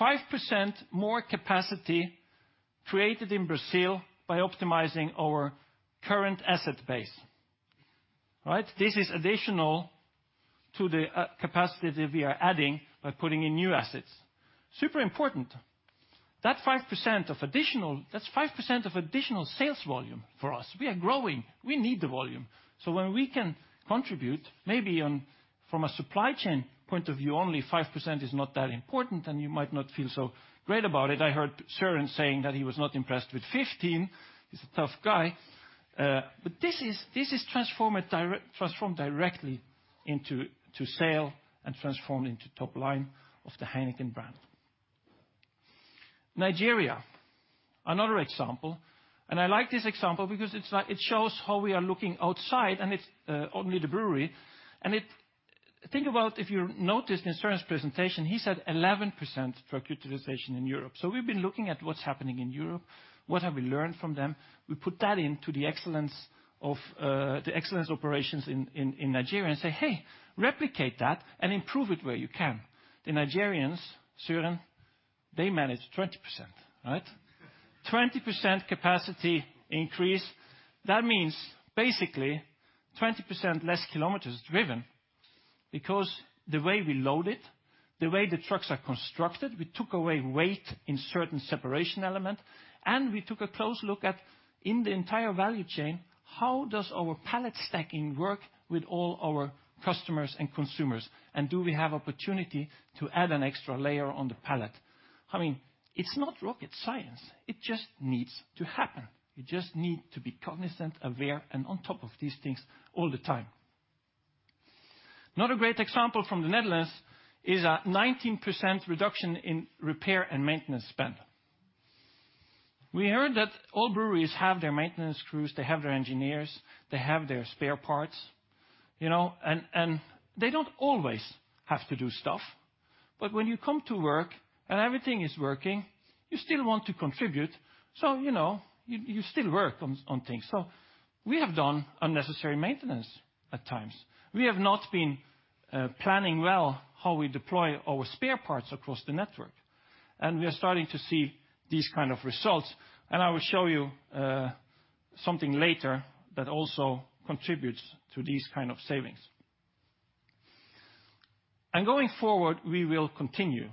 5% more capacity created in Brazil by optimizing our current asset base. Right? This is additional to the capacity that we are adding by putting in new assets. Super important. That's 5% of additional sales volume for us. We are growing. We need the volume. When we can contribute, maybe on. from a supply chain point of view, only 5% is not that important, and you might not feel so great about it. I heard Soren saying that he was not impressed with 15. He's a tough guy. This is transformed directly into sale and transformed into top line of the Heineken brand. Nigeria, another example, I like this example because it shows how we are looking outside, and it's only the brewery. Think about if you noticed in Soren's presentation, he said 11% truck utilization in Europe. We've been looking at what's happening in Europe, what have we learned from them. We put that into the excellence of the excellence operations in Nigeria and say, "Hey, replicate that and improve it where you can." The Nigerians, Soren, they managed 20%. Right? 20% capacity increase. That means basically 20% less kilometers driven because the way we load it, the way the trucks are constructed, we took away weight in certain separation element, and we took a close look at, in the entire value chain, how does our pallet stacking work with all our customers and consumers. Do we have opportunity to add an extra layer on the pallet? I mean, it's not rocket science. It just needs to happen. You just need to be cognizant, aware, and on top of these things all the time. Another great example from the Netherlands is a 19% reduction in repair and maintenance spend. We heard that all breweries have their maintenance crews, they have their engineers, they have their spare parts, you know, and they don't always have to do stuff. When you come to work and everything is working, you still want to contribute, so, you know, you still work on things. We have done unnecessary maintenance at times. We have not been planning well how we deploy our spare parts across the network, and we are starting to see these kind of results. I will show you something later that also contributes to these kind of savings. Going forward, we will continue.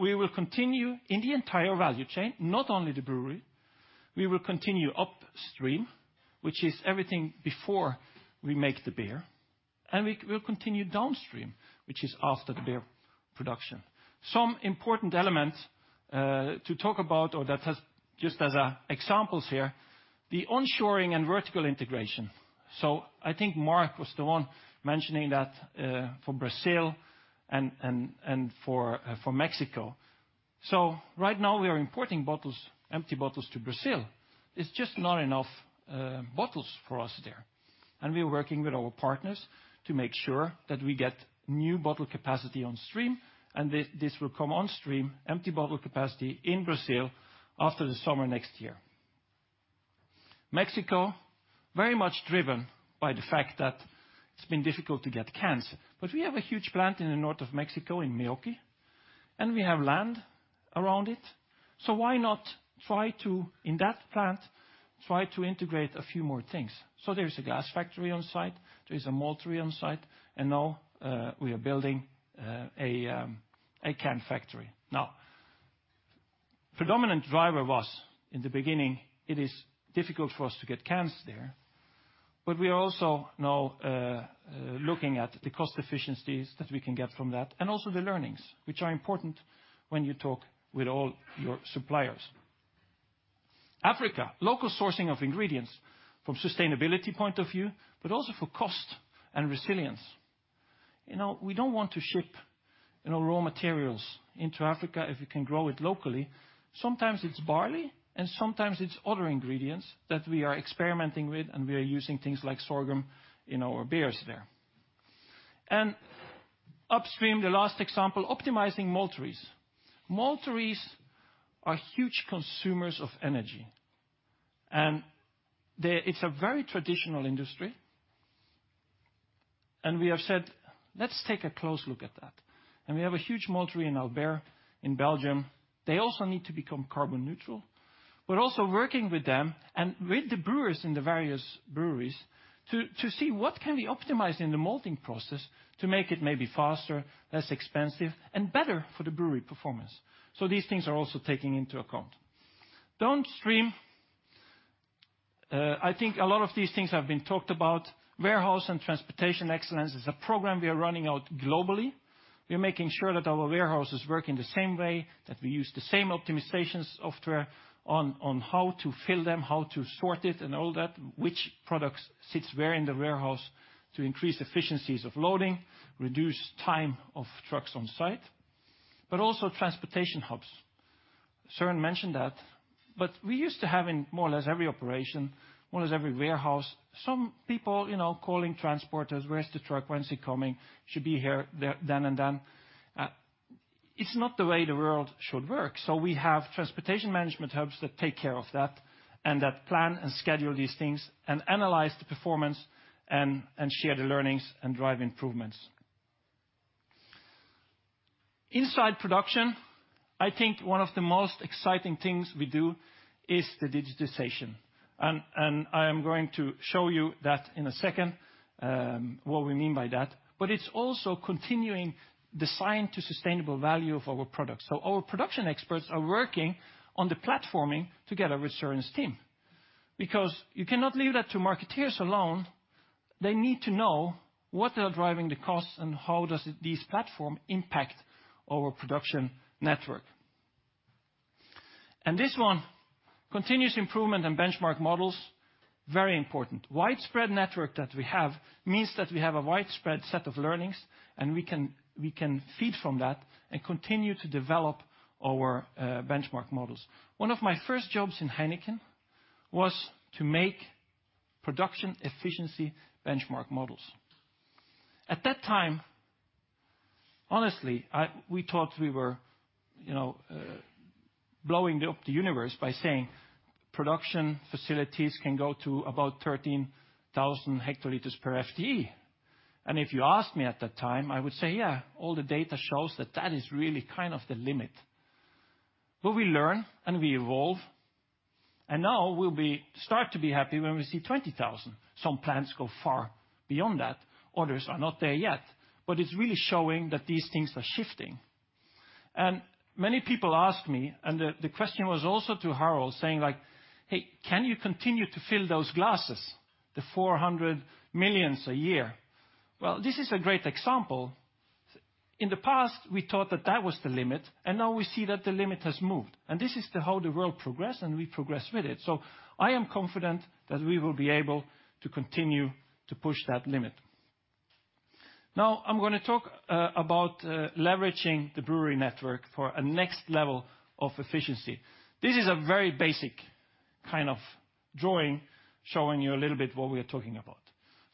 We will continue in the entire value chain, not only the brewery. We will continue upstream, which is everything before we make the beer, and we will continue downstream, which is after the beer production. Some important elements to talk about or that has just as examples here, the onshoring and vertical integration. I think Marc was the one mentioning that, for Brazil and for Mexico. Right now we are importing bottles, empty bottles to Brazil. It's just not enough bottles for us there. We're working with our partners to make sure that we get new bottle capacity on stream, and this will come on stream, empty bottle capacity in Brazil after the summer next year. Mexico, very much driven by the fact that it's been difficult to get cans. We have a huge plant in the north of Mexico in Meoqui, and we have land around it. Why not try to, in that plant, try to integrate a few more things? There's a gas factory on site, there is a maltery on site, and now, we are building a can factory. Predominant driver was, in the beginning, it is difficult for us to get cans there. We are also now looking at the cost efficiencies that we can get from that and also the learnings, which are important when you talk with all your suppliers. Africa, local sourcing of ingredients from sustainability point of view, but also for cost and resilience. You know, we don't want to ship, you know, raw materials into Africa if we can grow it locally. Sometimes it's barley, sometimes it's other ingredients that we are experimenting with, we are using things like sorghum in our beers there. Upstream, the last example, optimizing malteries. Malteries are huge consumers of energy. It's a very traditional industry. We have said, "Let's take a close look at that." We have a huge maltery in Albert in Belgium. They also need to become carbon neutral, but also working with them and with the brewers in the various breweries to see what can we optimize in the malting process to make it maybe faster, less expensive, and better for the brewery performance. These things are also taking into account. Downstream, I think a lot of these things have been talked about. Warehouse and transportation excellence is a program we are running out globally. We're making sure that our warehouses work in the same way, that we use the same optimization software on how to fill them, how to sort it, and all that, which products sits where in the warehouse to increase efficiencies of loading, reduce time of trucks on site. Also transportation hubs. Soren mentioned that. We used to have in more or less every operation, more or less every warehouse, some people, you know, calling transporters, where's the truck? When's it coming? Should be here then and then. It's not the way the world should work. We have transportation management hubs that take care of that and that plan and schedule these things and analyze the performance and share the learnings and drive improvements. Inside production, I think one of the most exciting things we do is the digitization. I am going to show you that in a second, what we mean by that. It's also continuing design to sustainable value of our products. Our production experts are working on the platforming together with Soren's team. You cannot leave that to marketeers alone. They need to know what they are driving the costs and how does these platform impact our production network. This one, continuous improvement and benchmark models, very important. Widespread network that we have means that we have a widespread set of learnings, and we can feed from that and continue to develop our benchmark models. One of my first jobs in Heineken was to make production efficiency benchmark models. At that time, honestly, we thought we were, you know, blowing up the universe by saying production facilities can go to about 13,000 hectoliters per FTE. If you asked me at that time, I would say, "Yeah, all the data shows that that is really kind of the limit." We learn, and we evolve, and now start to be happy when we see 20,000. Some plants go far beyond that, others are not there yet. It's really showing that these things are shifting. Many people ask me, and the question was also to Harald, saying like, "Hey, can you continue to fill those glasses, the 400 million a year?" Well, this is a great example. In the past, we thought that that was the limit, and now we see that the limit has moved. This is the how the world progress, and we progress with it. I am confident that we will be able to continue to push that limit. Now I'm gonna talk about leveraging the brewery network for a next level of efficiency. This is a very basic kind of drawing showing you a little bit what we are talking about.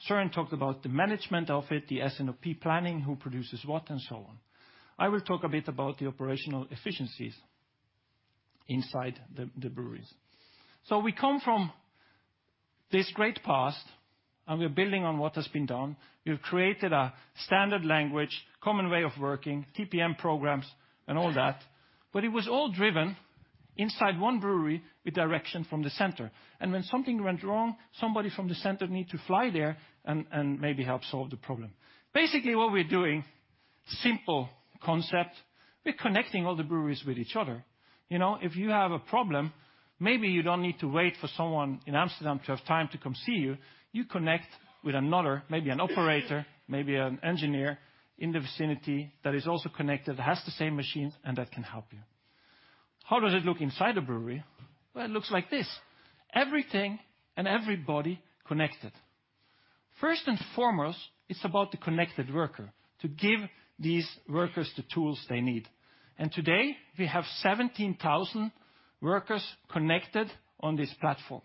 Soren talked about the management of it, the S&OP planning, who produces what, and so on. I will talk a bit about the operational efficiencies inside the breweries. We come from this great past, and we're building on what has been done. We've created a standard language, common way of working, TPM programs, and all that. It was all driven inside one brewery with direction from the center. When something went wrong, somebody from the center need to fly there and maybe help solve the problem. Basically, what we're doing, simple concept, we're connecting all the breweries with each other. You know, if you have a problem, maybe you don't need to wait for someone in Amsterdam to have time to come see you. You connect with another, maybe an operator, maybe an engineer in the vicinity that is also connected, has the same machines, and that can help you. How does it look inside a brewery? It looks like this. Everything and everybody connected. First and foremost, it's about the connected worker, to give these workers the tools they need. Today, we have 17,000 workers connected on this platform.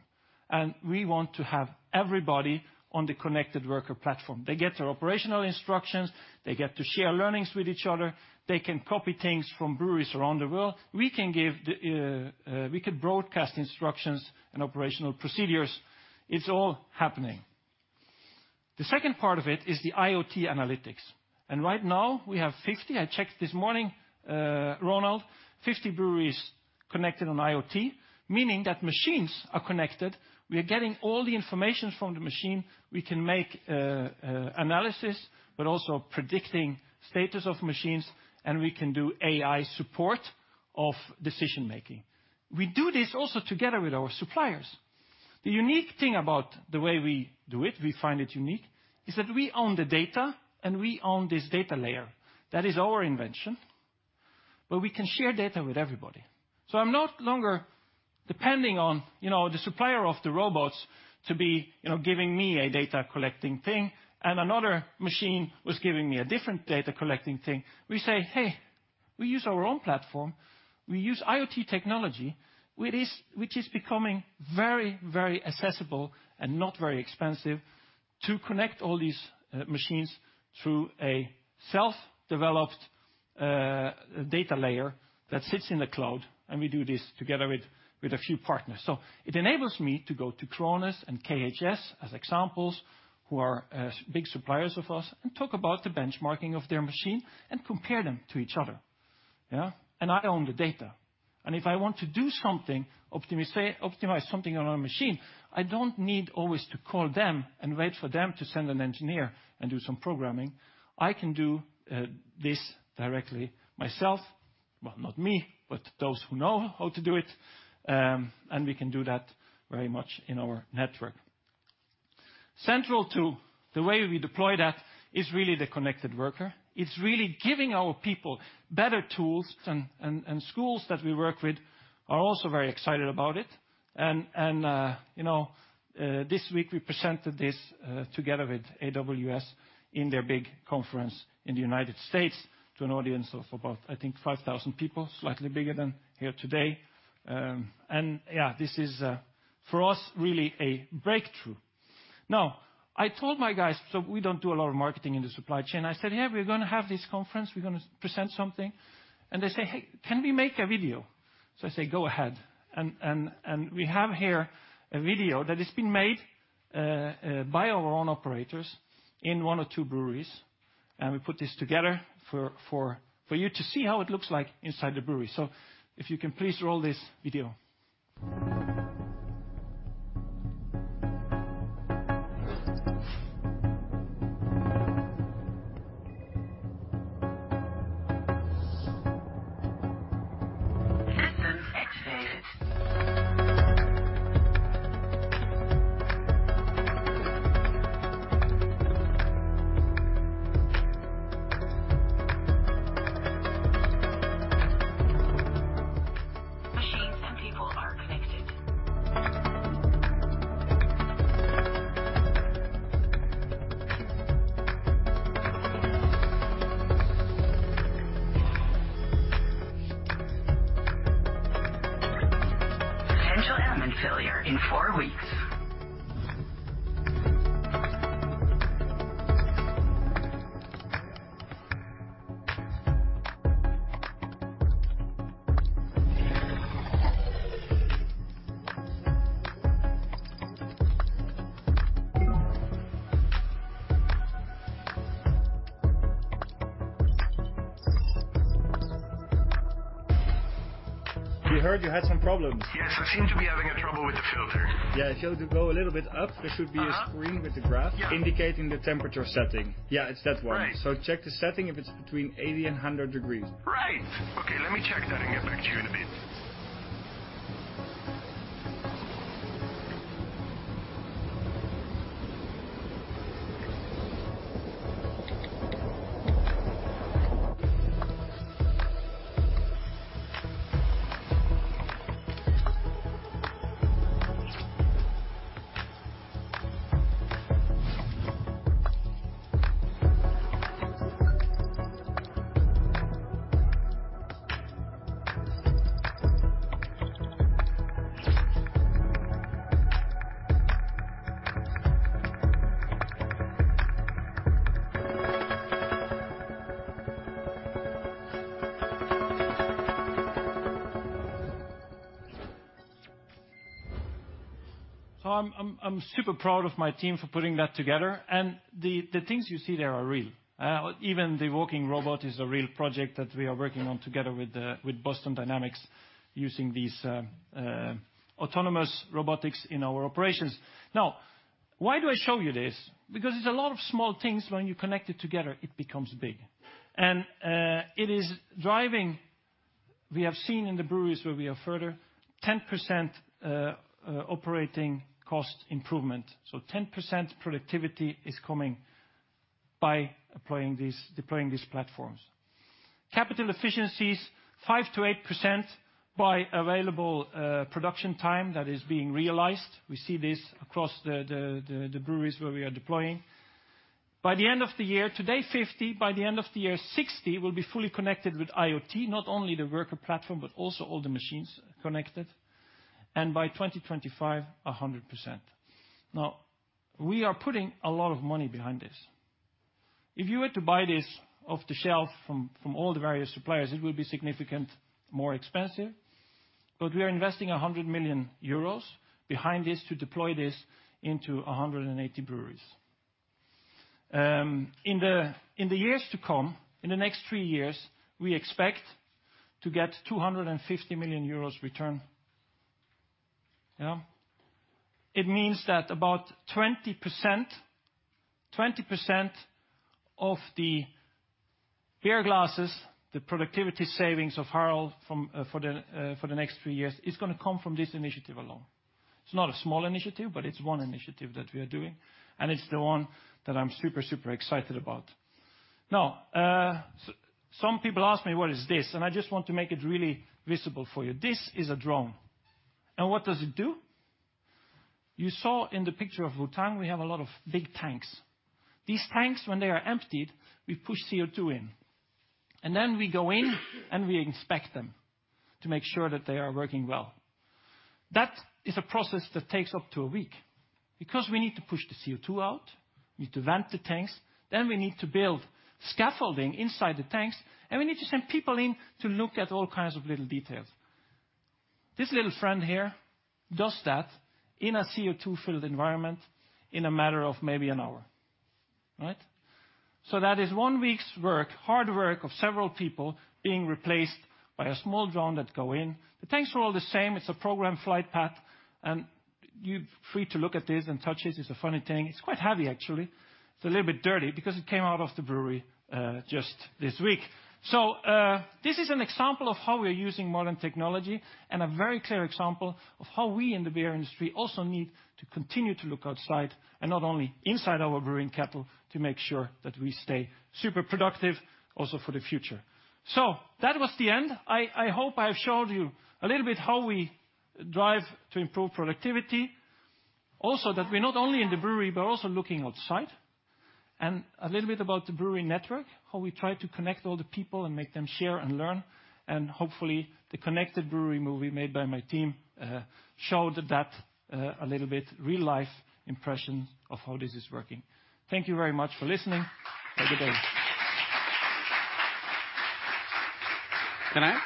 We want to have everybody on the connected worker platform. They get their operational instructions. They get to share learnings with each other. They can copy things from breweries around the world. We could broadcast instructions and operational procedures. It's all happening. The second part of it is the IoT analytics. Right now, we have 50, I checked this morning, Ronald, 50 breweries connected on IoT, meaning that machines are connected. We are getting all the information from the machine. We can make analysis, but also predicting status of machines, and we can do AI support of decision-making. We do this also together with our suppliers. The unique thing about the way we do it, we find it unique, is that we own the data, and we own this data layer. That is our invention. We can share data with everybody. I'm no longer depending on, you know, the supplier of the robots to be, you know, giving me a data collecting thing, and another machine was giving me a different data collecting thing. We say, "Hey, we use our own platform. We use IoT technology, which is becoming very, very accessible and not very expensive to connect all these machines through a self-developed data layer that sits in the cloud, and we do this together with a few partners. It enables me to go to Krones and KHS as examples, who are big suppliers of us, and talk about the benchmarking of their machine and compare them to each other. Yeah. I own the data. If I want to do something, optimize something on a machine, I don't need always to call them and wait for them to send an engineer and do some programming. I can do this directly myself. Well, not me, but those who know how to do it. And we can do that very much in our network. Central to the way we deploy that is really the connected worker. It's really giving our people better tools, and schools that we work with are also very excited about it. you know, this week we presented this together with AWS in their big conference in the United States to an audience of about, I think, 5,000 people, slightly bigger than here today. yeah, this is for us, really a breakthrough. Now, I told my guys, we don't do a lot of marketing in the supply chain. I said, "Hey, we're gonna have this conference, we're gonna present something." They say, "Hey, can we make a video?" So I say, "Go ahead." We have here a video that has been made by our own operators in one or two breweries. We put this together for you to see how it looks like inside the brewery. If you can please roll this video. Systems activated. Machines and people are connected. Potential anomaly failure in 4 weeks. We heard you had some problems. Yes, I seem to be having a trouble with the filter. Yeah, if you go a little bit up, there should be. -a screen with the graph- Yeah. indicating the temperature setting. Yeah, it's that one. Right. Check the setting if it's between 80 and 100 degrees. Right. Okay, let me check that and get back to you in a bit. I'm super proud of my team for putting that together, and the things you see there are real. Even the walking robot is a real project that we are working on together with Boston Dynamics using these autonomous robotics in our operations. Now, why do I show you this? Because it's a lot of small things when you connect it together, it becomes big. We have seen in the breweries where we are further, 10% operating cost improvement. 10% productivity is coming by applying these, deploying these platforms. Capital efficiencies, 5%-8% by available production time that is being realized. We see this across the breweries where we are deploying. By the end of the year, today 50, by the end of the year 60 will be fully connected with IoT, not only the worker platform, but also all the machines connected. By 2025, 100%. We are putting a lot of money behind this. If you were to buy this off the shelf from all the various suppliers, it would be significant, more expensive. We are investing 100 million euros behind this to deploy this into 180 breweries. In the years to come, in the next 3 years, we expect to get 250 million euros return. It means that about 20% of the beer glasses, the productivity savings of Harald for the next three years, is gonna come from this initiative alone. It's not a small initiative, it's one initiative that we are doing, it's the one that I'm super excited about. Now, some people ask me, what is this? I just want to make it really visible for you. This is a drone. What does it do? You saw in the picture of Wuhan, we have a lot of big tanks. These tanks, when they are emptied, we push CO2 in, and then we go in, and we inspect them to make sure that they are working well. That is a process that takes up to a week because we need to push the CO2 out, we need to vent the tanks, then we need to build scaffolding inside the tanks, and we need to send people in to look at all kinds of little details. This little friend here does that in a CO2-filled environment in a matter of maybe one hour. All right? That is one week's work, hard work of several people being replaced by a small drone that go in. The tanks are all the same. It's a program flight path, and you're free to look at this and touch this. It's a funny thing. It's quite heavy, actually. It's a little bit dirty because it came out of the brewery just this week. This is an example of how we're using modern technology and a very clear example of how we in the beer industry also need to continue to look outside and not only inside our brewing kettle to make sure that we stay super productive also for the future. That was the end. I hope I have showed you a little bit how we drive to improve productivity. Also, that we're not only in the brewery, but also looking outside. A little bit about the brewing network, how we try to connect all the people and make them share and learn. Hopefully, the Connected Brewery movie made by my team showed that a little bit real life impressions of how this is working. Thank you very much for listening. Have a good day. Can I?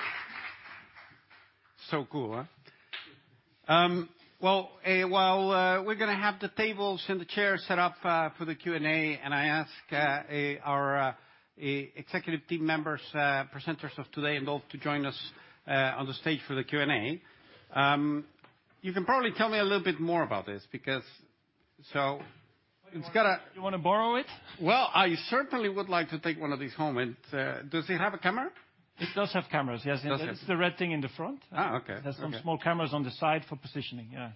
So cool, huh? Well, while we're gonna have the tables and the chairs set up for the Q&A, and I ask our executive team members, presenters of today and all to join us on the stage for the Q&A. You can probably tell me a little bit more about this because, so it's got a- You wanna borrow it? Well, I certainly would like to take one of these home. Does it have a camera? It does have cameras, yes. Does have- It's the red thing in the front. Okay. There's some small cameras on the side for positioning. Yeah.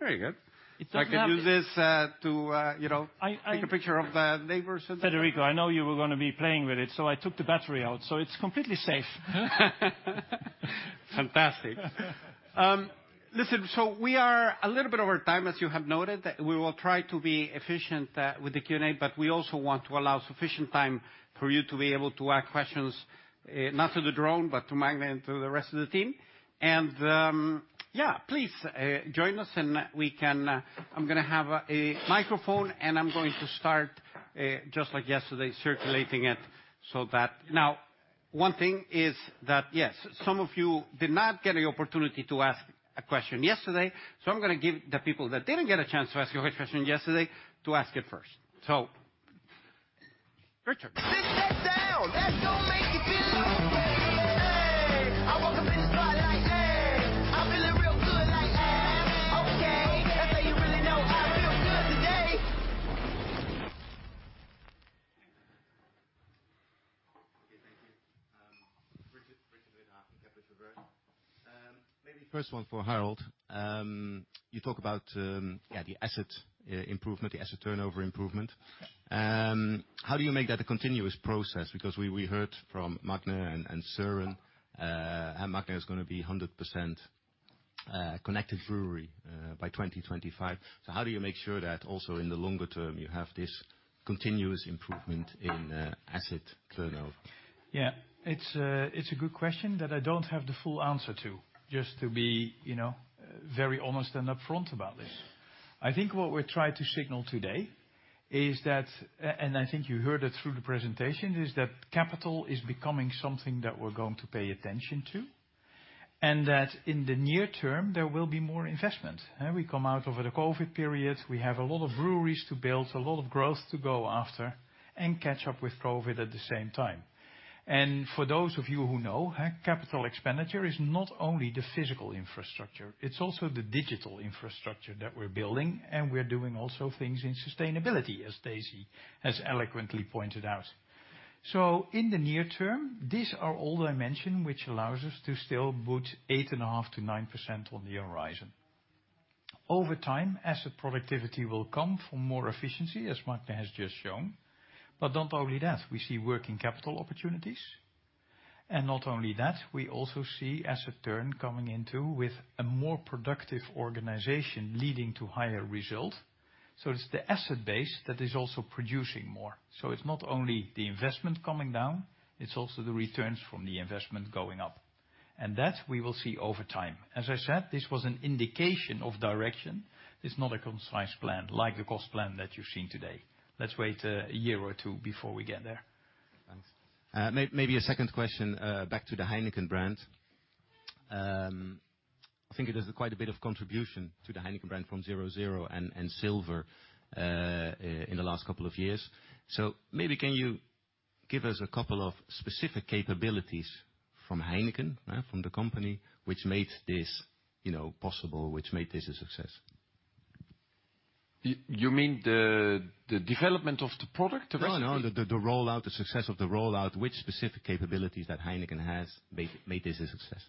Very good. It doesn't have- I can use this to, you know. I, I- take a picture of the neighbors or something. Federico, I know you were gonna be playing with it, so I took the battery out, so it's completely safe. Fantastic. Listen. We are a little bit over time, as you have noted. We will try to be efficient with the Q&A, but we also want to allow sufficient time for you to be able to ask questions, not to the drone, but to Magne and to the rest of the team. Yeah, please join us and we can. I'm gonna have a microphone, and I'm going to start, just like yesterday, circulating it so that. One thing is that, yes, some of you did not get the opportunity to ask a question yesterday. I'm gonna give the people that didn't get a chance to ask you a question yesterday to ask it first. Richard. Okay. Thank you. Richard Maybe first one for Harold. You talk about the asset improvement, the asset turnover improvement. How do you make that a continuous process? We heard from Magne and Soren, how Magne is gonna be 100% connected brewery by 2025. How do you make sure that also in the longer term you have this continuous improvement in asset turnover? It's a good question that I don't have the full answer to, just to be, you know, very honest and upfront about this. I think what we try to signal today is that, and I think you heard it through the presentation, is that capital is becoming something that we're going to pay attention to, and that in the near term, there will be more investment. We come out over the COVID period. We have a lot of breweries to build, a lot of growth to go after and catch up with COVID at the same time. For those of you who know, capital expenditure is not only the physical infrastructure, it's also the digital infrastructure that we're building, and we're doing also things in sustainability, as Daisy has eloquently pointed out. In the near term, these are all dimension which allows us to still put 8.5%-9% on the horizon. Over time, asset productivity will come from more efficiency, as Magne has just shown. Not only that, we see working capital opportunities. Not only that, we also see asset turn coming into with a more productive organization leading to higher result. It's the asset base that is also producing more. It's not only the investment coming down, it's also the returns from the investment going up. That we will see over time. As I said, this was an indication of direction. It's not a concise plan like the cost plan that you've seen today. Let's wait a year or two before we get there. Thanks. Maybe a second question, back to the Heineken brand. I think it is quite a bit of contribution to the Heineken brand from 0.0 and Silver, in the last couple of years. Maybe can you give us a couple of specific capabilities from Heineken, from the company, which made this, you know, possible, which made this a success? You mean the development of the product recipe? No, no. The rollout, the success of the rollout. Which specific capabilities that Heineken has made this a success?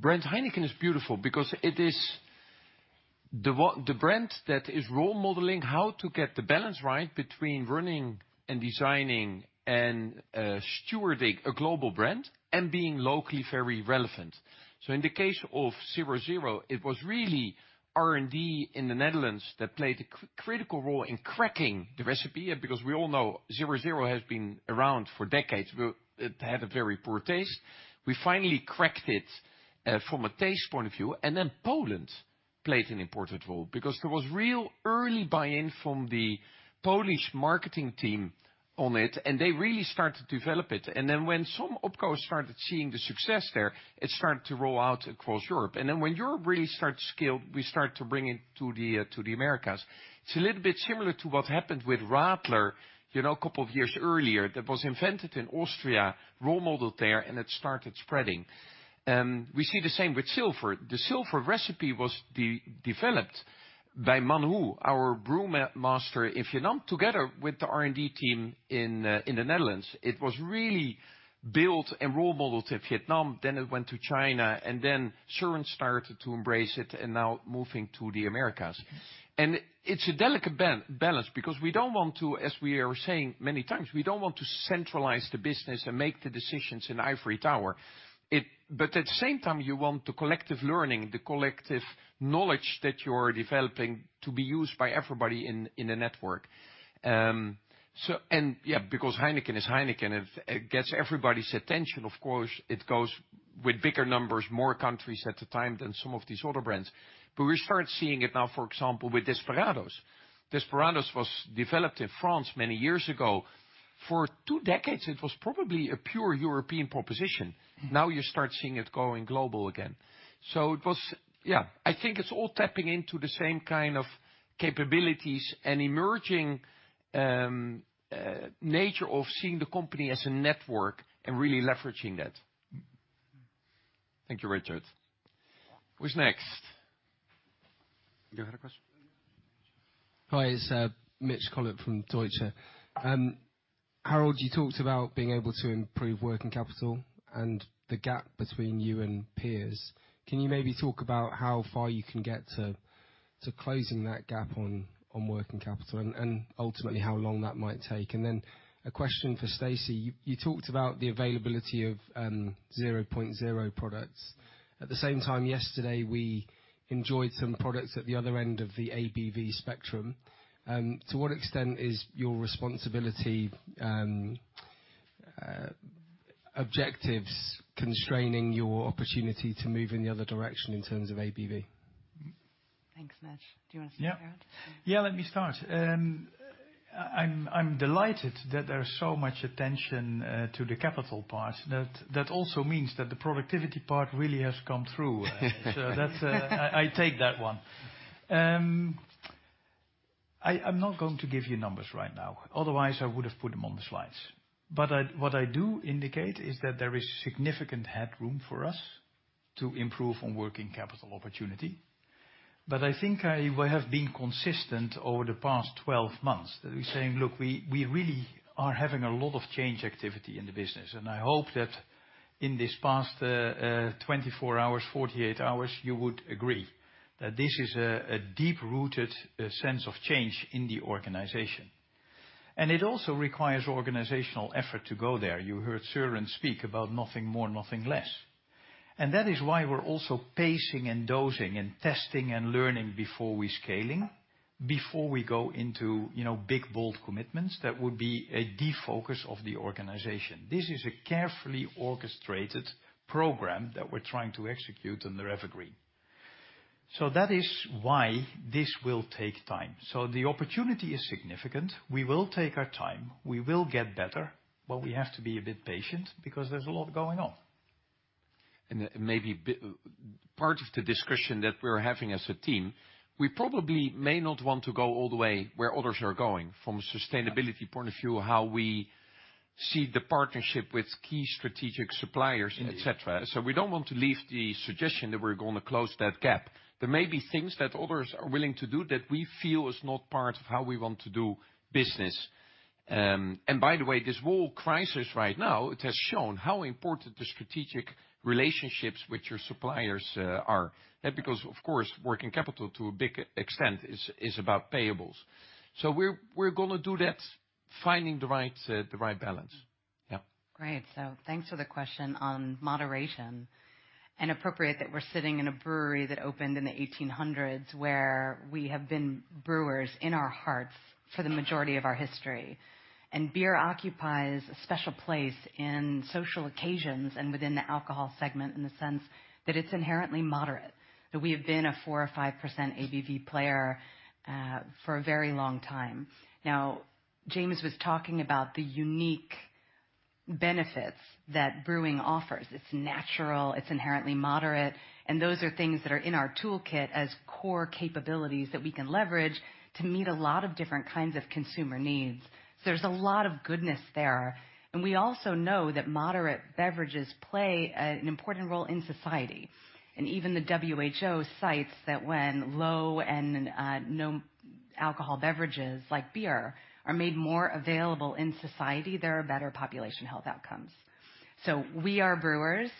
Brand Heineken is beautiful because it is the brand that is role modeling how to get the balance right between running and designing and stewarding a global brand and being locally very relevant. In the case of 0.0, it was really R&D in the Netherlands that played a critical role in cracking the recipe. We all know 0.0 has been around for decades. It had a very poor taste. We finally cracked it from a taste point of view, and then Poland played an important role because there was real early buy-in from the Polish marketing team on it, and they really started to develop it. When some OpCo started seeing the success there, it started to roll out across Europe. Then when Europe really started to scale, we start to bring it to the Americas. It's a little bit similar to what happened with Radler, you know, a couple of years earlier, that was invented in Austria, role modeled there, and it started spreading. We see the same with Silver. The Silver recipe was de-developed by Manhu, our brewmaster in Vietnam, together with the R&D team in the Netherlands. It was really built and role modeled in Vietnam, then it went to China, and then Soren started to embrace it and now moving to the Americas. It's a delicate balance because we don't want to, as we are saying many times, we don't want to centralize the business and make the decisions in ivory tower. At the same time, you want the collective learning, the collective knowledge that you're developing to be used by everybody in a network. Yeah, because Heineken is Heineken, it gets everybody's attention, of course, it goes with bigger numbers, more countries at the time than some of these other brands. We start seeing it now, for example, with Desperados. Desperados was developed in France many years ago. For two decades, it was probably a pure European proposition. Now you start seeing it going global again. Yeah. I think it's all tapping into the same kind of capabilities and emerging, nature of seeing the company as a network and really leveraging that. Thank you, Richard. Who's next? You had a question? Hi, it's Mitch Collett from Deutsche Bank. Harald, you talked about being able to improve working capital and the gap between you and peers. Can you maybe talk about how far you can get to closing that gap on working capital and ultimately how long that might take? A question for Stacey. You talked about the availability of 0.0 products. At the same time, yesterday, we enjoyed some products at the other end of the ABV spectrum. To what extent is your responsibility objectives constraining your opportunity to move in the other direction in terms of ABV? Thanks, Mitch. Do you wanna start, Harald? Yeah. Let me start. I'm delighted that there's so much attention to the capital part. That also means that the productivity part really has come through. That's. I take that one. I'm not going to give you numbers right now, otherwise I would've put them on the slides. What I do indicate is that there is significant headroom for us to improve on working capital opportunity. I think I have been consistent over the past 12 months that we're saying, "Look, we really are having a lot of change activity in the business." I hope that in this past 24 hours, 48 hours, you would agree that this is a deep-rooted sense of change in the organization. It also requires organizational effort to go there. You heard Soren speak about nothing more, nothing less. That is why we're also pacing and dosing and testing and learning before we scaling, before we go into, you know, big, bold commitments that would be a defocus of the organization. This is a carefully orchestrated program that we're trying to execute under EverGreen. That is why this will take time. The opportunity is significant. We will take our time. We will get better, but we have to be a bit patient because there's a lot going on. Maybe part of the discussion that we're having as a team, we probably may not want to go all the way where others are going from a sustainability point of view, how we see the partnership with key strategic suppliers, et cetera. We don't want to leave the suggestion that we're gonna close that gap. There may be things that others are willing to do that we feel is not part of how we want to do business. By the way, this whole crisis right now, it has shown how important the strategic relationships with your suppliers are. Of course, working capital to a big extent is about payables. We're gonna do that, finding the right balance. Yeah. Great. Thanks for the question on moderation. Appropriate that we're sitting in a brewery that opened in the 1800s, where we have been brewers in our hearts for the majority of our history. Beer occupies a special place in social occasions and within the alcohol segment in the sense that it's inherently moderate, that we have been a 4% or 5% ABV player for a very long time. Now, James was talking about the unique benefits that brewing offers. It's natural, it's inherently moderate, and those are things that are in our toolkit as core capabilities that we can leverage to meet a lot of different kinds of consumer needs. There's a lot of goodness there. We also know that moderate beverages play an important role in society. Even the WHO cites that when low and no alcohol beverages like beer are made more available in society, there are better population health outcomes. We are brewers.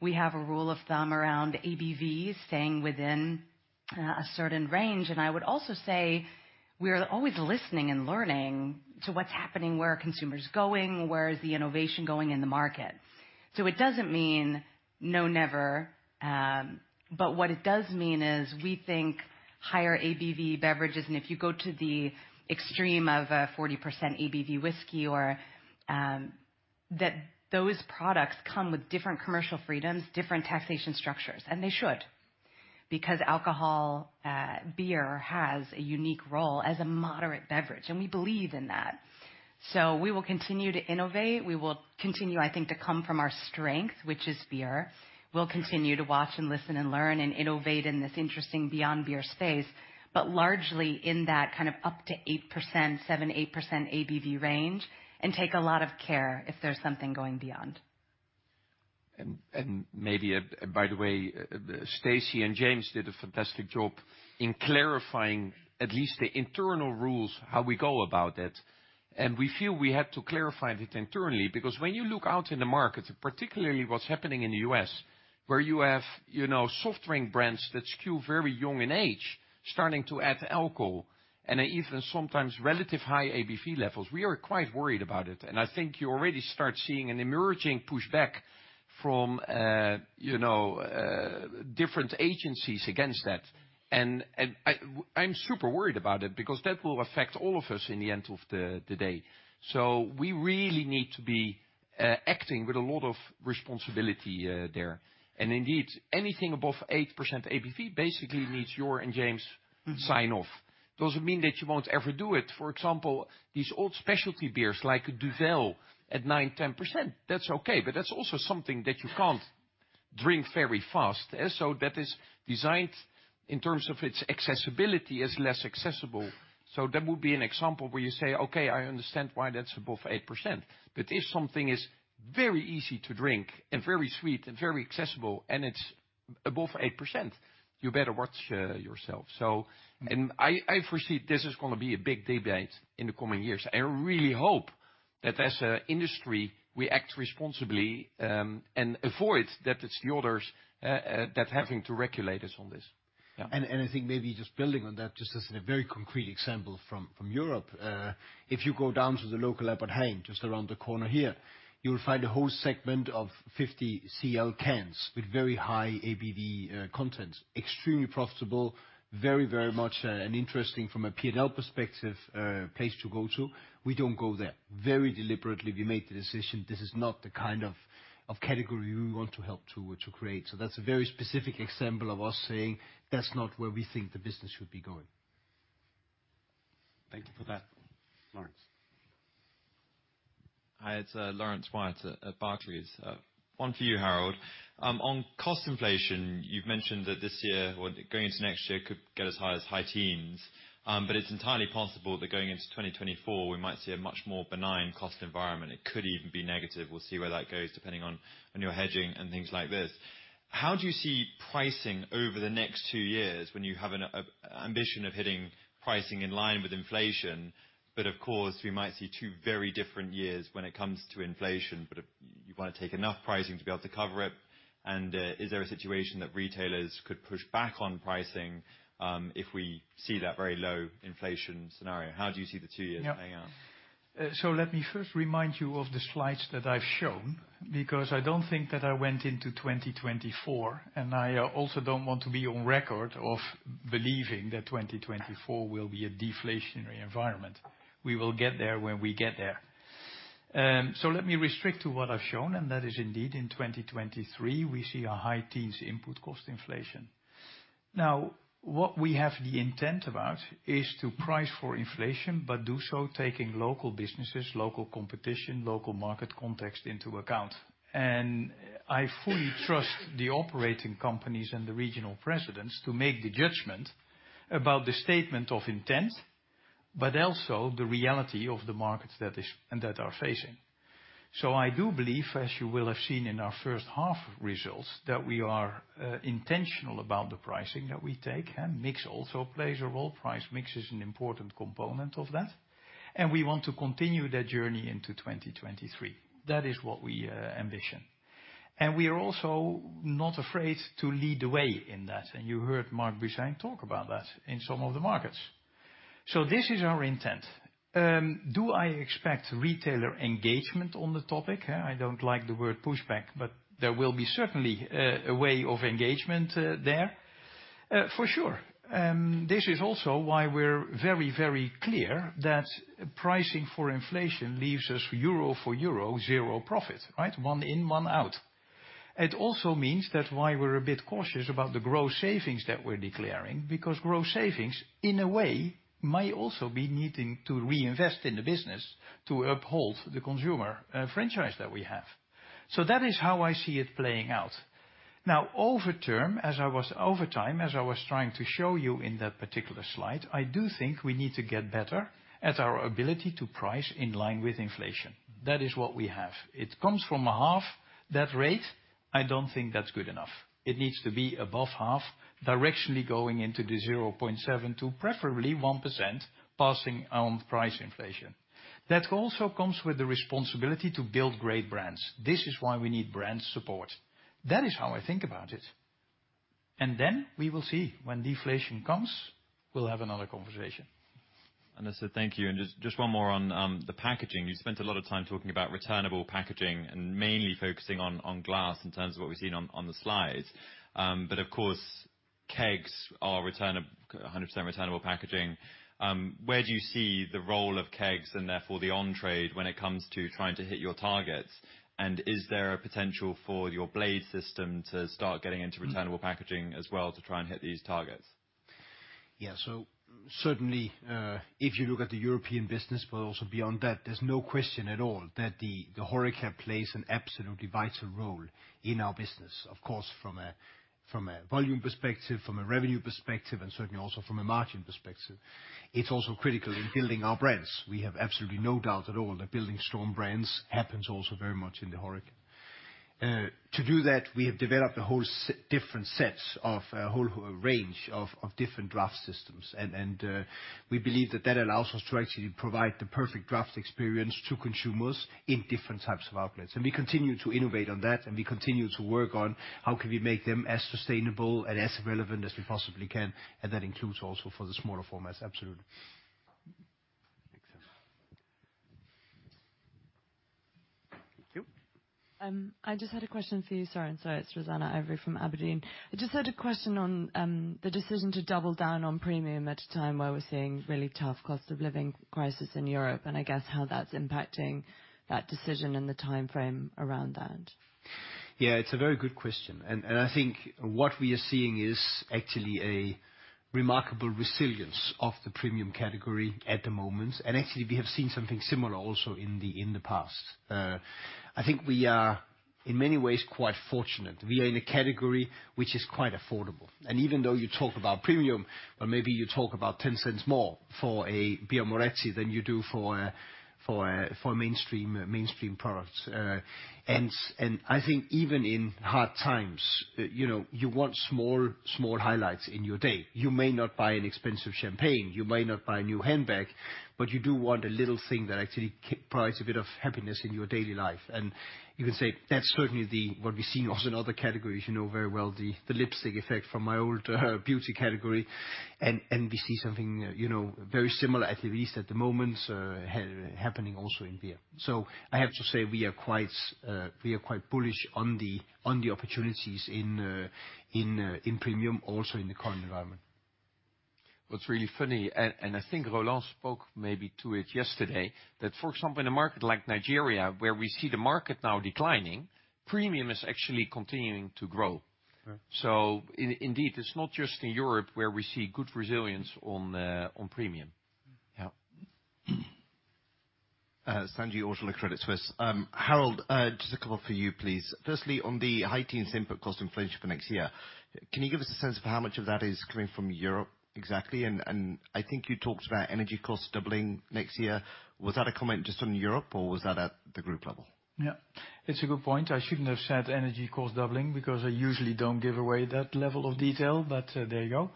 We have a rule of thumb around ABVs staying within a certain range. I would also say we're always listening and learning to what's happening, where are consumers going, where is the innovation going in the market. It doesn't mean, "No, never." What it does mean is we think higher ABV beverages, and if you go to the extreme of a 40% ABV whiskey or that those products come with different commercial freedoms, different taxation structures, and they should, because alcohol, beer has a unique role as a moderate beverage, and we believe in that. We will continue to innovate. We will continue, I think, to come from our strength, which is beer. We'll continue to watch and listen and learn and innovate in this interesting beyond beer space, but largely in that kind of up to 8%, 7%, 8% ABV range and take a lot of care if there's something going beyond. Maybe, by the way, Stacy and James did a fantastic job in clarifying at least the internal rules, how we go about it. We feel we have to clarify it internally, because when you look out in the market, particularly what's happening in the U.S., where you have, you know, soft drink brands that skew very young in age, starting to add alcohol and even sometimes relative high ABV levels, we are quite worried about it. I think you already start seeing an emerging pushback from, you know, different agencies against that. I'm super worried about it because that will affect all of us in the end of the day. We really need to be acting with a lot of responsibility there. Indeed, anything above 8% ABV basically needs your and James' sign off. Doesn't mean that you won't ever do it. For example, these old specialty beers like Duvel at 9%, 10%, that's okay, that's also something that you can't drink very fast. That is designed in terms of its accessibility as less accessible. That would be an example where you say, "Okay, I understand why that's above 8%." If something is Very easy to drink and very sweet and very accessible, and it's above 8%. You better watch yourself. I foresee this is gonna be a big debate in the coming years. I really hope that as a industry, we act responsibly and avoid that it's the others that having to regulate us on this. Yeah. I think maybe just building on that, just as a very concrete example from Europe, if you go down to the local Albert Heijn, just around the corner here, you'll find a whole segment of 50 CL cans with very high ABV content. Extremely profitable, very much an interesting from a P&L perspective place to go to. We don't go there. Very deliberately, we made the decision. This is not the kind of category we want to help to create. That's a very specific example of us saying, "That's not where we think the business should be going. Thank you for that, Laurence. Hi, it's Laurence Whyatt at Barclays. One for you, Harald. On cost inflation, you've mentioned that this year or going into next year could get as high as high teens. It's entirely possible that going into 2024 we might see a much more benign cost environment. It could even be negative. We'll see where that goes, depending on your hedging and things like this. How do you see pricing over the next two years when you have an ambition of hitting pricing in line with inflation, but of course, we might see two very different years when it comes to inflation, but you wanna take enough pricing to be able to cover it. Is there a situation that retailers could push back on pricing if we see that very low inflation scenario? How do you see the two years playing out? Yeah. Let me first remind you of the slides that I've shown, because I don't think that I went into 2024, and I also don't want to be on record of believing that 2024 will be a deflationary environment. We will get there when we get there. Let me restrict to what I've shown, and that is indeed in 2023, we see a high teens input cost inflation. Now, what we have the intent about is to price for inflation, but do so taking local businesses, local competition, local market context into account. I fully trust the operating companies and the regional presidents to make the judgment about the statement of intent, but also the reality of the markets that are facing. I do believe, as you will have seen in our first half results, that we are intentional about the pricing that we take, and mix also plays a role. Price mix is an important component of that, and we want to continue that journey into 2023. That is what we ambition. And we are also not afraid to lead the way in that, and you heard Marc Busain talk about that in some of the markets. This is our intent. Do I expect retailer engagement on the topic? I don't like the word pushback, but there will be certainly a way of engagement there. For sure. This is also why we're very, very clear that pricing for inflation leaves us euro for euro zero profit, right? One in, one out. It also means that's why we're a bit cautious about the gross savings that we're declaring, because gross savings, in a way, might also be needing to reinvest in the business to uphold the consumer franchise that we have. That is how I see it playing out. Over time, as I was trying to show you in that particular slide, I do think we need to get better at our ability to price in line with inflation. That is what we have. It comes from a half that rate. I don't think that's good enough. It needs to be above half, directionally going into the 0.7 to preferably 1%, passing on price inflation. That also comes with the responsibility to build great brands. This is why we need brand support. That is how I think about it. We will see when deflation comes, we'll have another conversation. I said thank you. Just one more on the packaging. You spent a lot of time talking about returnable packaging and mainly focusing on glass in terms of what we've seen on the slides. Of course, kegs are 100% returnable packaging. Where do you see the role of kegs and therefore the on-trade when it comes to trying to hit your targets? Is there a potential for your Blade system to start getting into returnable packaging as well to try and hit these targets? Certainly, if you look at the European business, but also beyond that, there's no question at all that the HORECA plays an absolutely vital role in our business. Of course, from a volume perspective, from a revenue perspective, and certainly also from a margin perspective. It's also critical in building our brands. We have absolutely no doubt at all that building strong brands happens also very much in the HORECA. To do that, we have developed a whole different sets of a whole range of different draft systems. And we believe that that allows us to actually provide the perfect draft experience to consumers in different types of outlets. We continue to innovate on that, and we continue to work on how can we make them as sustainable and as relevant as we possibly can, and that includes also for the smaller formats. Absolutely. Thanks. Thank you. I just had a question for you, Soren, sorry. It's Roseanna Ivory from aberdeen. I just had a question on the decision to double down on premium at a time where we're seeing really tough cost of living crisis in Europe, and I guess how that's impacting that decision and the timeframe around that. Yeah, it's a very good question. I think what we are seeing is actually a remarkable resilience of the premium category at the moment. Actually, we have seen something similar also in the past. I think we are in many ways, quite fortunate. We are in a category which is quite affordable, and even though you talk about premium, or maybe you talk about 0.10 more for a Birra Moretti than you do for a mainstream product. I think even in hard times, you know, you want small highlights in your day. You may not buy an expensive champagne, you might not buy a new handbag, but you do want a little thing that actually provides a bit of happiness in your daily life. You can say that's certainly the what we see also in other categories, you know very well, the lipstick effect from my old beauty category. We see something, you know, very similar, at least at the moment, happening also in beer. I have to say we are quite, we are quite bullish on the opportunities in premium also in the current environment. What's really funny, and I think Roland spoke maybe to it yesterday, that for example, in a market like Nigeria where we see the market now declining, premium is actually continuing to grow. Right. Indeed, it's not just in Europe where we see good resilience on premium. Yeah. Sanjeet Aujla, Credit Suisse. Harald, just a couple for you, please. Firstly, on the high teens input cost inflation for next year, can you give us a sense for how much of that is coming from Europe exactly, and I think you talked about energy costs doubling next year. Was that a comment just on Europe or was that at the group level? Yeah, it's a good point. I shouldn't have said energy costs doubling because I usually don't give away that level of detail, but there you go.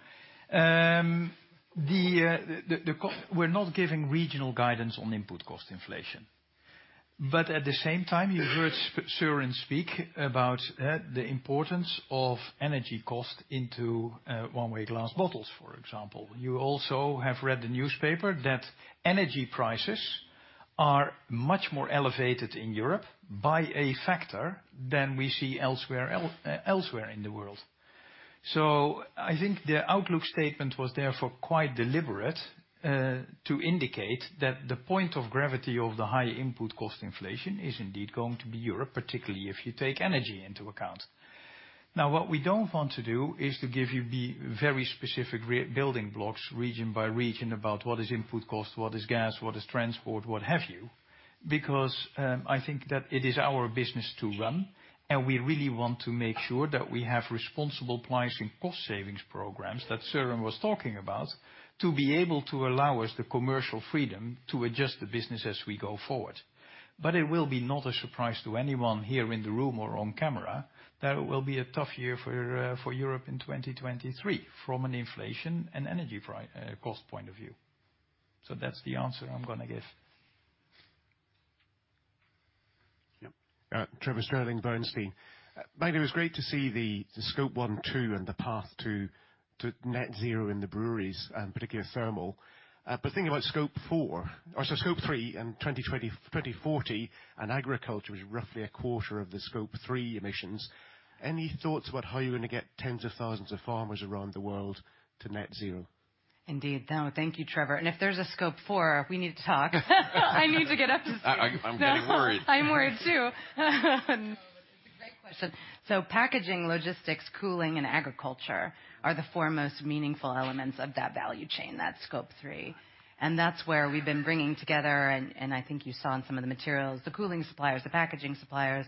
We're not giving regional guidance on input cost inflation. At the same time, you heard Soren speak about the importance of energy cost into one-way glass bottles, for example. You also have read the newspaper that energy prices are much more elevated in Europe by a factor than we see elsewhere in the world. I think the outlook statement was therefore quite deliberate to indicate that the point of gravity of the high input cost inflation is indeed going to be Europe, particularly if you take energy into account. What we don't want to do is to give you the very specific re-building blocks region by region about what is input cost, what is gas, what is transport, what have you, because, I think that it is our business to run, and we really want to make sure that we have responsible pricing cost savings programs that Soren was talking about to be able to allow us the commercial freedom to adjust the business as we go forward. It will be not a surprise to anyone here in the room or on camera that it will be a tough year for Europe in 2023 from an inflation and energy cost point of view. That's the answer I'm gonna give. Yeah. Trevor Stirling, Bernstein. By the way, it was great to see the Scope one, two and the path to net zero in the breweries, particularly thermal. Thinking about Scope three in 2020, 2040, and agriculture was roughly a quarter of the Scope three emissions. Any thoughts about how you're gonna get tens of thousands of farmers around the world to net zero? Indeed. No, thank you, Trevor. If there's a Scope four, we need to talk. I need to get up to six. I'm getting worried. I'm worried, too. It's a great question. Packaging, logistics, cooling and agriculture are the foremost meaningful elements of that value chain, that Scope three. That's where we've been bringing together, I think you saw in some of the materials, the cooling suppliers, the packaging suppliers,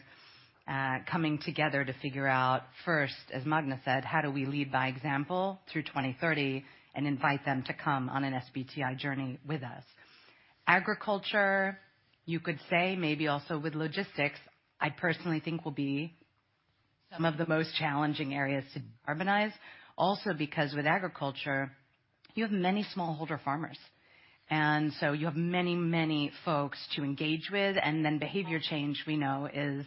coming together to figure out first, as Magda said, how do we lead by example through 2030 and invite them to come on an SBTI journey with us. Agriculture, you could say maybe also with logistics, I personally think will be some of the most challenging areas to decarbonize. Because with agriculture you have many smallholder farmers, and so you have many folks to engage with. Behavior change we know is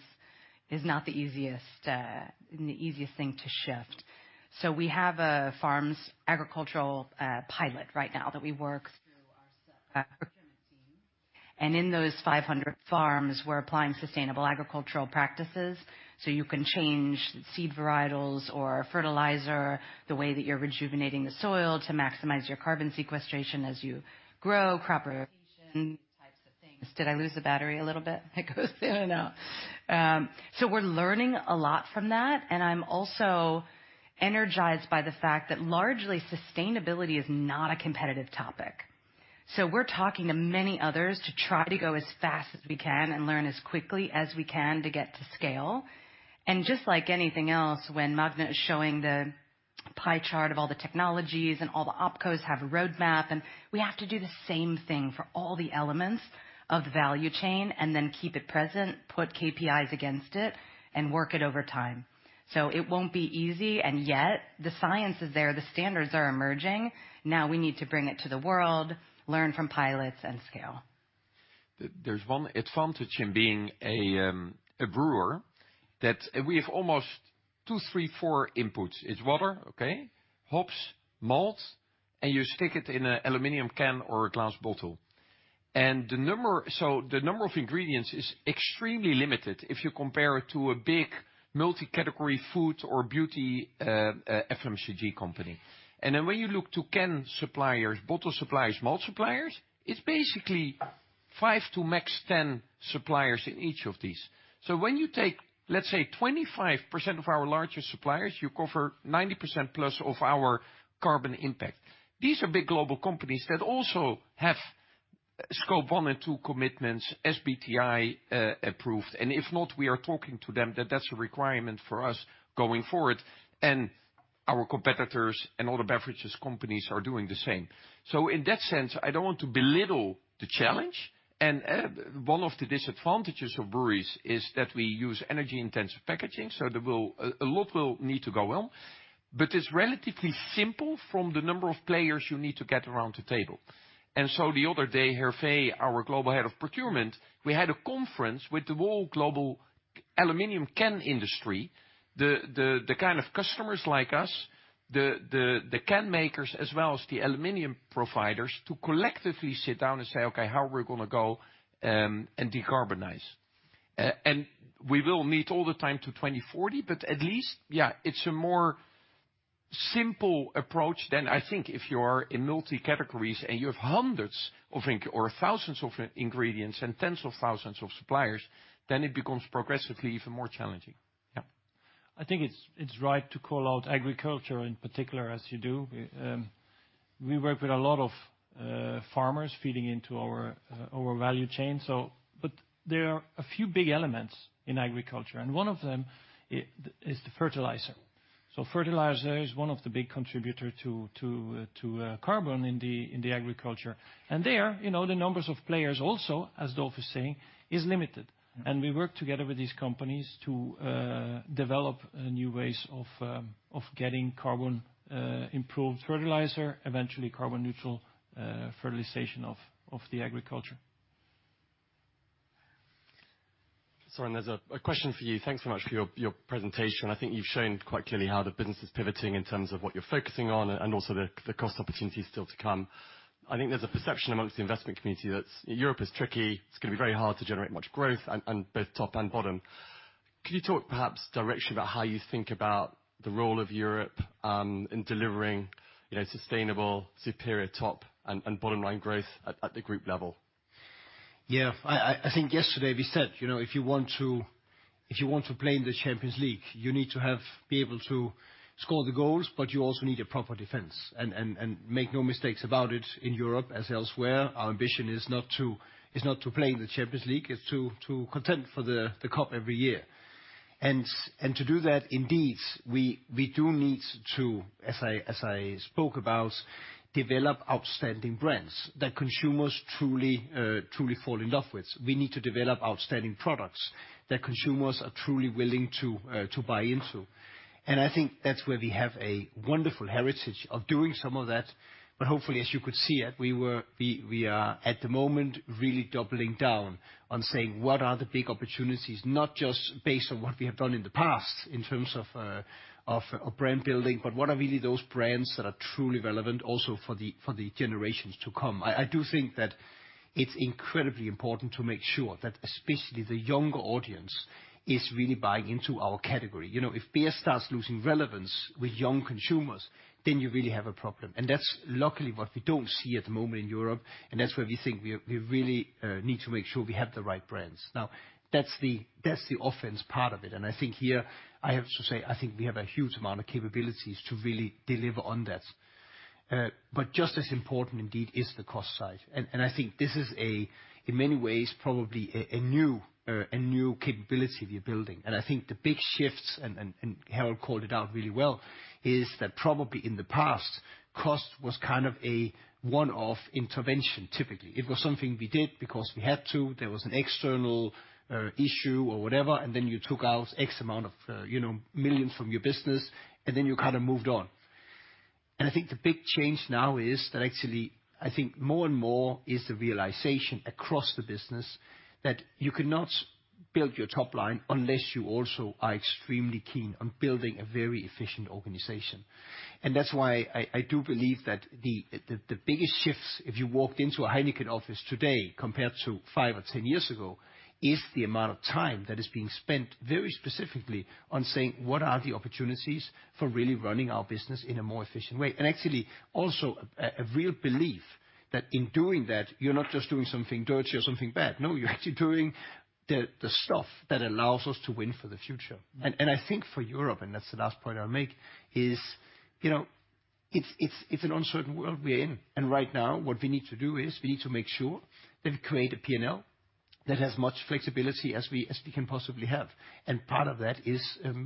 not the easiest thing to shift. We have a farms agricultural pilot right now that we work through our team. In those 500 farms, we're applying sustainable agricultural practices, so you can change seed varietals or fertilizer the way that you're rejuvenating the soil to maximize your carbon sequestration as you grow crop rotation types of things. Did I lose the battery a little bit? It goes in and out. We're learning a lot from that, and I'm also energized by the fact that largely sustainability is not a competitive topic. We're talking to many others to try to go as fast as we can and learn as quickly as we can to get to scale. Just like anything else, when Magda is showing the pie chart of all the technologies and all the OpCos have a roadmap, and we have to do the same thing for all the elements of the value chain and then keep it present, put KPIs against it and work it over time. It won't be easy, and yet the science is there, the standards are emerging. Now we need to bring it to the world, learn from pilots and scale. There's one advantage in being a brewer that we have almost two, three, four inputs. It's water, hops, malt, and you stick it in an aluminum can or a glass bottle. The number of ingredients is extremely limited if you compare it to a big multi-category food or beauty FMCG company. When you look to can suppliers, bottle suppliers, malt suppliers, it's basically five to max 10 suppliers in each of these. When you take, let's say 25% of our larger suppliers, you cover 90% plus of our carbon impact. These are big global companies that also have. Scope one and two commitments SBTI approved. If not, we are talking to them that that's a requirement for us going forward, and our competitors and all the beverages companies are doing the same. In that sense, I don't want to belittle the challenge. One of the disadvantages of breweries is that we use energy-intensive packaging, so a lot will need to go well. It's relatively simple from the number of players you need to get around the table. The other day, Hervé, our global head of procurement, we had a conference with the whole global aluminum can industry, the kind of customers like us, the can makers as well as the aluminum providers, to collectively sit down and say, "Okay, how are we gonna go and decarbonize?" We will meet all the time to 2040, but at least, yeah, it's a more simple approach than I think if you are in multi-categories and you have hundreds or thousands of ingredients and tens of thousands of suppliers, then it becomes progressively even more challenging. Yeah. I think it's right to call out agriculture in particular as you do. We work with a lot of farmers feeding into our our value chain. But there are a few big elements in agriculture, and one of them is the fertilizer. Fertilizer is one of the big contributor to carbon in the in the agriculture. There, you know, the numbers of players also, as Dolf is saying, is limited. We work together with these companies to develop new ways of getting carbon improved fertilizer, eventually carbon neutral fertilization of the agriculture. Soren, there's a question for you. Thanks so much for your presentation. I think you've shown quite clearly how the business is pivoting in terms of what you're focusing on and also the cost opportunities still to come. I think there's a perception amongst the investment community that Europe is tricky, it's gonna be very hard to generate much growth on both top and bottom. Can you talk perhaps directly about how you think about the role of Europe, in delivering, you know, sustainable, superior top and bottom line growth at the group level? Yeah. I think yesterday we said, you know, if you want to play in the Champions League, you need to be able to score the goals, but you also need a proper defense. Make no mistakes about it in Europe as elsewhere, our ambition is not to play in the Champions League, it's to contend for the cup every year. To do that, indeed, we do need to, as I spoke about, develop outstanding brands that consumers truly fall in love with. We need to develop outstanding products that consumers are truly willing to buy into. I think that's where we have a wonderful heritage of doing some of that. Hopefully, as you could see, we are at the moment, really doubling down on saying, what are the big opportunities, not just based on what we have done in the past in terms of brand building, but what are really those brands that are truly relevant also for the generations to come. I do think that it's incredibly important to make sure that especially the younger audience is really buying into our category. You know, if beer starts losing relevance with young consumers, then you really have a problem. That's luckily what we don't see at the moment in Europe, and that's where we think we really need to make sure we have the right brands. That's the offense part of it. I think here, I have to say, I think we have a huge amount of capabilities to really deliver on that. Just as important indeed is the cost side. I think this is a in many ways, probably a new capability we're building. I think the big shifts, and Harold called it out really well, is that probably in the past, cost was kind of a one-off intervention, typically. It was something we did because we had to. There was an external issue or whatever, and then you took out X amount of million from your business, and then you kind of moved on. I think the big change now is that actually, I think more and more is the realization across the business that you cannot build your top line unless you also are extremely keen on building a very efficient organization. That's why I do believe that the, the biggest shifts if you walked into a Heineken office today compared to five or 10 years ago, is the amount of time that is being spent very specifically on saying, "What are the opportunities for really running our business in a more efficient way?" Actually, also a real belief that in doing that, you're not just doing something dirty or something bad. No, you're actually doing the stuff that allows us to win for the future. I think for Europe, and that's the last point I'll make, is, you know, it's an uncertain world we're in. Right now, what we need to do is we need to make sure that we create a P&L that has much flexibility as we can possibly have. Part of that is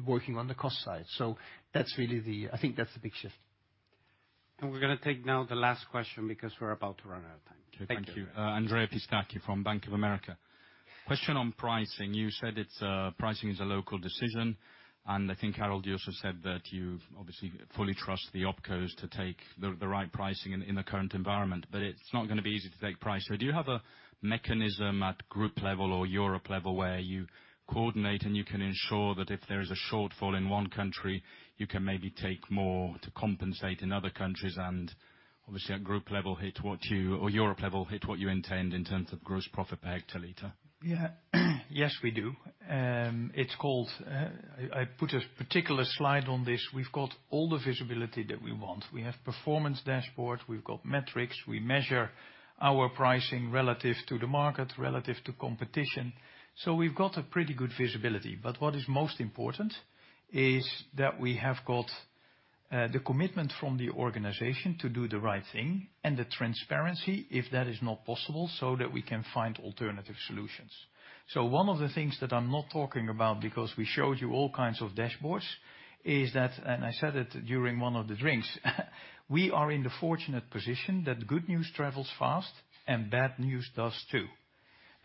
working on the cost side. That's really I think that's the big shift. We're gonna take now the last question because we're about to run out of time. Thank you. Okay, thank you. Andrea Pistacchi from Bank of America. Question on pricing. You said it's pricing is a local decision, and I think, Harold, you also said that you obviously fully trust the OpCos to take the right pricing in the current environment. It's not gonna be easy to take price. Do you have a mechanism at group level or Europe level where you coordinate and you can ensure that if there is a shortfall in one country, you can maybe take more to compensate in other countries, and obviously at group level hit or Europe level, hit what you intend in terms of gross profit per hectoliter? Yes, we do. It's called, I put a particular slide on this. We've got all the visibility that we want. We have performance dashboard, we've got metrics, we measure our pricing relative to the market, relative to competition. We've got a pretty good visibility. What is most important is that we have got- The commitment from the organization to do the right thing and the transparency if that is not possible, so that we can find alternative solutions. One of the things that I'm not talking about, because we showed you all kinds of dashboards, is that, and I said it during one of the drinks, we are in the fortunate position that good news travels fast and bad news does too.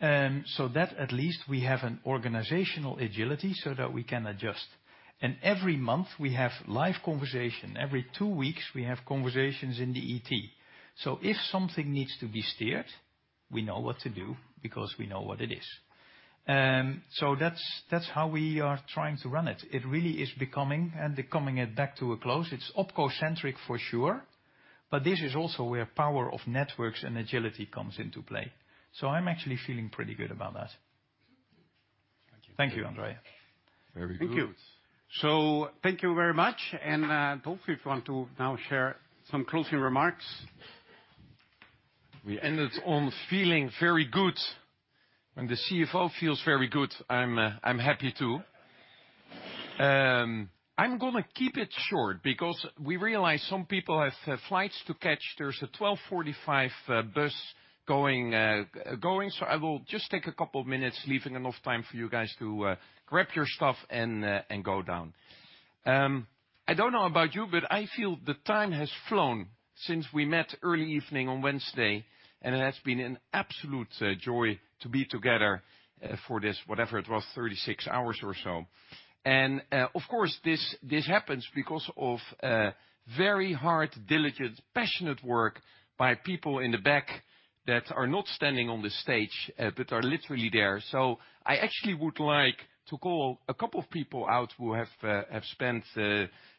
That's at least we have an organizational agility so that we can adjust. Every month we have live conversation. Every two weeks we have conversations in the ET. If something needs to be steered, we know what to do because we know what it is. That's, that's how we are trying to run it. It really is becoming and becoming it back to a close. It's OpCo-centric for sure, but this is also where power of networks and agility comes into play. I'm actually feeling pretty good about that. Thank you, Andrea. Very good. Thank you. Thank you very much. Dolf, if you want to now share some closing remarks. We ended on feeling very good. When the CFO feels very good, I'm happy too. I'm gonna keep it short because we realize some people have flights to catch. There's a 12:45 bus going, so I will just take a couple of minutes, leaving enough time for you guys to grab your stuff and go down. I don't know about you, but I feel the time has flown since we met early evening on Wednesday, and it has been an absolute joy to be together for this, whatever it was, 36 hours or so. Of course, this happens because of very hard, diligent, passionate work by people in the back that are not standing on the stage, but are literally there. I actually would like to call a couple of people out who have spent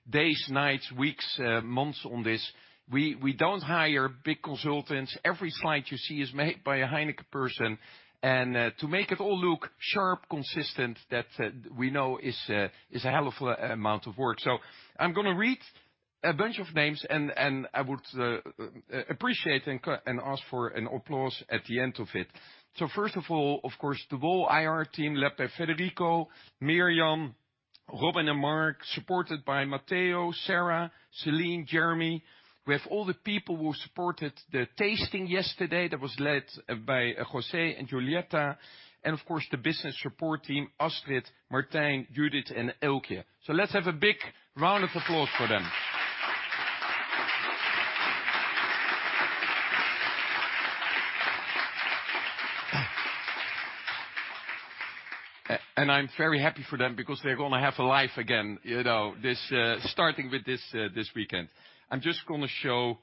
days, nights, weeks, months on this. We don't hire big consultants. Every slide you see is made by a Heineken person. To make it all look sharp, consistent, that we know is a hell of a amount of work. I'm gonna read a bunch of names and I would appreciate and ask for an applause at the end of it. First of all, of course, the whole IR team led by Federico, Miriam, Robin and Mark, supported by Matteo, Sarah, Celine, Jeremy, with all the people who supported the tasting yesterday that was led by José and Julietta, and of course, the business support team, Astrid, Martijn, Judith and Elke. Let's have a big round of applause for them. I'm very happy for them because they're gonna have a life again, you know, this starting with this weekend. I'm just gonna show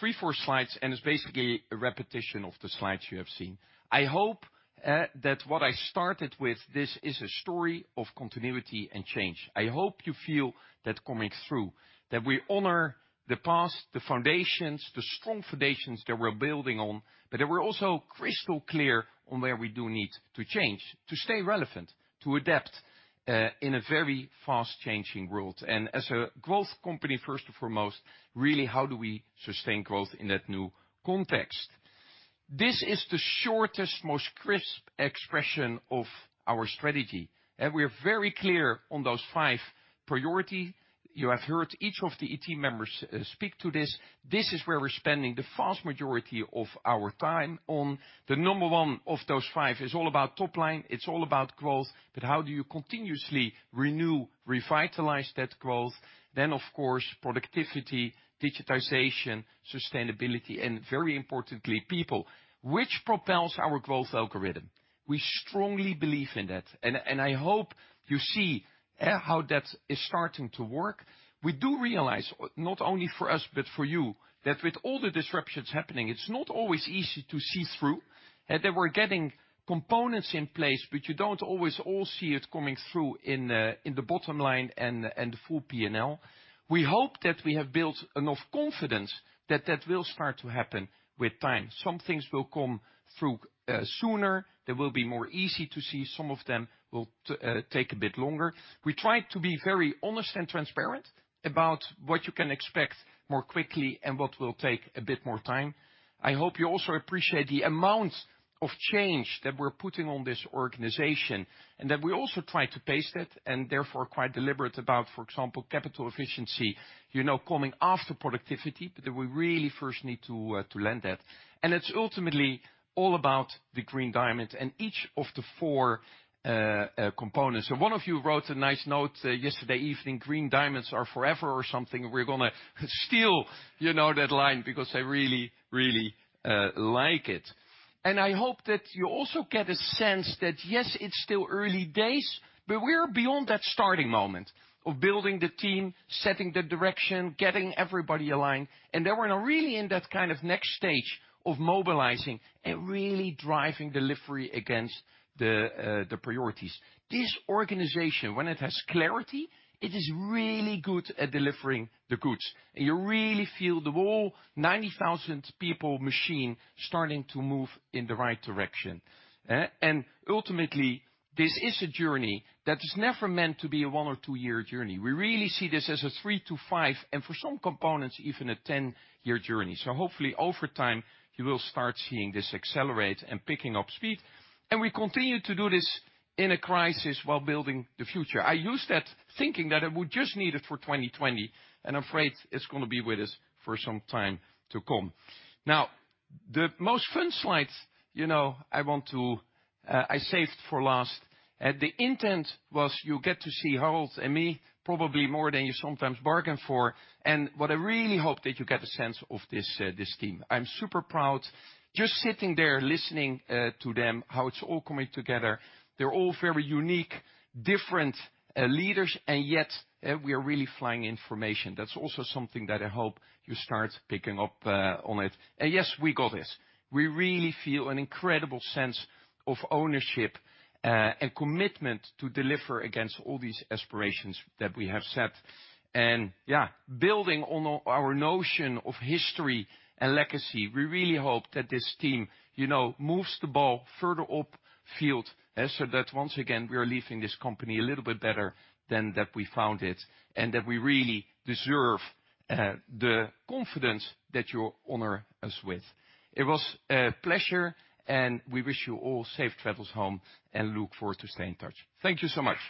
three, four slides, and it's basically a repetition of the slides you have seen. I hope that what I started with, this is a story of continuity and change. I hope you feel that coming through, that we honor the past, the foundations, the strong foundations that we're building on, but that we're also crystal clear on where we do need to change, to stay relevant, to adapt in a very fast-changing world. As a growth company, first and foremost, really, how do we sustain growth in that new context? This is the shortest, most crisp expression of our strategy. We're very clear on those five priority. You have heard each of the ET members speak to this. This is where we're spending the vast majority of our time on. The number one of those five is all about top line. It's all about growth. How do you continuously renew, revitalize that growth? Of course, productivity, digitization, sustainability, and very importantly, people, which propels our growth algorithm. We strongly believe in that. I hope you see how that is starting to work. We do realize, not only for us, but for you, that with all the disruptions happening, it's not always easy to see through. We're getting components in place, but you don't always all see it coming through in the bottom line and the full P&L. We hope that we have built enough confidence that that will start to happen with time. Some things will come through sooner, they will be more easy to see. Some of them will take a bit longer. We try to be very honest and transparent about what you can expect more quickly and what will take a bit more time. I hope you also appreciate the amount of change that we're putting on this organization, and that we also try to pace it and therefore quite deliberate about, for example, capital efficiency, you know, coming after productivity, but that we really first need to lend that. It's ultimately all about the Green Diamond and each of the four components. One of you wrote a nice note yesterday evening, "Green Diamonds are forever," or something. We're gonna steal, you know, that line because I really, really like it. I hope that you also get a sense that, yes, it's still early days, but we're beyond that starting moment of building the team, setting the direction, getting everybody aligned. That we're now really in that kind of next stage of mobilizing and really driving delivery against the priorities. This organization, when it has clarity, it is really good at delivering the goods. You really feel the whole 90,000 people machine starting to move in the right direction. Ultimately, this is a journey that is never meant to be a one or two year journey. We really see this as a three to, and for some components, even a 10-year journey. Hopefully over time, you will start seeing this accelerate and picking up speed. We continue to do this in a crisis while building the future. I use that thinking that I would just need it for 2020, and I'm afraid it's gonna be with us for some time to come. The most fun slides, you know, I want to, I saved for last. The intent was you get to see Harold and me probably more than you sometimes bargain for, and what I really hope that you get a sense of this team. I'm super proud just sitting there listening to them, how it's all coming together. They're all very unique, different, leaders, and yet, we are really flying in formation. That's also something that I hope you start picking up on it. Yes, we got this. We really feel an incredible sense of ownership and commitment to deliver against all these aspirations that we have set. Building on our notion of history and legacy, we really hope that this team, you know, moves the ball further up field, so that once again, we are leaving this company a little bit better than that we found it, and that we really deserve the confidence that you honor us with. It was a pleasure. We wish you all safe travels home and look forward to stay in touch. Thank you so much.